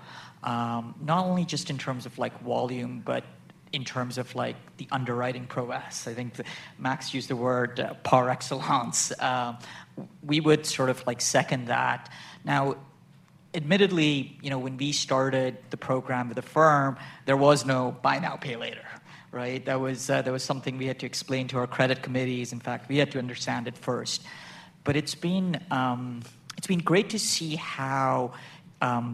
not only just in terms of, like, volume, but in terms of, like, the underwriting prowess. I think Max used the word par excellence. We would sort of, like, second that. Now, admittedly, you know, when we started the program with Affirm, there was no buy now, pay later, right? That was something we had to explain to our credit committees. In fact, we had to understand it first. But it's been great to see how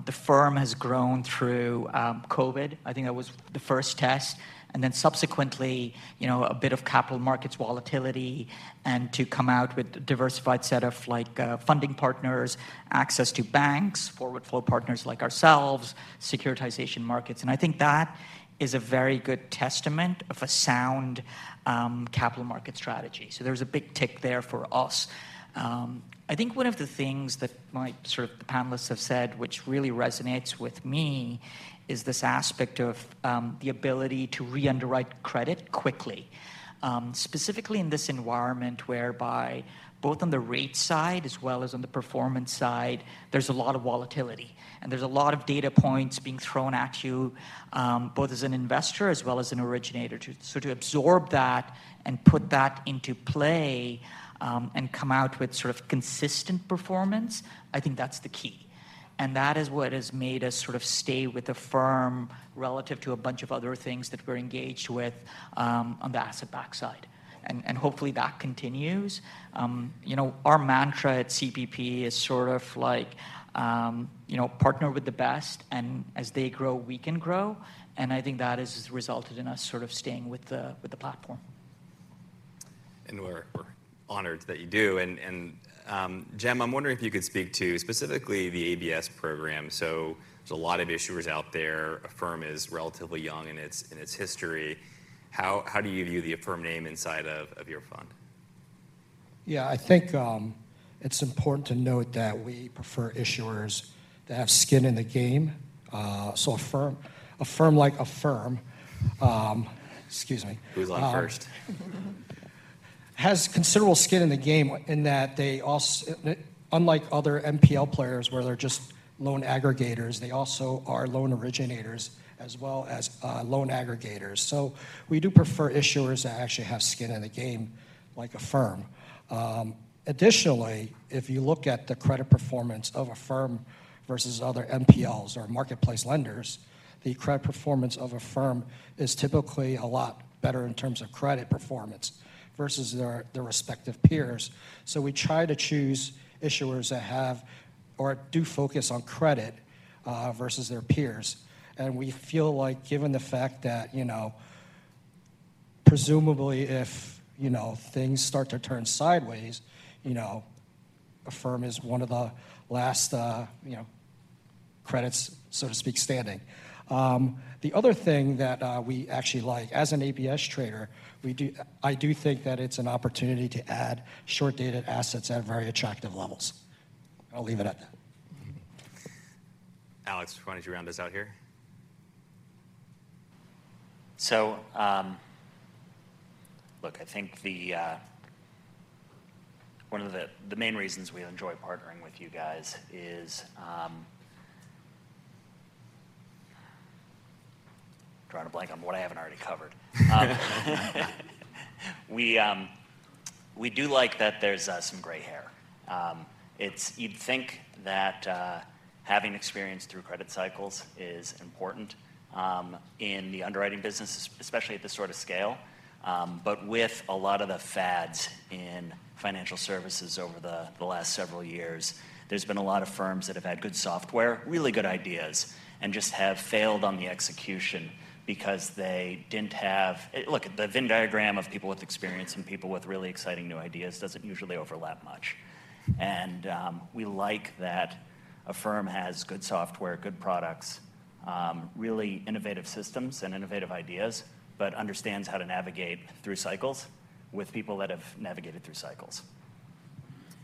Affirm has grown through COVID. I think that was the first test, and then subsequently, you know, a bit of capital markets volatility and to come out with a diversified set of, like, funding partners, access to banks, forward flow partners like ourselves, securitization markets, and I think that is a very good testament of a sound, capital market strategy. So there's a big tick there for us. I think one of the things that my sort of the panelists have said, which really resonates with me, is this aspect of, the ability to re-underwrite credit quickly. Specifically in this environment, whereby both on the rate side as well as on the performance side, there's a lot of volatility, and there's a lot of data points being thrown at you, both as an investor as well as an originator. So to absorb that and put that into play, and come out with sort of consistent performance, I think that's the key, and that is what has made us sort of stay with Affirm relative to a bunch of other things that we're engaged with, on the asset-backed side. Hopefully, that continues. You know, our mantra at CPP is sort of like, you know, partner with the best, and as they grow, we can grow, and I think that has resulted in us sort of staying with the, with the platform. And we're honored that you do. And, Jem, I'm wondering if you could speak to specifically the ABS program. So there's a lot of issuers out there. Affirm is relatively young in its history. How do you view the Affirm name inside of your fund? Yeah, I think it's important to note that we prefer issuers that have skin in the game. So a firm like Affirm, excuse me- Who's on first? Has considerable skin in the game in that they also, unlike other MPL players, where they're just loan aggregators, they also are loan originators as well as loan aggregators. So we do prefer issuers that actually have skin in the game, like Affirm. Additionally, if you look at the credit performance of Affirm versus other MPLs or marketplace lenders, the credit performance of Affirm is typically a lot better in terms of credit performance versus their respective peers. So we try to choose issuers that have or do focus on credit versus their peers. And we feel like, given the fact that, you know, presumably if, you know, things start to turn sideways, you know, Affirm is one of the last credits, so to speak, standing. The other thing that we actually like, as an ABS trader, I do think that it's an opportunity to add short-dated assets at very attractive levels. I'll leave it at that. Alex, why don't you round us out here? So, look, I think one of the main reasons we enjoy partnering with you guys is drawing a blank on what I haven't already covered. We do like that there's some gray hair. It's. You'd think that having experience through credit cycles is important in the underwriting business, especially at this sort of scale. But with a lot of the fads in financial services over the last several years, there's been a lot of firms that have had good software, really good ideas, and just have failed on the execution because they didn't have. Look, the Venn diagram of people with experience and people with really exciting new ideas doesn't usually overlap much. We like that Affirm has good software, good products, really innovative systems and innovative ideas, but understands how to navigate through cycles with people that have navigated through cycles.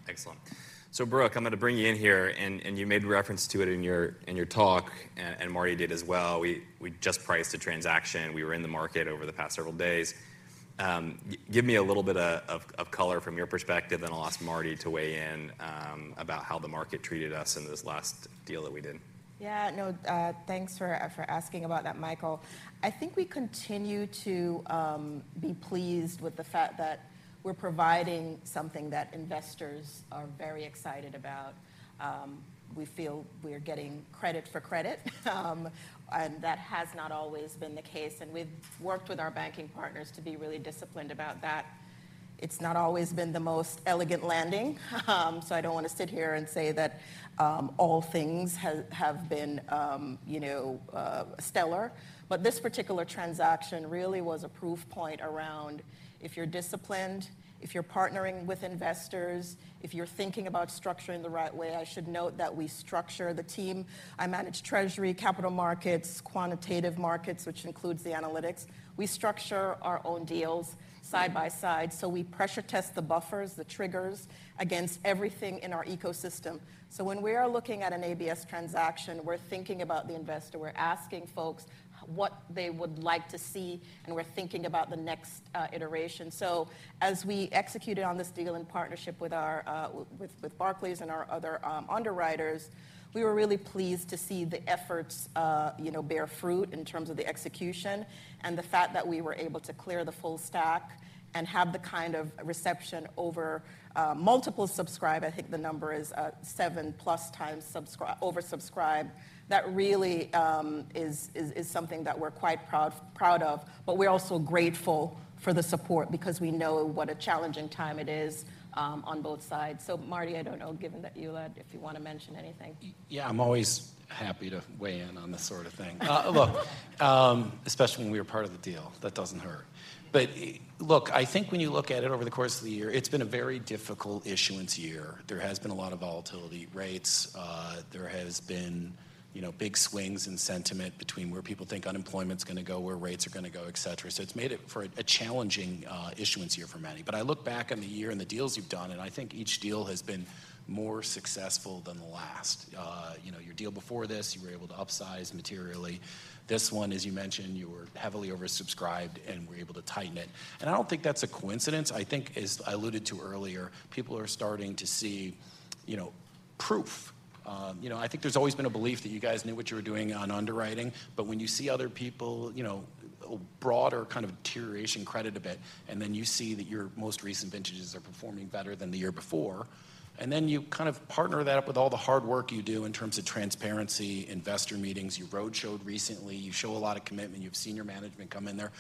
Excellent. So, Brooke, I'm going to bring you in here, and you made reference to it in your talk, and Marty did as well. We just priced a transaction. We were in the market over the past several days. Give me a little bit of color from your perspective, then I'll ask Marty to weigh in about how the market treated us in this last deal that we did. Yeah, no, thanks for asking about that, Michael. I think we continue to be pleased with the fact that we're providing something that investors are very excited about. We feel we're getting credit for credit, and that has not always been the case, and we've worked with our banking partners to be really disciplined about that. It's not always been the most elegant landing, so I don't want to sit here and say that all things have been, you know, stellar. But this particular transaction really was a proof point around if you're disciplined, if you're partnering with investors, if you're thinking about structuring the right way... I should note that we structure the team. I manage treasury, capital markets, quantitative markets, which includes the analytics. We structure our own deals side by side, so we pressure test the buffers, the triggers, against everything in our ecosystem. So when we are looking at an ABS transaction, we're thinking about the investor. We're asking folks what they would like to see, and we're thinking about the next iteration. So as we executed on this deal in partnership with Barclays and our other underwriters, we were really pleased to see the efforts you know bear fruit in terms of the execution and the fact that we were able to clear the full stack and have the kind of reception. I think the number is 7+ times oversubscribed. That really is something that we're quite proud of, but we're also grateful for the support because we know what a challenging time it is on both sides. So, Marty, I don't know, given that you led, if you want to mention anything. Yeah, I'm always happy to weigh in on this sort of thing. Well, especially when we are part of the deal, that doesn't hurt. But, look, I think when you look at it over the course of the year, it's been a very difficult issuance year. There has been a lot of volatility, rates... There has been, you know, big swings in sentiment between where people think unemployment's going to go, where rates are going to go, et cetera. So it's made it for a challenging issuance year for many. But I look back on the year and the deals you've done, and I think each deal has been more successful than the last. You know, your deal before this, you were able to upsize materially. This one, as you mentioned, you were heavily oversubscribed and were able to tighten it. I don't think that's a coincidence. I think, as I alluded to earlier, people are starting to see, you know, proof. You know, I think there's always been a belief that you guys knew what you were doing on underwriting, but when you see other people, you know, broader kind of deterioration credit a bit, and then you see that your most recent vintages are performing better than the year before, and then you kind of partner that up with all the hard work you do in terms of transparency, investor meetings, you roadshowed recently, you show a lot of commitment, you've seen your management come in there.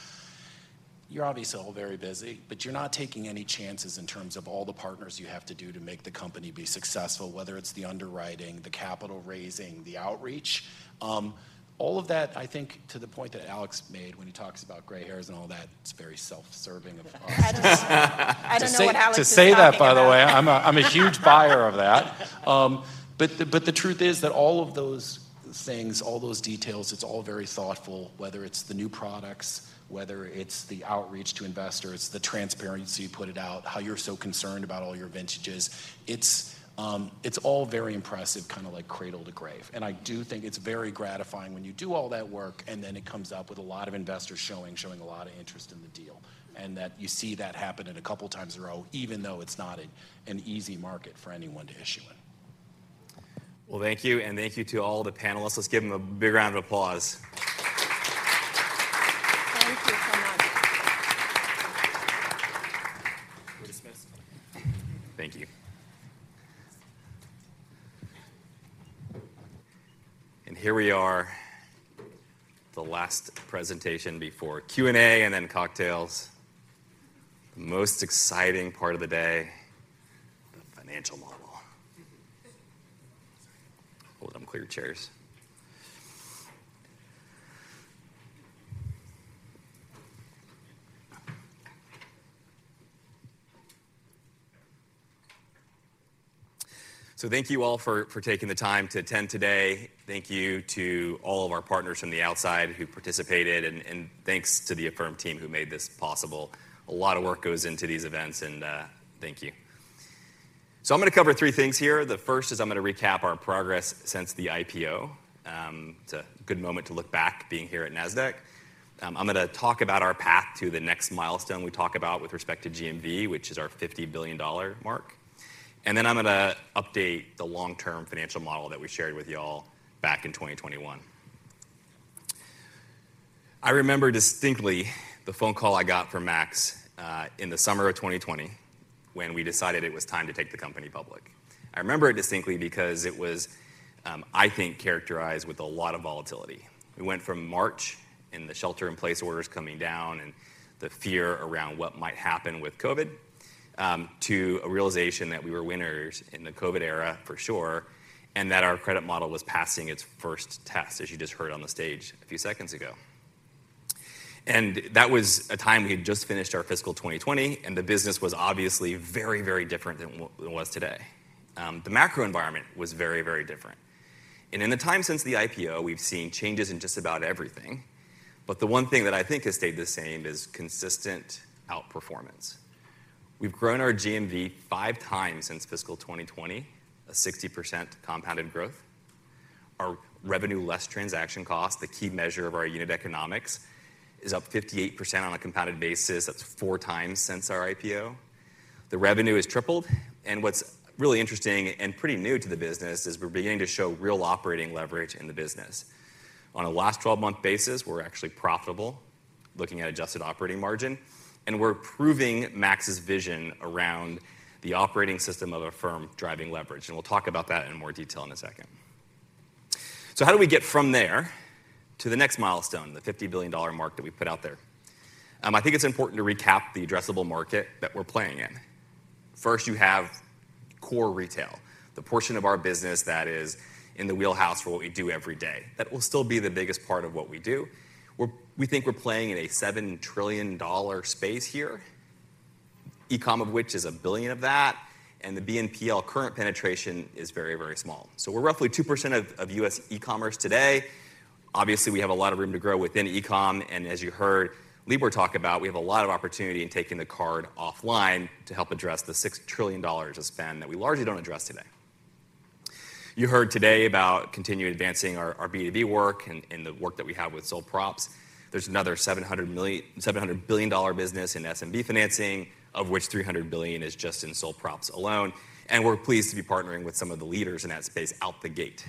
You're obviously all very busy, but you're not taking any chances in terms of all the partners you have to do to make the company be successful, whether it's the underwriting, the capital raising, the outreach. All of that, I think, to the point that Alex made when he talks about gray hairs and all that, it's very self-serving of us. I don't know what Alex is talking about. To say that, by the way, I'm a huge buyer of that. But the truth is that all of those things, all those details, it's all very thoughtful, whether it's the new products, whether it's the outreach to investors, the transparency you put it out, how you're so concerned about all your vintages. It's all very impressive, kinda like cradle to grave. And I do think it's very gratifying when you do all that work, and then it comes up with a lot of investors showing a lot of interest in the deal, and that you see that happen a couple times in a row, even though it's not an easy market for anyone to issue in. Well, thank you, and thank you to all the panelists. Let's give them a big round of applause. Thank you so much. We're dismissed. Thank you. And here we are, the last presentation before Q&A and then cocktails. The most exciting part of the day, the financial model. Hold on, clear chairs. So thank you all for taking the time to attend today. Thank you to all of our partners from the outside who participated, and thanks to the Affirm team who made this possible. A lot of work goes into these events, and thank you. So I'm gonna cover three things here. The first is I'm gonna recap our progress since the IPO. It's a good moment to look back, being here at Nasdaq. I'm gonna talk about our path to the next milestone we talk about with respect to GMV, which is our $50 billion mark, and then I'm gonna update the long-term financial model that we shared with y'all back in 2021. I remember distinctly the phone call I got from Max in the summer of 2020, when we decided it was time to take the company public. I remember it distinctly because it was, I think, characterized with a lot of volatility. It went from March, and the shelter-in-place orders coming down and the fear around what might happen with COVID, to a realization that we were winners in the COVID era, for sure, and that our credit model was passing its first test, as you just heard on the stage a few seconds ago. And that was a time we had just finished our fiscal 2020, and the business was obviously very, very different than what it is today. The macro environment was very, very different, and in the time since the IPO, we've seen changes in just about everything. But the one thing that I think has stayed the same is consistent outperformance. We've grown our GMV 5x since fiscal 2020, a 60% compounded growth. Our revenue, less transaction costs, the key measure of our unit economics, is up 58% on a compounded basis. That's 4x since our IPO. The revenue has tripled, and what's really interesting and pretty new to the business is we're beginning to show real operating leverage in the business. On a last twelve-month basis, we're actually profitable, looking at adjusted operating margin, and we're proving Max's vision around the operating system of Affirm driving leverage, and we'll talk about that in more detail in a second. So how do we get from there to the next milestone, the $50 billion mark that we put out there? I think it's important to recap the addressable market that we're playing in. First, you have core retail, the portion of our business that is in the wheelhouse for what we do every day. That will still be the biggest part of what we do. We think we're playing in a $7 trillion space here, e-com of which is $1 billion of that, and the BNPL current penetration is very, very small. So we're roughly 2% of U.S. e-commerce today. Obviously, we have a lot of room to grow within e-com, and as you heard Libor talk about, we have a lot of opportunity in taking the card offline to help address the $6 trillion of spend that we largely don't address today. You heard today about continuing advancing our B2B work and the work that we have with sole props. There's another $700 million-- $700 billion business in SMB financing, of which $300 billion is just in sole props alone, and we're pleased to be partnering with some of the leaders in that space out the gate.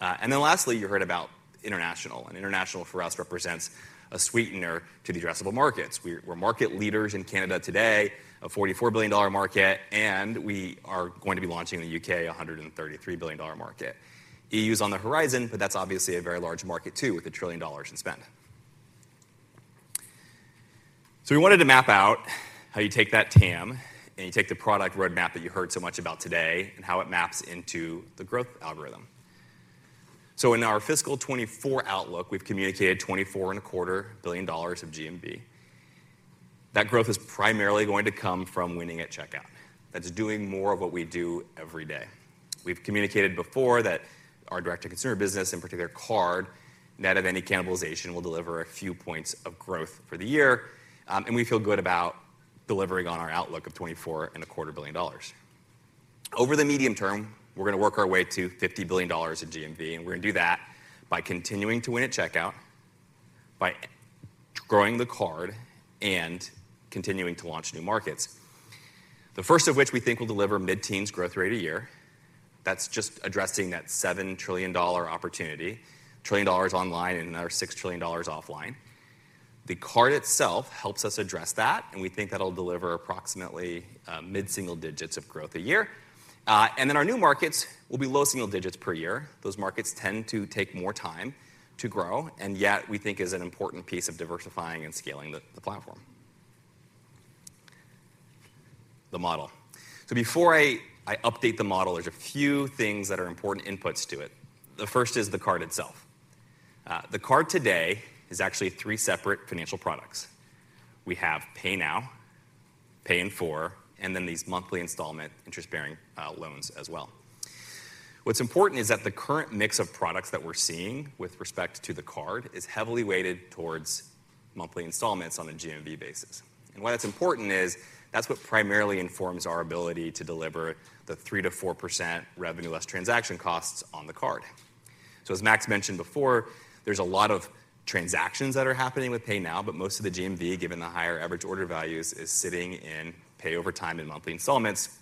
And then lastly, you heard about international, and international for us represents a sweetener to the addressable markets. We're, we're market leaders in Canada today, a $44 billion market, and we are going to be launching in the U.K., a $133 billion market. EU's on the horizon, but that's obviously a very large market too, with a $1 trillion in spend. So we wanted to map out how you take that TAM, and you take the product roadmap that you heard so much about today and how it maps into the growth algorithm. In our fiscal 2024 outlook, we've communicated $24.25 billion of GMV. That growth is primarily going to come from winning at checkout. That's doing more of what we do every day. We've communicated before that our direct-to-consumer business, in particular, card, net of any cannibalization, will deliver a few points of growth for the year, and we feel good about delivering on our outlook of $24.25 billion. Over the medium term, we're gonna work our way to $50 billion in GMV, and we're gonna do that by continuing to win at checkout, by growing the card and continuing to launch new markets. The first of which we think will deliver mid-teens growth rate a year. That's just addressing that $7 trillion opportunity, $1 trillion online and another $6 trillion offline. The card itself helps us address that, and we think that'll deliver approximately mid-single digits of growth a year. And then our new markets will be low single digits per year. Those markets tend to take more time to grow, and yet we think is an important piece of diversifying and scaling the platform. The model. So before I update the model, there's a few things that are important inputs to it. The first is the card itself. The card today is actually three separate financial products. We have Pay Now... Pay in 4, and then these monthly installment interest-bearing loans as well. What's important is that the current mix of products that we're seeing with respect to the card is heavily weighted towards monthly installments on a GMV basis. And why that's important is that's what primarily informs our ability to deliver the 3%-4% revenue less transaction costs on the card. So as Max mentioned before, there's a lot of transactions that are happening with Pay Now, but most of the GMV, given the higher average order values, is sitting in pay over time in monthly installments.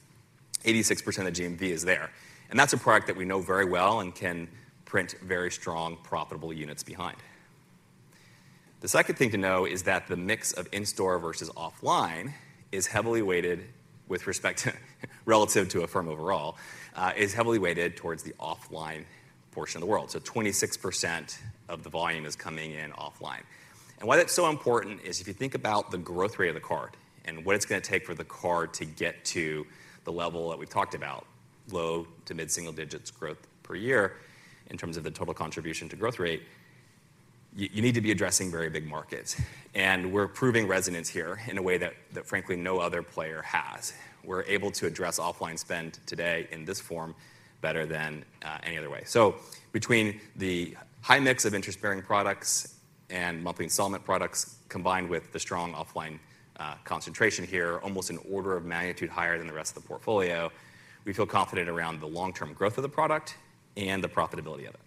86% of GMV is there, and that's a product that we know very well and can print very strong, profitable units behind. The second thing to know is that the mix of in-store versus offline is heavily weighted with respect to, relative to Affirm overall, is heavily weighted towards the offline portion of the world. So 26% of the volume is coming in offline. Why that's so important is if you think about the growth rate of the card and what it's gonna take for the card to get to the level that we've talked about, low to mid-single digits growth per year in terms of the total contribution to growth rate, you need to be addressing very big markets. We're proving resonance here in a way that, frankly, no other player has. We're able to address offline spend today in this form better than any other way. Between the high mix of interest-bearing products and monthly installment products, combined with the strong offline concentration here, almost an order of magnitude higher than the rest of the portfolio, we feel confident around the long-term growth of the product and the profitability of it.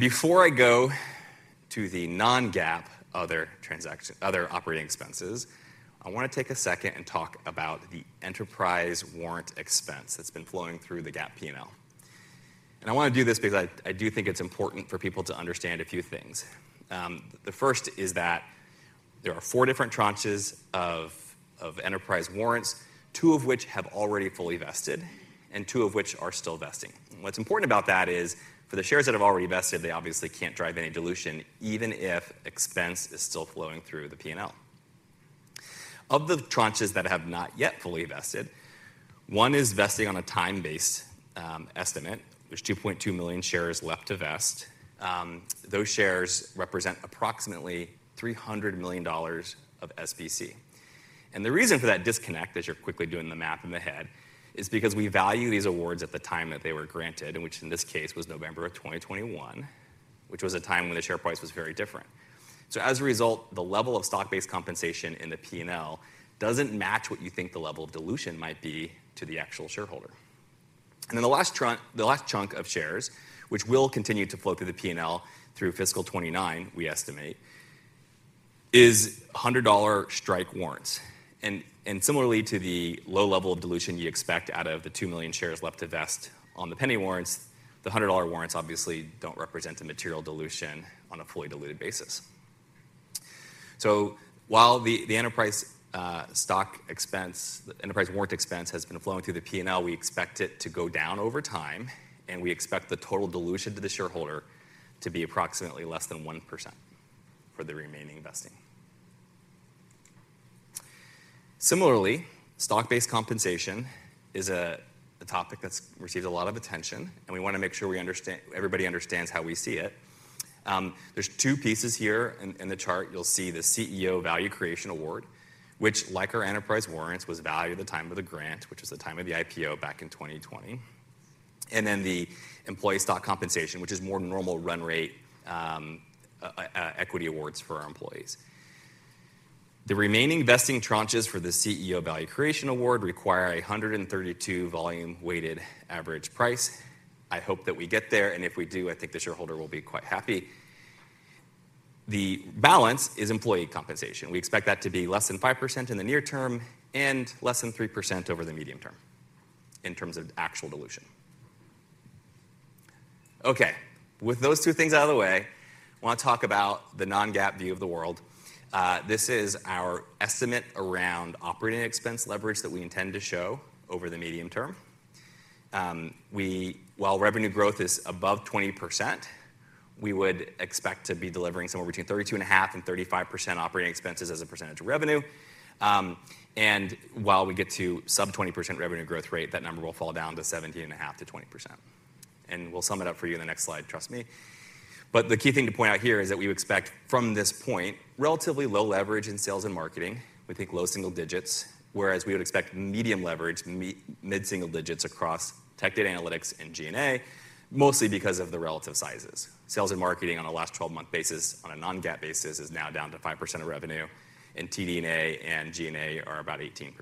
Before I go to the non-GAAP, other operating expenses, I wanna take a second and talk about the Enterprise Warrant expense that's been flowing through the GAAP P&L. I wanna do this because I, I do think it's important for people to understand a few things. The first is that there are four different tranches of Enterprise Warrants, two of which have already fully vested and two of which are still vesting. What's important about that is, for the shares that have already vested, they obviously can't drive any dilution, even if expense is still flowing through the P&L. Of the tranches that have not yet fully vested, one is vesting on a time-based estimate. There's 2.2 million shares left to vest. Those shares represent approximately $300 million of SBC. The reason for that disconnect, as you're quickly doing the math in the head, is because we value these awards at the time that they were granted, and which in this case, was November of 2021, which was a time when the share price was very different. As a result, the level of stock-based compensation in the P&L doesn't match what you think the level of dilution might be to the actual shareholder. Then the last chunk of shares, which will continue to flow through the P&L through fiscal 2029, we estimate, is 100-dollar strike warrants. And similarly to the low level of dilution you expect out of the 2 million shares left to vest on the Penny Warrants, the 100-dollar warrants obviously don't represent a material dilution on a fully diluted basis. So while the enterprise stock expense, the Enterprise Warrant expense has been flowing through the P&L, we expect it to go down over time, and we expect the total dilution to the shareholder to be approximately less than 1% for the remaining vesting. Similarly, stock-based compensation is a topic that's received a lot of attention, and we wanna make sure we understand everybody understands how we see it. There's two pieces here. In the chart, you'll see the CEO Value Creation Award, which, like our Enterprise Warrants, was valued at the time of the grant, which was the time of the IPO back in 2020. And then the employee stock compensation, which is more normal run rate, equity awards for our employees. The remaining vesting tranches for the CEO Value Creation Award require 132 volume-weighted average price. I hope that we get there, and if we do, I think the shareholder will be quite happy. The balance is employee compensation. We expect that to be less than 5% in the near term and less than 3% over the medium term in terms of actual dilution. Okay, with those two things out of the way, I wanna talk about the non-GAAP view of the world. This is our estimate around operating expense leverage that we intend to show over the medium term. While revenue growth is above 20%, we would expect to be delivering somewhere between 32.5% and 35% operating expenses as a percentage of revenue. And while we get to sub-20% revenue growth rate, that number will fall down to 17.5%-20%. We'll sum it up for you in the next slide, trust me. But the key thing to point out here is that we would expect from this point, relatively low leverage in sales and marketing, we think low single digits, whereas we would expect medium leverage, mid-single digits across tech, data, analytics, and G&A, mostly because of the relative sizes. Sales and marketing on a last 12-month basis, on a non-GAAP basis, is now down to 5% of revenue, and TD&A and G&A are about 18%.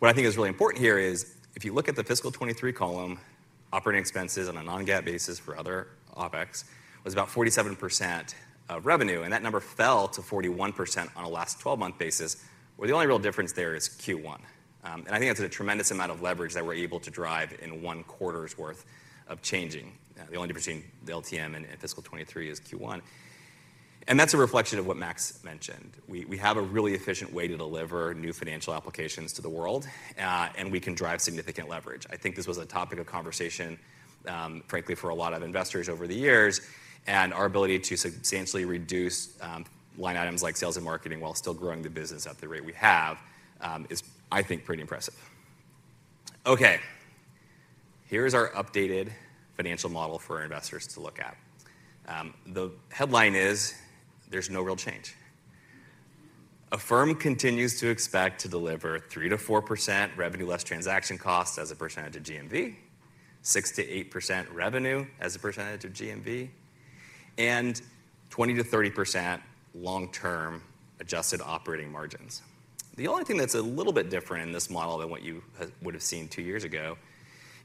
What I think is really important here is if you look at the fiscal 2023 column, operating expenses on a non-GAAP basis for other OpEx was about 47% of revenue, and that number fell to 41% on a last 12-month basis, where the only real difference there is Q1. And I think that's a tremendous amount of leverage that we're able to drive in one quarter's worth of changing. The only difference between the LTM and fiscal 2023 is Q1, and that's a reflection of what Max mentioned. We have a really efficient way to deliver new financial applications to the world, and we can drive significant leverage. I think this was a topic of conversation, frankly, for a lot of investors over the years, and our ability to substantially reduce line items like sales and marketing while still growing the business at the rate we have is, I think, pretty impressive. Okay. Here is our updated financial model for our investors to look at. The headline is: There's no real change. Affirm continues to expect to deliver 3%-4% revenue less transaction costs as a percentage of GMV, 6%-8% revenue as a percentage of GMV, and 20%-30% long-term adjusted operating margins. The only thing that's a little bit different in this model than what you would have seen two years ago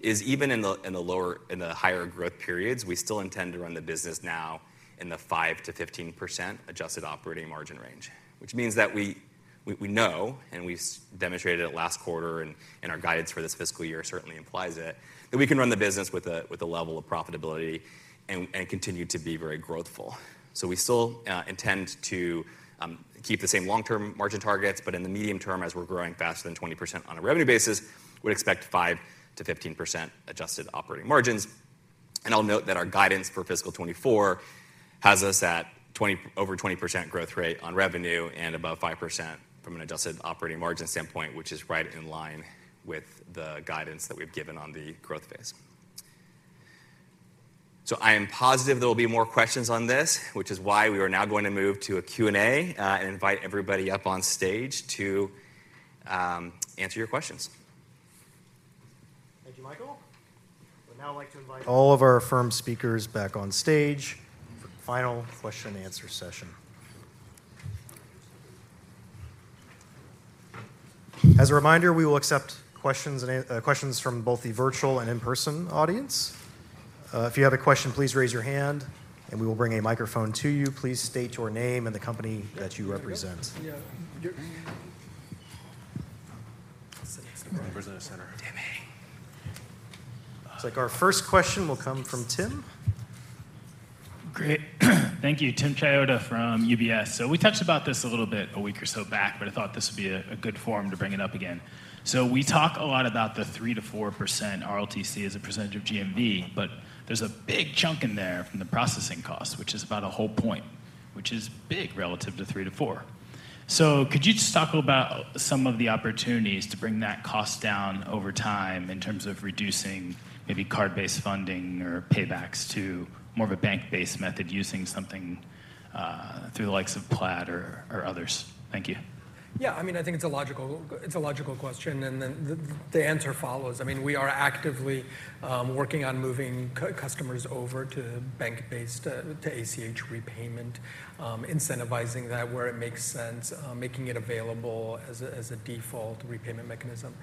is even in the higher growth periods, we still intend to run the business now in the 5%-15% adjusted operating margin range. Which means that we know, and we demonstrated it last quarter, and our guidance for this fiscal year certainly implies it, that we can run the business with a level of profitability and continue to be very growthful. We still intend to keep the same long-term margin targets, but in the medium term, as we're growing faster than 20% on a revenue basis, we'd expect 5%-15% adjusted operating margins. I'll note that our guidance for fiscal 2024 has us at over 20% growth rate on revenue and above 5% from an adjusted operating margin standpoint, which is right in line with the guidance that we've given on the growth phase. I am positive there will be more questions on this, which is why we are now going to move to a Q&A and invite everybody up on stage to answer your questions. Thank you, Michael. I would now like to invite all of our Affirm speakers back on stage for the final question and answer session. As a reminder, we will accept questions from both the virtual and in-person audience. If you have a question, please raise your hand, and we will bring a microphone to you. Please state your name and the company that you represent. Looks like our first question will come from Tim. Great. Thank you. Tim Chiodo from UBS. So we touched about this a little bit a week or so back, but I thought this would be a good forum to bring it up again. So we talk a lot about the 3%-4% RLTC as a percentage of GMV, but there's a big chunk in there from the processing cost, which is about a whole point, which is big relative to 3-4. So could you just talk about some of the opportunities to bring that cost down over time in terms of reducing maybe card-based funding or paybacks to more of a bank-based method using something through the likes of Plaid or others? Thank you. Yeah, I mean, I think it's a logical question, and then the answer follows. I mean, we are actively working on moving customers over to bank-based to ACH repayment, incentivizing that where it makes sense, making it available as a default repayment mechanism.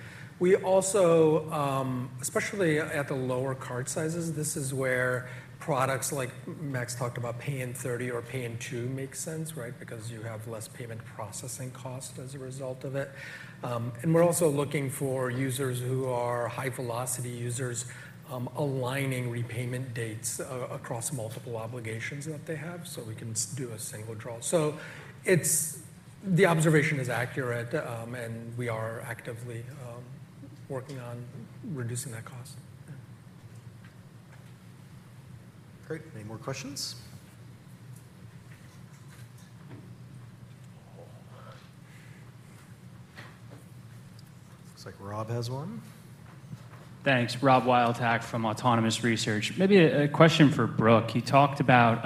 We also, especially at the lower card sizes, this is where products like Max talked about, Pay in 30 or Pay in 2 makes sense, right? Because you have less payment processing cost as a result of it. And we're also looking for users who are high-velocity users, aligning repayment dates across multiple obligations that they have, so we can do a single draw. So it's... The observation is accurate, and we are actively working on reducing that cost. Great. Any more questions? Looks like Rob has one. Thanks. Rob Wildhack from Autonomous Research. Maybe a question for Brooke. You talked about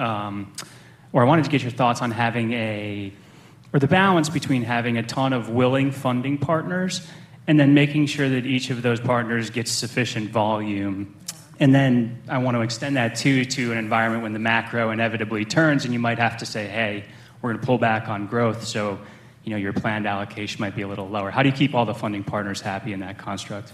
or I wanted to get your thoughts on the balance between having a ton of willing funding partners and then making sure that each of those partners gets sufficient volume. And then I want to extend that, too, to an environment when the macro inevitably turns, and you might have to say, "Hey, we're going to pull back on growth," so, you know, your planned allocation might be a little lower. How do you keep all the funding partners happy in that construct?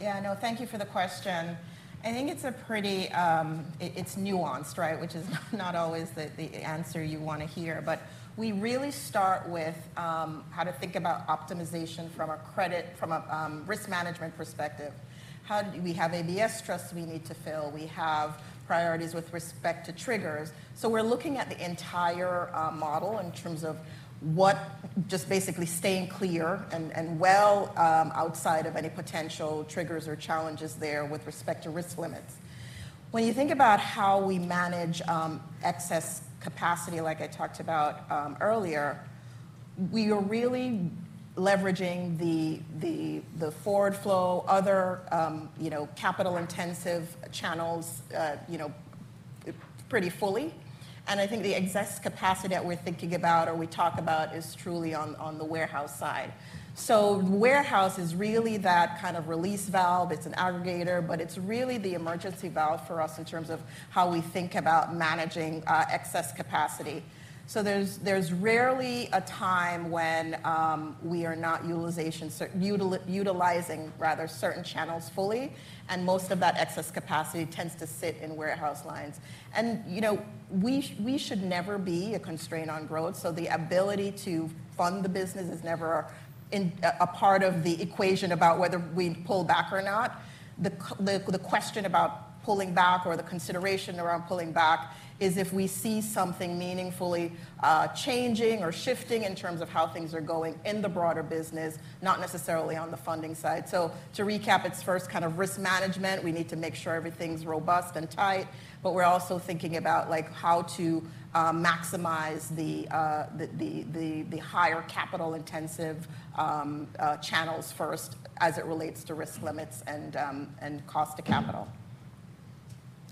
Yeah, no, thank you for the question. I think it's a pretty nuanced, right? Which is not always the, the answer you wanna hear. But we really start with how to think about optimization from a credit, from a risk management perspective. We have ABS trusts we need to fill. We have priorities with respect to triggers. So we're looking at the entire model in terms of just basically staying clear and well outside of any potential triggers or challenges there with respect to risk limits. When you think about how we manage excess capacity, like I talked about earlier, we are really leveraging the forward flow, other you know capital-intensive channels, you know pretty fully. I think the excess capacity that we're thinking about or we talk about is truly on the warehouse side. So warehouse is really that kind of release valve. It's an aggregator, but it's really the emergency valve for us in terms of how we think about managing excess capacity. So there's rarely a time when we are not utilizing, rather, certain channels fully, and most of that excess capacity tends to sit in warehouse lines. And, you know, we should never be a constraint on growth, so the ability to fund the business is never in a part of the equation about whether we pull back or not. The question about pulling back or the consideration around pulling back is if we see something meaningfully changing or shifting in terms of how things are going in the broader business, not necessarily on the funding side. So to recap, it's first kind of risk management. We need to make sure everything's robust and tight, but we're also thinking about, like, how to maximize the higher capital-intensive channels first as it relates to risk limits and cost of capital.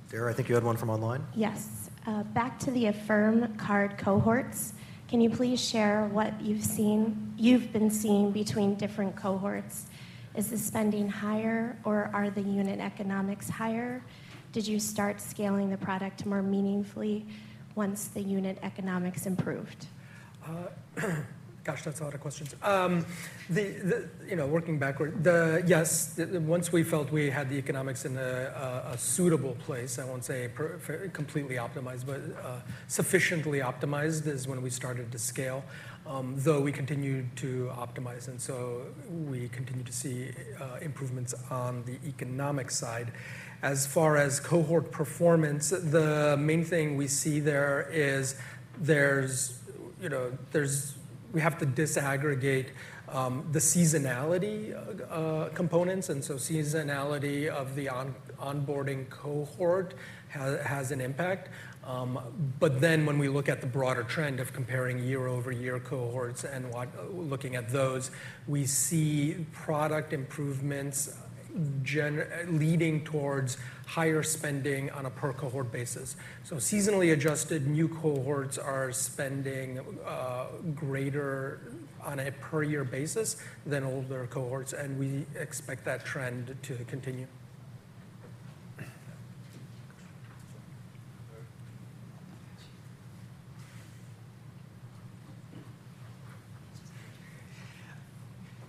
Vera, I think you had one from online? Yes. Back to the Affirm Card cohorts, can you please share what you've seen, you've been seeing between different cohorts? Is the spending higher or are the unit economics higher? Did you start scaling the product more meaningfully once the unit economics improved? Gosh, that's a lot of questions. You know, working backward, yes, once we felt we had the economics in a suitable place, I won't say perfectly completely optimized, but sufficiently optimized, is when we started to scale, though we continued to optimize, and so we continued to see improvements on the economic side. As far as cohort performance, the main thing we see there is, you know, we have to disaggregate the seasonality components, and so seasonality of the onboarding cohort has an impact. But then when we look at the broader trend of comparing year-over-year cohorts and looking at those, we see product improvements leading towards higher spending on a per cohort basis. Seasonally adjusted, new cohorts are spending greater on a per year basis than older cohorts, and we expect that trend to continue.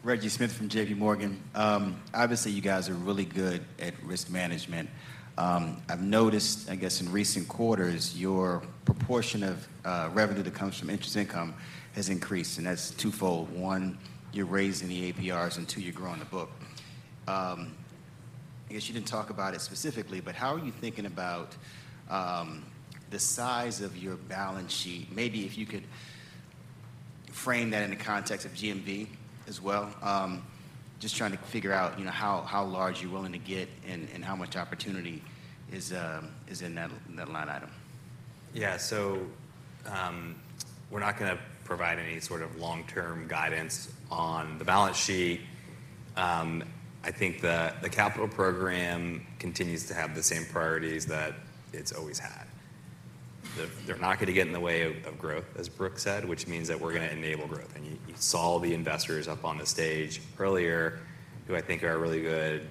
Reggie Smith from JPMorgan. Obviously, you guys are really good at risk management. I've noticed, I guess, in recent quarters, your proportion of revenue that comes from interest income has increased, and that's twofold: one, you're raising the APRs, and two, you're growing the book. I guess you didn't talk about it specifically, but how are you thinking about the size of your balance sheet? Maybe if you could frame that in the context of GMV as well. Just trying to figure out, you know, how large you're willing to get and how much opportunity is in that line item. Yeah. So, we're not gonna provide any sort of long-term guidance on the balance sheet. I think the capital program continues to have the same priorities that it's always had. They're not gonna get in the way of growth, as Brooke said, which means that we're gonna enable growth. And you saw the investors up on the stage earlier, who I think are a really good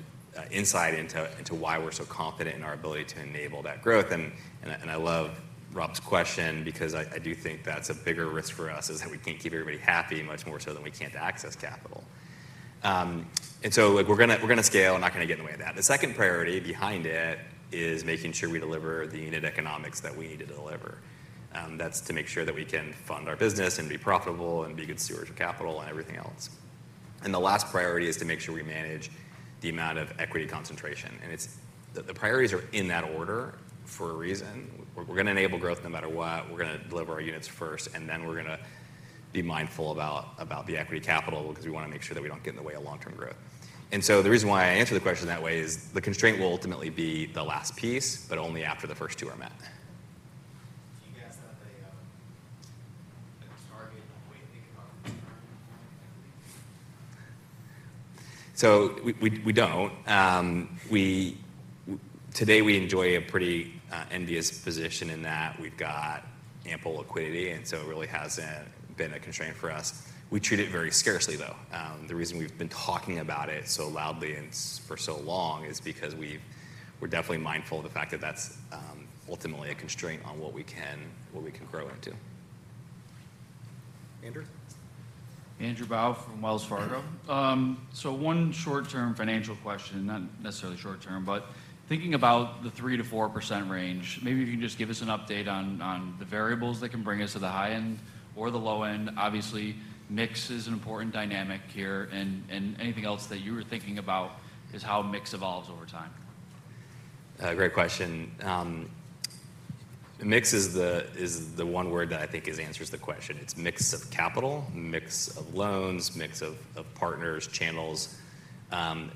insight into why we're so confident in our ability to enable that growth. And I love Rob's question because I do think that's a bigger risk for us, is that we can't keep everybody happy, much more so than we can't access capital. And so, look, we're gonna scale. I'm not gonna get in the way of that. The second priority behind it is making sure we deliver the unit economics that we need to deliver. That's to make sure that we can fund our business and be profitable and be good stewards of capital and everything else. And the last priority is to make sure we manage the amount of equity concentration, and it's... The priorities are in that order for a reason. We're gonna enable growth no matter what. We're gonna deliver our units first, and then we're gonna be mindful about the equity capital because we wanna make sure that we don't get in the way of long-term growth. And so the reason why I answer the question that way is the constraint will ultimately be the last piece, but only after the first two are met. Do you guys have a target when you think about it? So we don't. Today, we enjoy a pretty envious position in that we've got ample liquidity, and so it really hasn't been a constraint for us. We treat it very scarcely, though. The reason we've been talking about it so loudly and for so long is because we're definitely mindful of the fact that that's ultimately a constraint on what we can grow into. Andrew? Andrew Bauch from Wells Fargo. So one short-term financial question, not necessarily short term, but thinking about the 3%-4% range, maybe if you can just give us an update on the variables that can bring us to the high end or the low end. Obviously, mix is an important dynamic here, and anything else that you were thinking about is how mix evolves over time. Great question. Mix is the one word that I think answers the question. It's mix of capital, mix of loans, mix of partners, channels.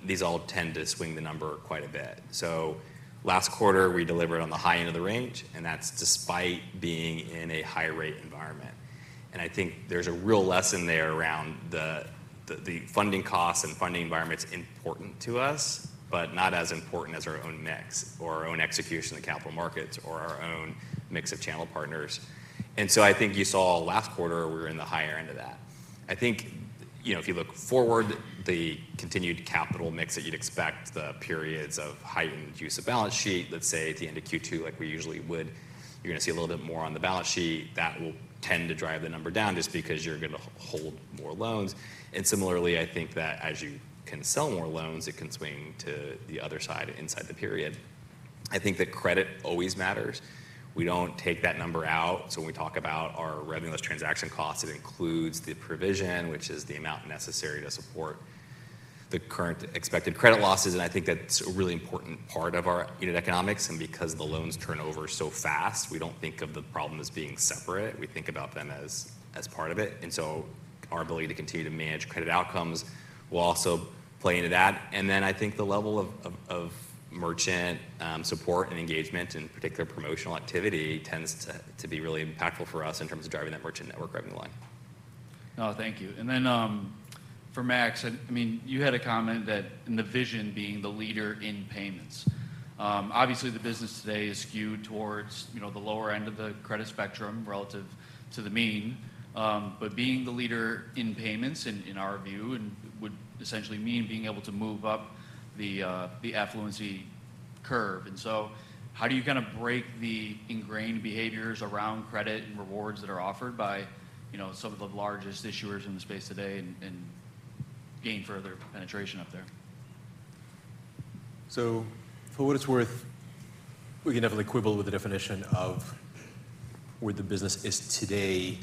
These all tend to swing the number quite a bit. So last quarter, we delivered on the high end of the range, and that's despite being in a high-rate environment. And I think there's a real lesson there around the funding costs and funding environment's important to us, but not as important as our own mix or our own execution in the capital markets or our own mix of channel partners. And so I think you saw last quarter, we were in the higher end of that. I think, you know, if you look forward, the continued capital mix that you'd expect, the periods of heightened use of balance sheet, let's say at the end of Q2, like we usually would, you're gonna see a little bit more on the balance sheet. That will tend to drive the number down just because you're gonna hold more loans. And similarly, I think that as you can sell more loans, it can swing to the other side inside the period. I think that credit always matters. We don't take that number out. So when we talk about our revenue less transaction costs, it includes the provision, which is the amount necessary to support the current expected credit losses, and I think that's a really important part of our unit economics. And because the loans turn over so fast, we don't think of the problem as being separate. We think about them as part of it, and so our ability to continue to manage credit outcomes will also play into that. And then I think the level of merchant support and engagement, in particular promotional activity, tends to be really impactful for us in terms of driving that merchant network revenue line. No, thank you. And then, for Max, I mean, you had a comment that and the vision being the leader in payments. Obviously, the business today is skewed towards, you know, the lower end of the credit spectrum relative to the mean. But being the leader in payments, in our view, would essentially mean being able to move up the affluence curve. And so how are you gonna break the ingrained behaviors around credit and rewards that are offered by, you know, some of the largest issuers in the space today and gain further penetration up there? So for what it's worth, we can definitely quibble with the definition of where the business is today.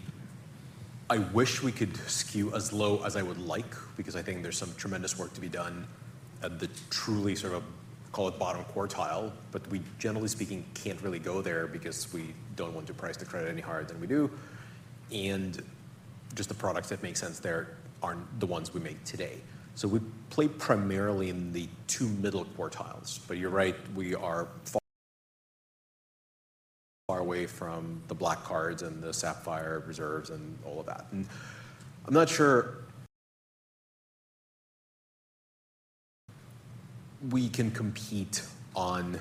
I wish we could skew as low as I would like because I think there's some tremendous work to be done at the truly sort of, call it bottom quartile. But we, generally speaking, can't really go there because we don't want to price the credit any higher than we do, and just the products that make sense there aren't the ones we make today. So we play primarily in the two middle quartiles. But you're right, we are far away from the Black Cards and the Sapphire Reserves, and all of that. And I'm not sure we can compete on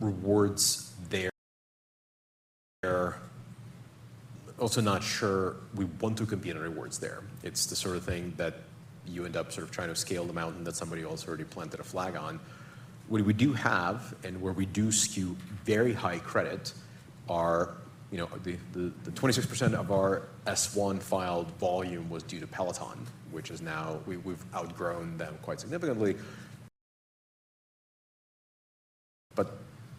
rewards there. Also not sure we want to compete on rewards there. It's the sort of thing that you end up sort of trying to scale the mountain that somebody else already planted a flag on. What we do have, and where we do skew very high credit, are, you know, the 26% of our S-1 filed volume was due to Peloton, which is now, we've outgrown them quite significantly. But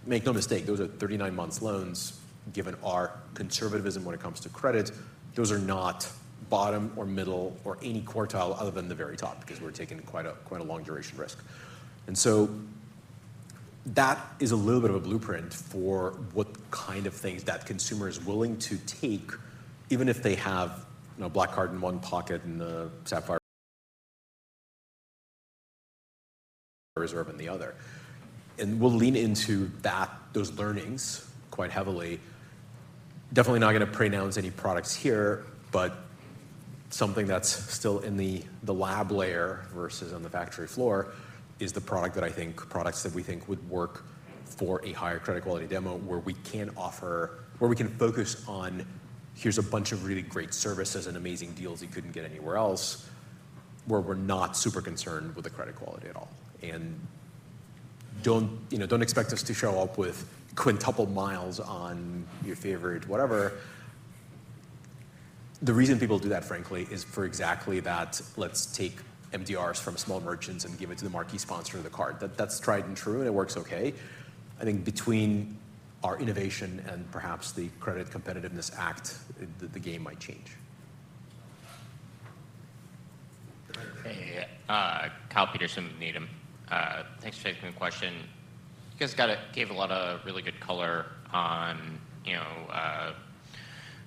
make no mistake, those are 39 months loans. Given our conservatism when it comes to credit, those are not bottom or middle or any quartile other than the very top, because we're taking quite a long duration risk. And so that is a little bit of a blueprint for what kind of things that consumer is willing to take, even if they have, you know, a Black Card in one pocket and a Sapphire Reserve in the other. And we'll lean into that, those learnings quite heavily. Definitely not gonna pronounce any products here, but something that's still in the lab layer versus on the factory floor is the product that I think, products that we think would work for a higher credit quality demo, where we can offer... Where we can focus on, "Here's a bunch of really great services and amazing deals you couldn't get anywhere else," where we're not super concerned with the credit quality at all. And don't, you know, expect us to show up with quintuple miles on your favorite whatever. The reason people do that, frankly, is for exactly that. Let's take MDRs from small merchants and give it to the marquee sponsor of the card. That's tried and true, and it works okay. I think between our innovation and perhaps the Credit Competitiveness Act, the game might change. Hey, Kyle Peterson, Needham. Thanks for taking the question. You guys got a, gave a lot of really good color on, you know,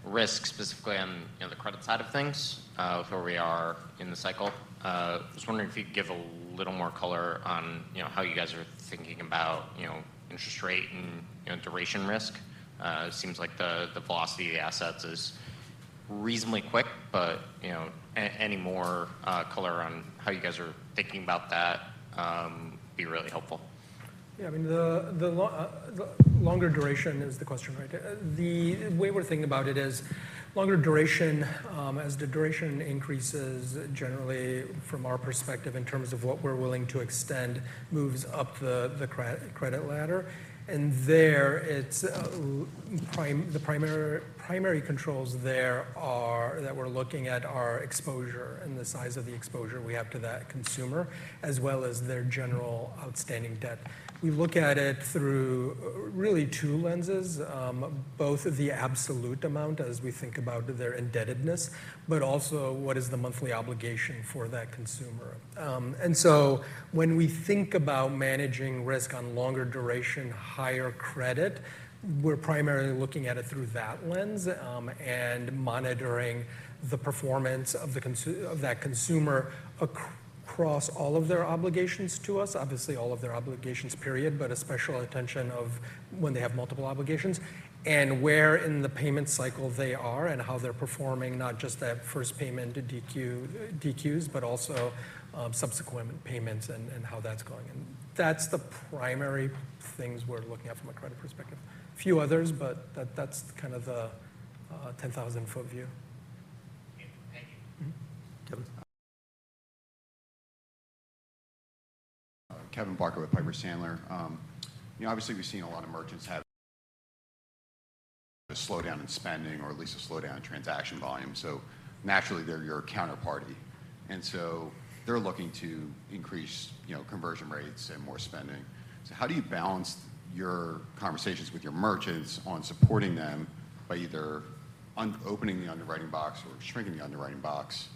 risk, specifically on, you know, the credit side of things, of where we are in the cycle. I was wondering if you'd give a little more color on, you know, how you guys are thinking about, you know, interest rate and, you know, duration risk. It seems like the velocity of the assets is reasonably quick, but, you know, any more color on how you guys are thinking about that, would be really helpful. Yeah, I mean, the longer duration is the question, right? The way we're thinking about it is longer duration, as the duration increases, generally from our perspective, in terms of what we're willing to extend, moves up the credit ladder. And there, it's prime. The primary controls there that we're looking at are exposure and the size of the exposure we have to that consumer, as well as their general outstanding debt. We look at it through really two lenses, both of the absolute amount as we think about their indebtedness, but also what is the monthly obligation for that consumer. And so when we think about managing risk on longer duration, higher credit, we're primarily looking at it through that lens, and monitoring the performance of the consumer across all of their obligations to us. Obviously, all of their obligations, period, but a special attention of when they have multiple obligations and where in the payment cycle they are, and how they're performing, not just that first payment to DQ, DQs, but also subsequent payments and how that's going. And that's the primary things we're looking at from a credit perspective. A few others, but that, that's kind of the 10,000-foot view. Thank you. Mm-hmm. Kevin? Kevin Barker with Piper Sandler. You know, obviously, we've seen a lot of merchants have a slowdown in spending or at least a slowdown in transaction volume, so naturally, they're your counterparty, and so they're looking to increase, you know, conversion rates and more spending. So how do you balance your conversations with your merchants on supporting them by either opening the underwriting box or shrinking the underwriting box,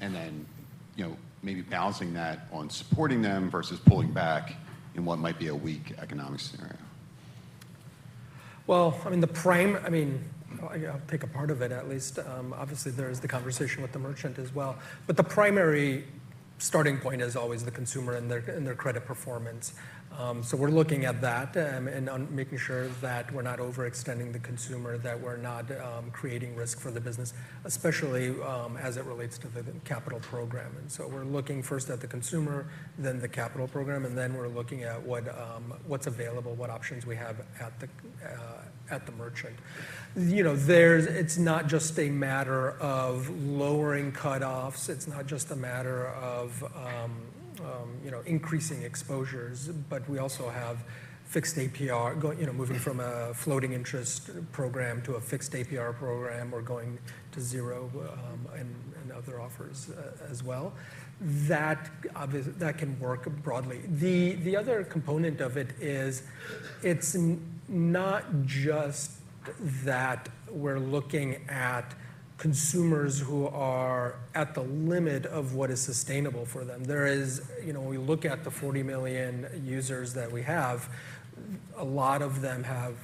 and then, you know, maybe balancing that on supporting them versus pulling back in what might be a weak economic scenario? Well, I mean, I'll take a part of it, at least. Obviously, there is the conversation with the merchant as well. But the primary starting point is always the consumer and their credit performance. So we're looking at that and on making sure that we're not overextending the consumer, that we're not creating risk for the business, especially as it relates to the capital program. And so we're looking first at the consumer, then the capital program, and then we're looking at what's available, what options we have at the merchant. You know, it's not just a matter of lowering cutoffs, it's not just a matter of increasing exposures, but we also have fixed APR. You know, moving from a floating interest program to a fixed APR program, or going to zero, and other offers as well. That can work broadly. The other component of it is, it's not just that we're looking at consumers who are at the limit of what is sustainable for them. There is... You know, when we look at the 40 million users that we have, a lot of them have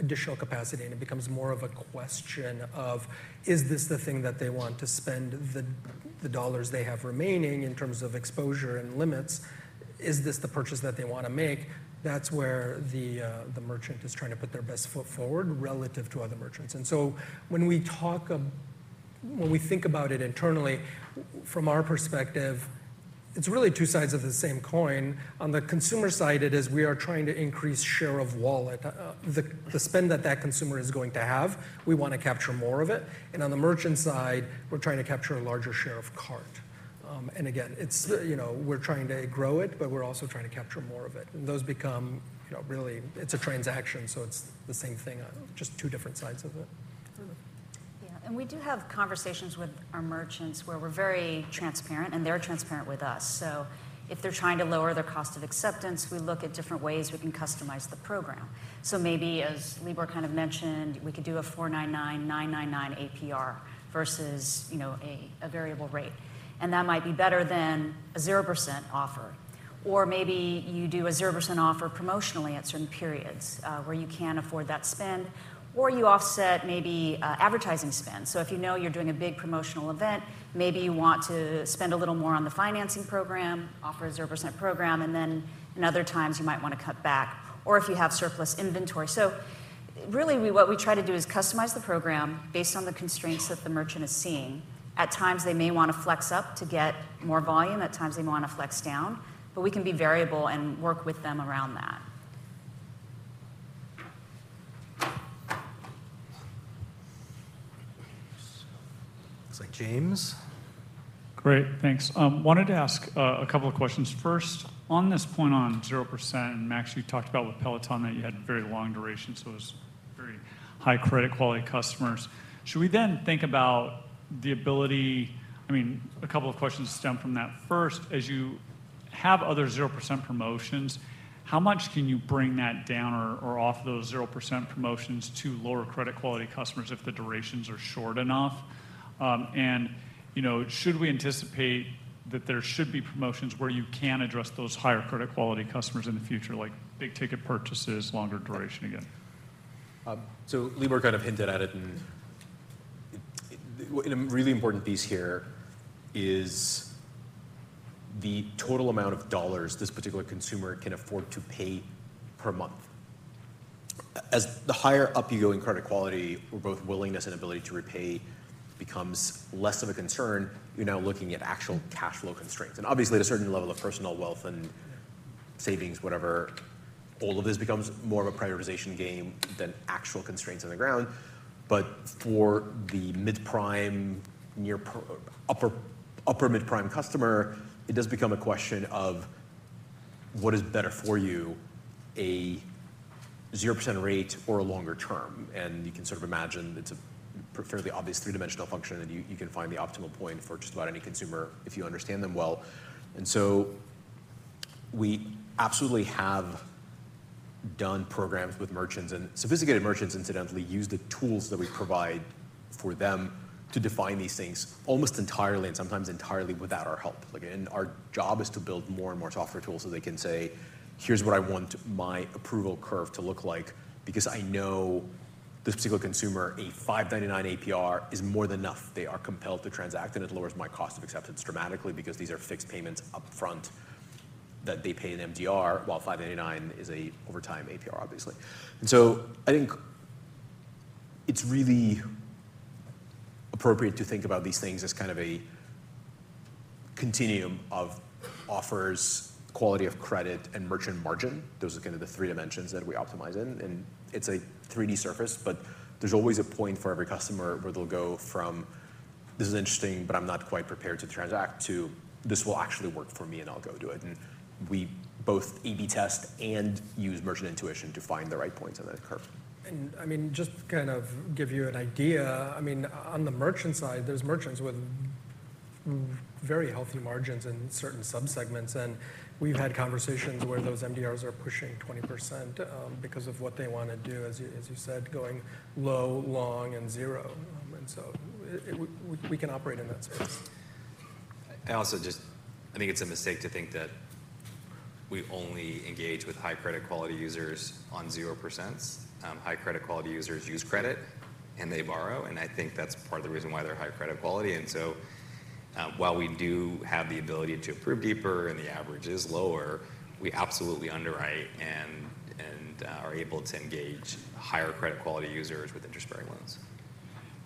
additional capacity, and it becomes more of a question of, is this the thing that they want to spend the dollars they have remaining in terms of exposure and limits? Is this the purchase that they want to make? That's where the merchant is trying to put their best foot forward relative to other merchants. So when we talk, when we think about it internally, from our perspective, it's really two sides of the same coin. On the consumer side, it is we are trying to increase share of wallet. The spend that that consumer is going to have, we want to capture more of it, and on the merchant side, we're trying to capture a larger share of cart. And again, it's, you know, we're trying to grow it, but we're also trying to capture more of it. And those become, you know, really, it's a transaction, so it's the same thing, just two different sides of it. Yeah. We do have conversations with our merchants, where we're very transparent, and they're transparent with us. So if they're trying to lower their cost of acceptance, we look at different ways we can customize the program. So maybe, as Libor kind of mentioned, we could do a 4.999% APR versus, you know, a variable rate, and that might be better than a 0% offer. Or maybe you do a 0% offer promotionally at certain periods, where you can afford that spend, or you offset maybe advertising spend. So if you know you're doing a big promotional event, maybe you want to spend a little more on the financing program, offer a 0% program, and then in other times, you might want to cut back or if you have surplus inventory. So really, what we try to do is customize the program based on the constraints that the merchant is seeing. At times, they may want to flex up to get more volume. At times, they may want to flex down, but we can be variable and work with them around that. Looks like James. Great, thanks. Wanted to ask a couple of questions. First, on this point on 0%, and Max, you talked about with Peloton, that you had very long duration, so it was very high credit quality customers. Should we then think about the ability... I mean, a couple of questions stem from that. First, as you have other 0% promotions, how much can you bring that down or off those 0% promotions to lower credit quality customers if the durations are short enough? And, you know, should we anticipate that there should be promotions where you can address those higher credit quality customers in the future, like big-ticket purchases, longer duration again? So Libor kind of hinted at it, and a really important piece here is the total amount of dollars this particular consumer can afford to pay per month. As the higher up you go in credit quality, where both willingness and ability to repay becomes less of a concern, you're now looking at actual cash flow constraints. And obviously, at a certain level of personal wealth and savings, whatever, all of this becomes more of a prioritization game than actual constraints on the ground. But for the mid-prime, near-prime, upper, upper mid-prime customer, it does become a question of: What is better for you, a 0% rate or a longer term? And you can sort of imagine it's a fairly obvious three-dimensional function, and you can find the optimal point for just about any consumer if you understand them well. We absolutely have done programs with merchants, and sophisticated merchants, incidentally, use the tools that we provide for them to define these things almost entirely and sometimes entirely without our help. Again, our job is to build more and more software tools so they can say, "Here's what I want my approval curve to look like, because I know this particular consumer, a 5.99% APR is more than enough. They are compelled to transact, and it lowers my cost of acceptance dramatically because these are fixed payments upfront that they pay in MDR, while 5.99% is an over time APR, obviously." And so I think it's really appropriate to think about these things as kind of a continuum of offers, quality of credit, and merchant margin. Those are kind of the three dimensions that we optimize in, and it's a 3-D surface, but there's always a point for every customer where they'll go from, "This is interesting, but I'm not quite prepared to transact," to, "This will actually work for me, and I'll go do it." And we both A/B test and use merchant intuition to find the right points on that curve. I mean, just to kind of give you an idea, I mean, on the merchant side, there's merchants with very healthy margins in certain subsegments, and we've had conversations where those MDRs are pushing 20%, because of what they want to do, as you said, going low, long, and zero. And so we can operate in that space. I also think it's a mistake to think that we only engage with high credit quality users on 0%. High credit quality users use credit and they borrow, and I think that's part of the reason why they're high credit quality. And so, while we do have the ability to approve deeper and the average is lower, we absolutely underwrite and are able to engage higher credit quality users with interest-bearing loans.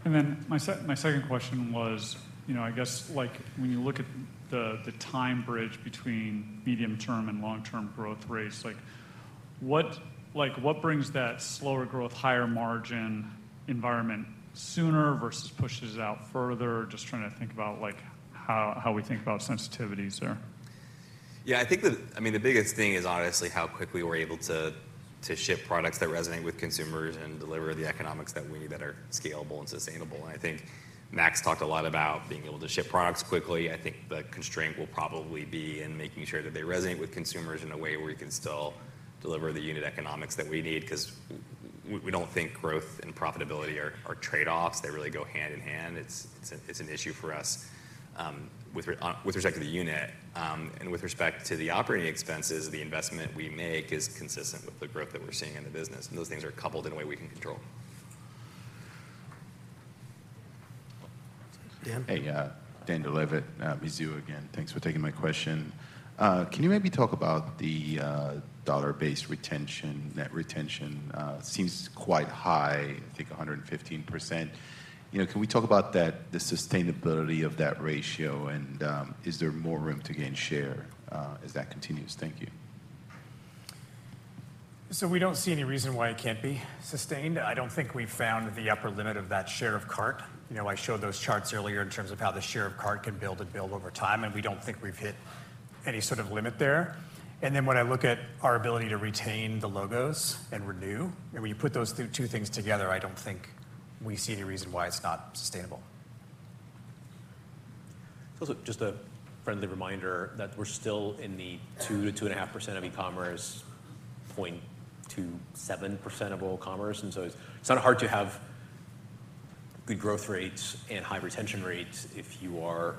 And then my second question was, you know, I guess, like, when you look at the time bridge between medium-term and long-term growth rates, like what brings that slower growth, higher margin environment sooner versus pushes it out further? Just trying to think about, like, how we think about sensitivities there. Yeah, I think the, I mean, the biggest thing is honestly how quickly we're able to ship products that resonate with consumers and deliver the economics that we need that are scalable and sustainable. And I think Max talked a lot about being able to ship products quickly. I think the constraint will probably be in making sure that they resonate with consumers in a way where we can still deliver the unit economics that we need. 'Cause we don't think growth and profitability are trade-offs; they really go hand in hand. It's an issue for us with respect to the unit. And with respect to the operating expenses, the investment we make is consistent with the growth that we're seeing in the business, and those things are coupled in a way we can control. Dan? Hey, yeah, Dan Dolev, Mizuho again. Thanks for taking my question. Can you maybe talk about the dollar-based retention, net retention? Seems quite high, I think 115%. You know, can we talk about that, the sustainability of that ratio, and is there more room to gain share as that continues? Thank you. We don't see any reason why it can't be sustained. I don't think we've found the upper limit of that share of cart. You know, I showed those charts earlier in terms of how the share of cart can build and build over time, and we don't think we've hit any sort of limit there. And then when I look at our ability to retain the logos and renew, and when you put those two things together, I don't think we see any reason why it's not sustainable. Also, just a friendly reminder that we're still in the 2%-2.5% of e-commerce, 0.27% of all commerce, and so it's, it's not hard to have good growth rates and high retention rates if you are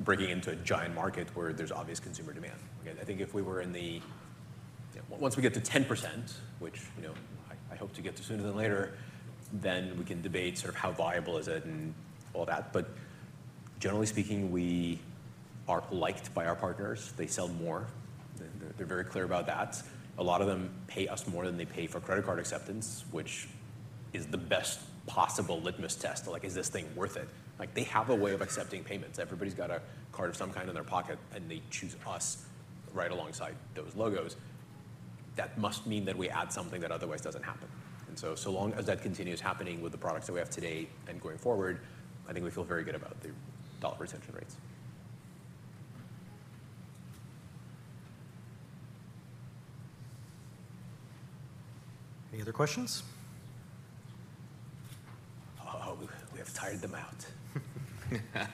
breaking into a giant market where there's obvious consumer demand. Okay, I think if we were in the... Once we get to 10%, which, you know, I, I hope to get to sooner than later, then we can debate sort of how viable is it and all that. But generally speaking, we are liked by our partners. They sell more. They're, they're very clear about that. A lot of them pay us more than they pay for credit card acceptance, which is the best possible litmus test. Like, is this thing worth it? Like, they have a way of accepting payments. Everybody's got a card of some kind in their pocket, and they choose us right alongside those logos. That must mean that we add something that otherwise doesn't happen. And so, so long as that continues happening with the products that we have today and going forward, I think we feel very good about the dollar retention rates. Any other questions? Oh, we have tired them out.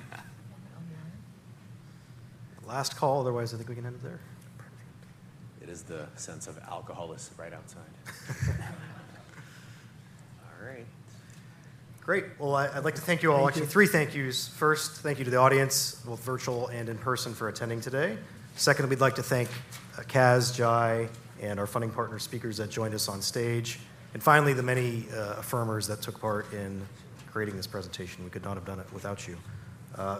Last call, otherwise, I think we can end it there. It is the sense of alcohol is right outside. All right. Great! Well, I'd like to thank you all. Thank you. Actually, three thank yous. First, thank you to the audience, both virtual and in person, for attending today. Second, we'd like to thank, Kaz, Jai, and our funding partner speakers that joined us on stage. And finally, the many, Affirmers that took part in creating this presentation. We could not have done it without you.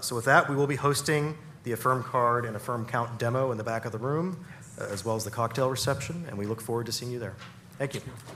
So with that, we will be hosting the Affirm Card and Affirm Account demo in the back of the room, as well as the cocktail reception, and we look forward to seeing you there. Thank you.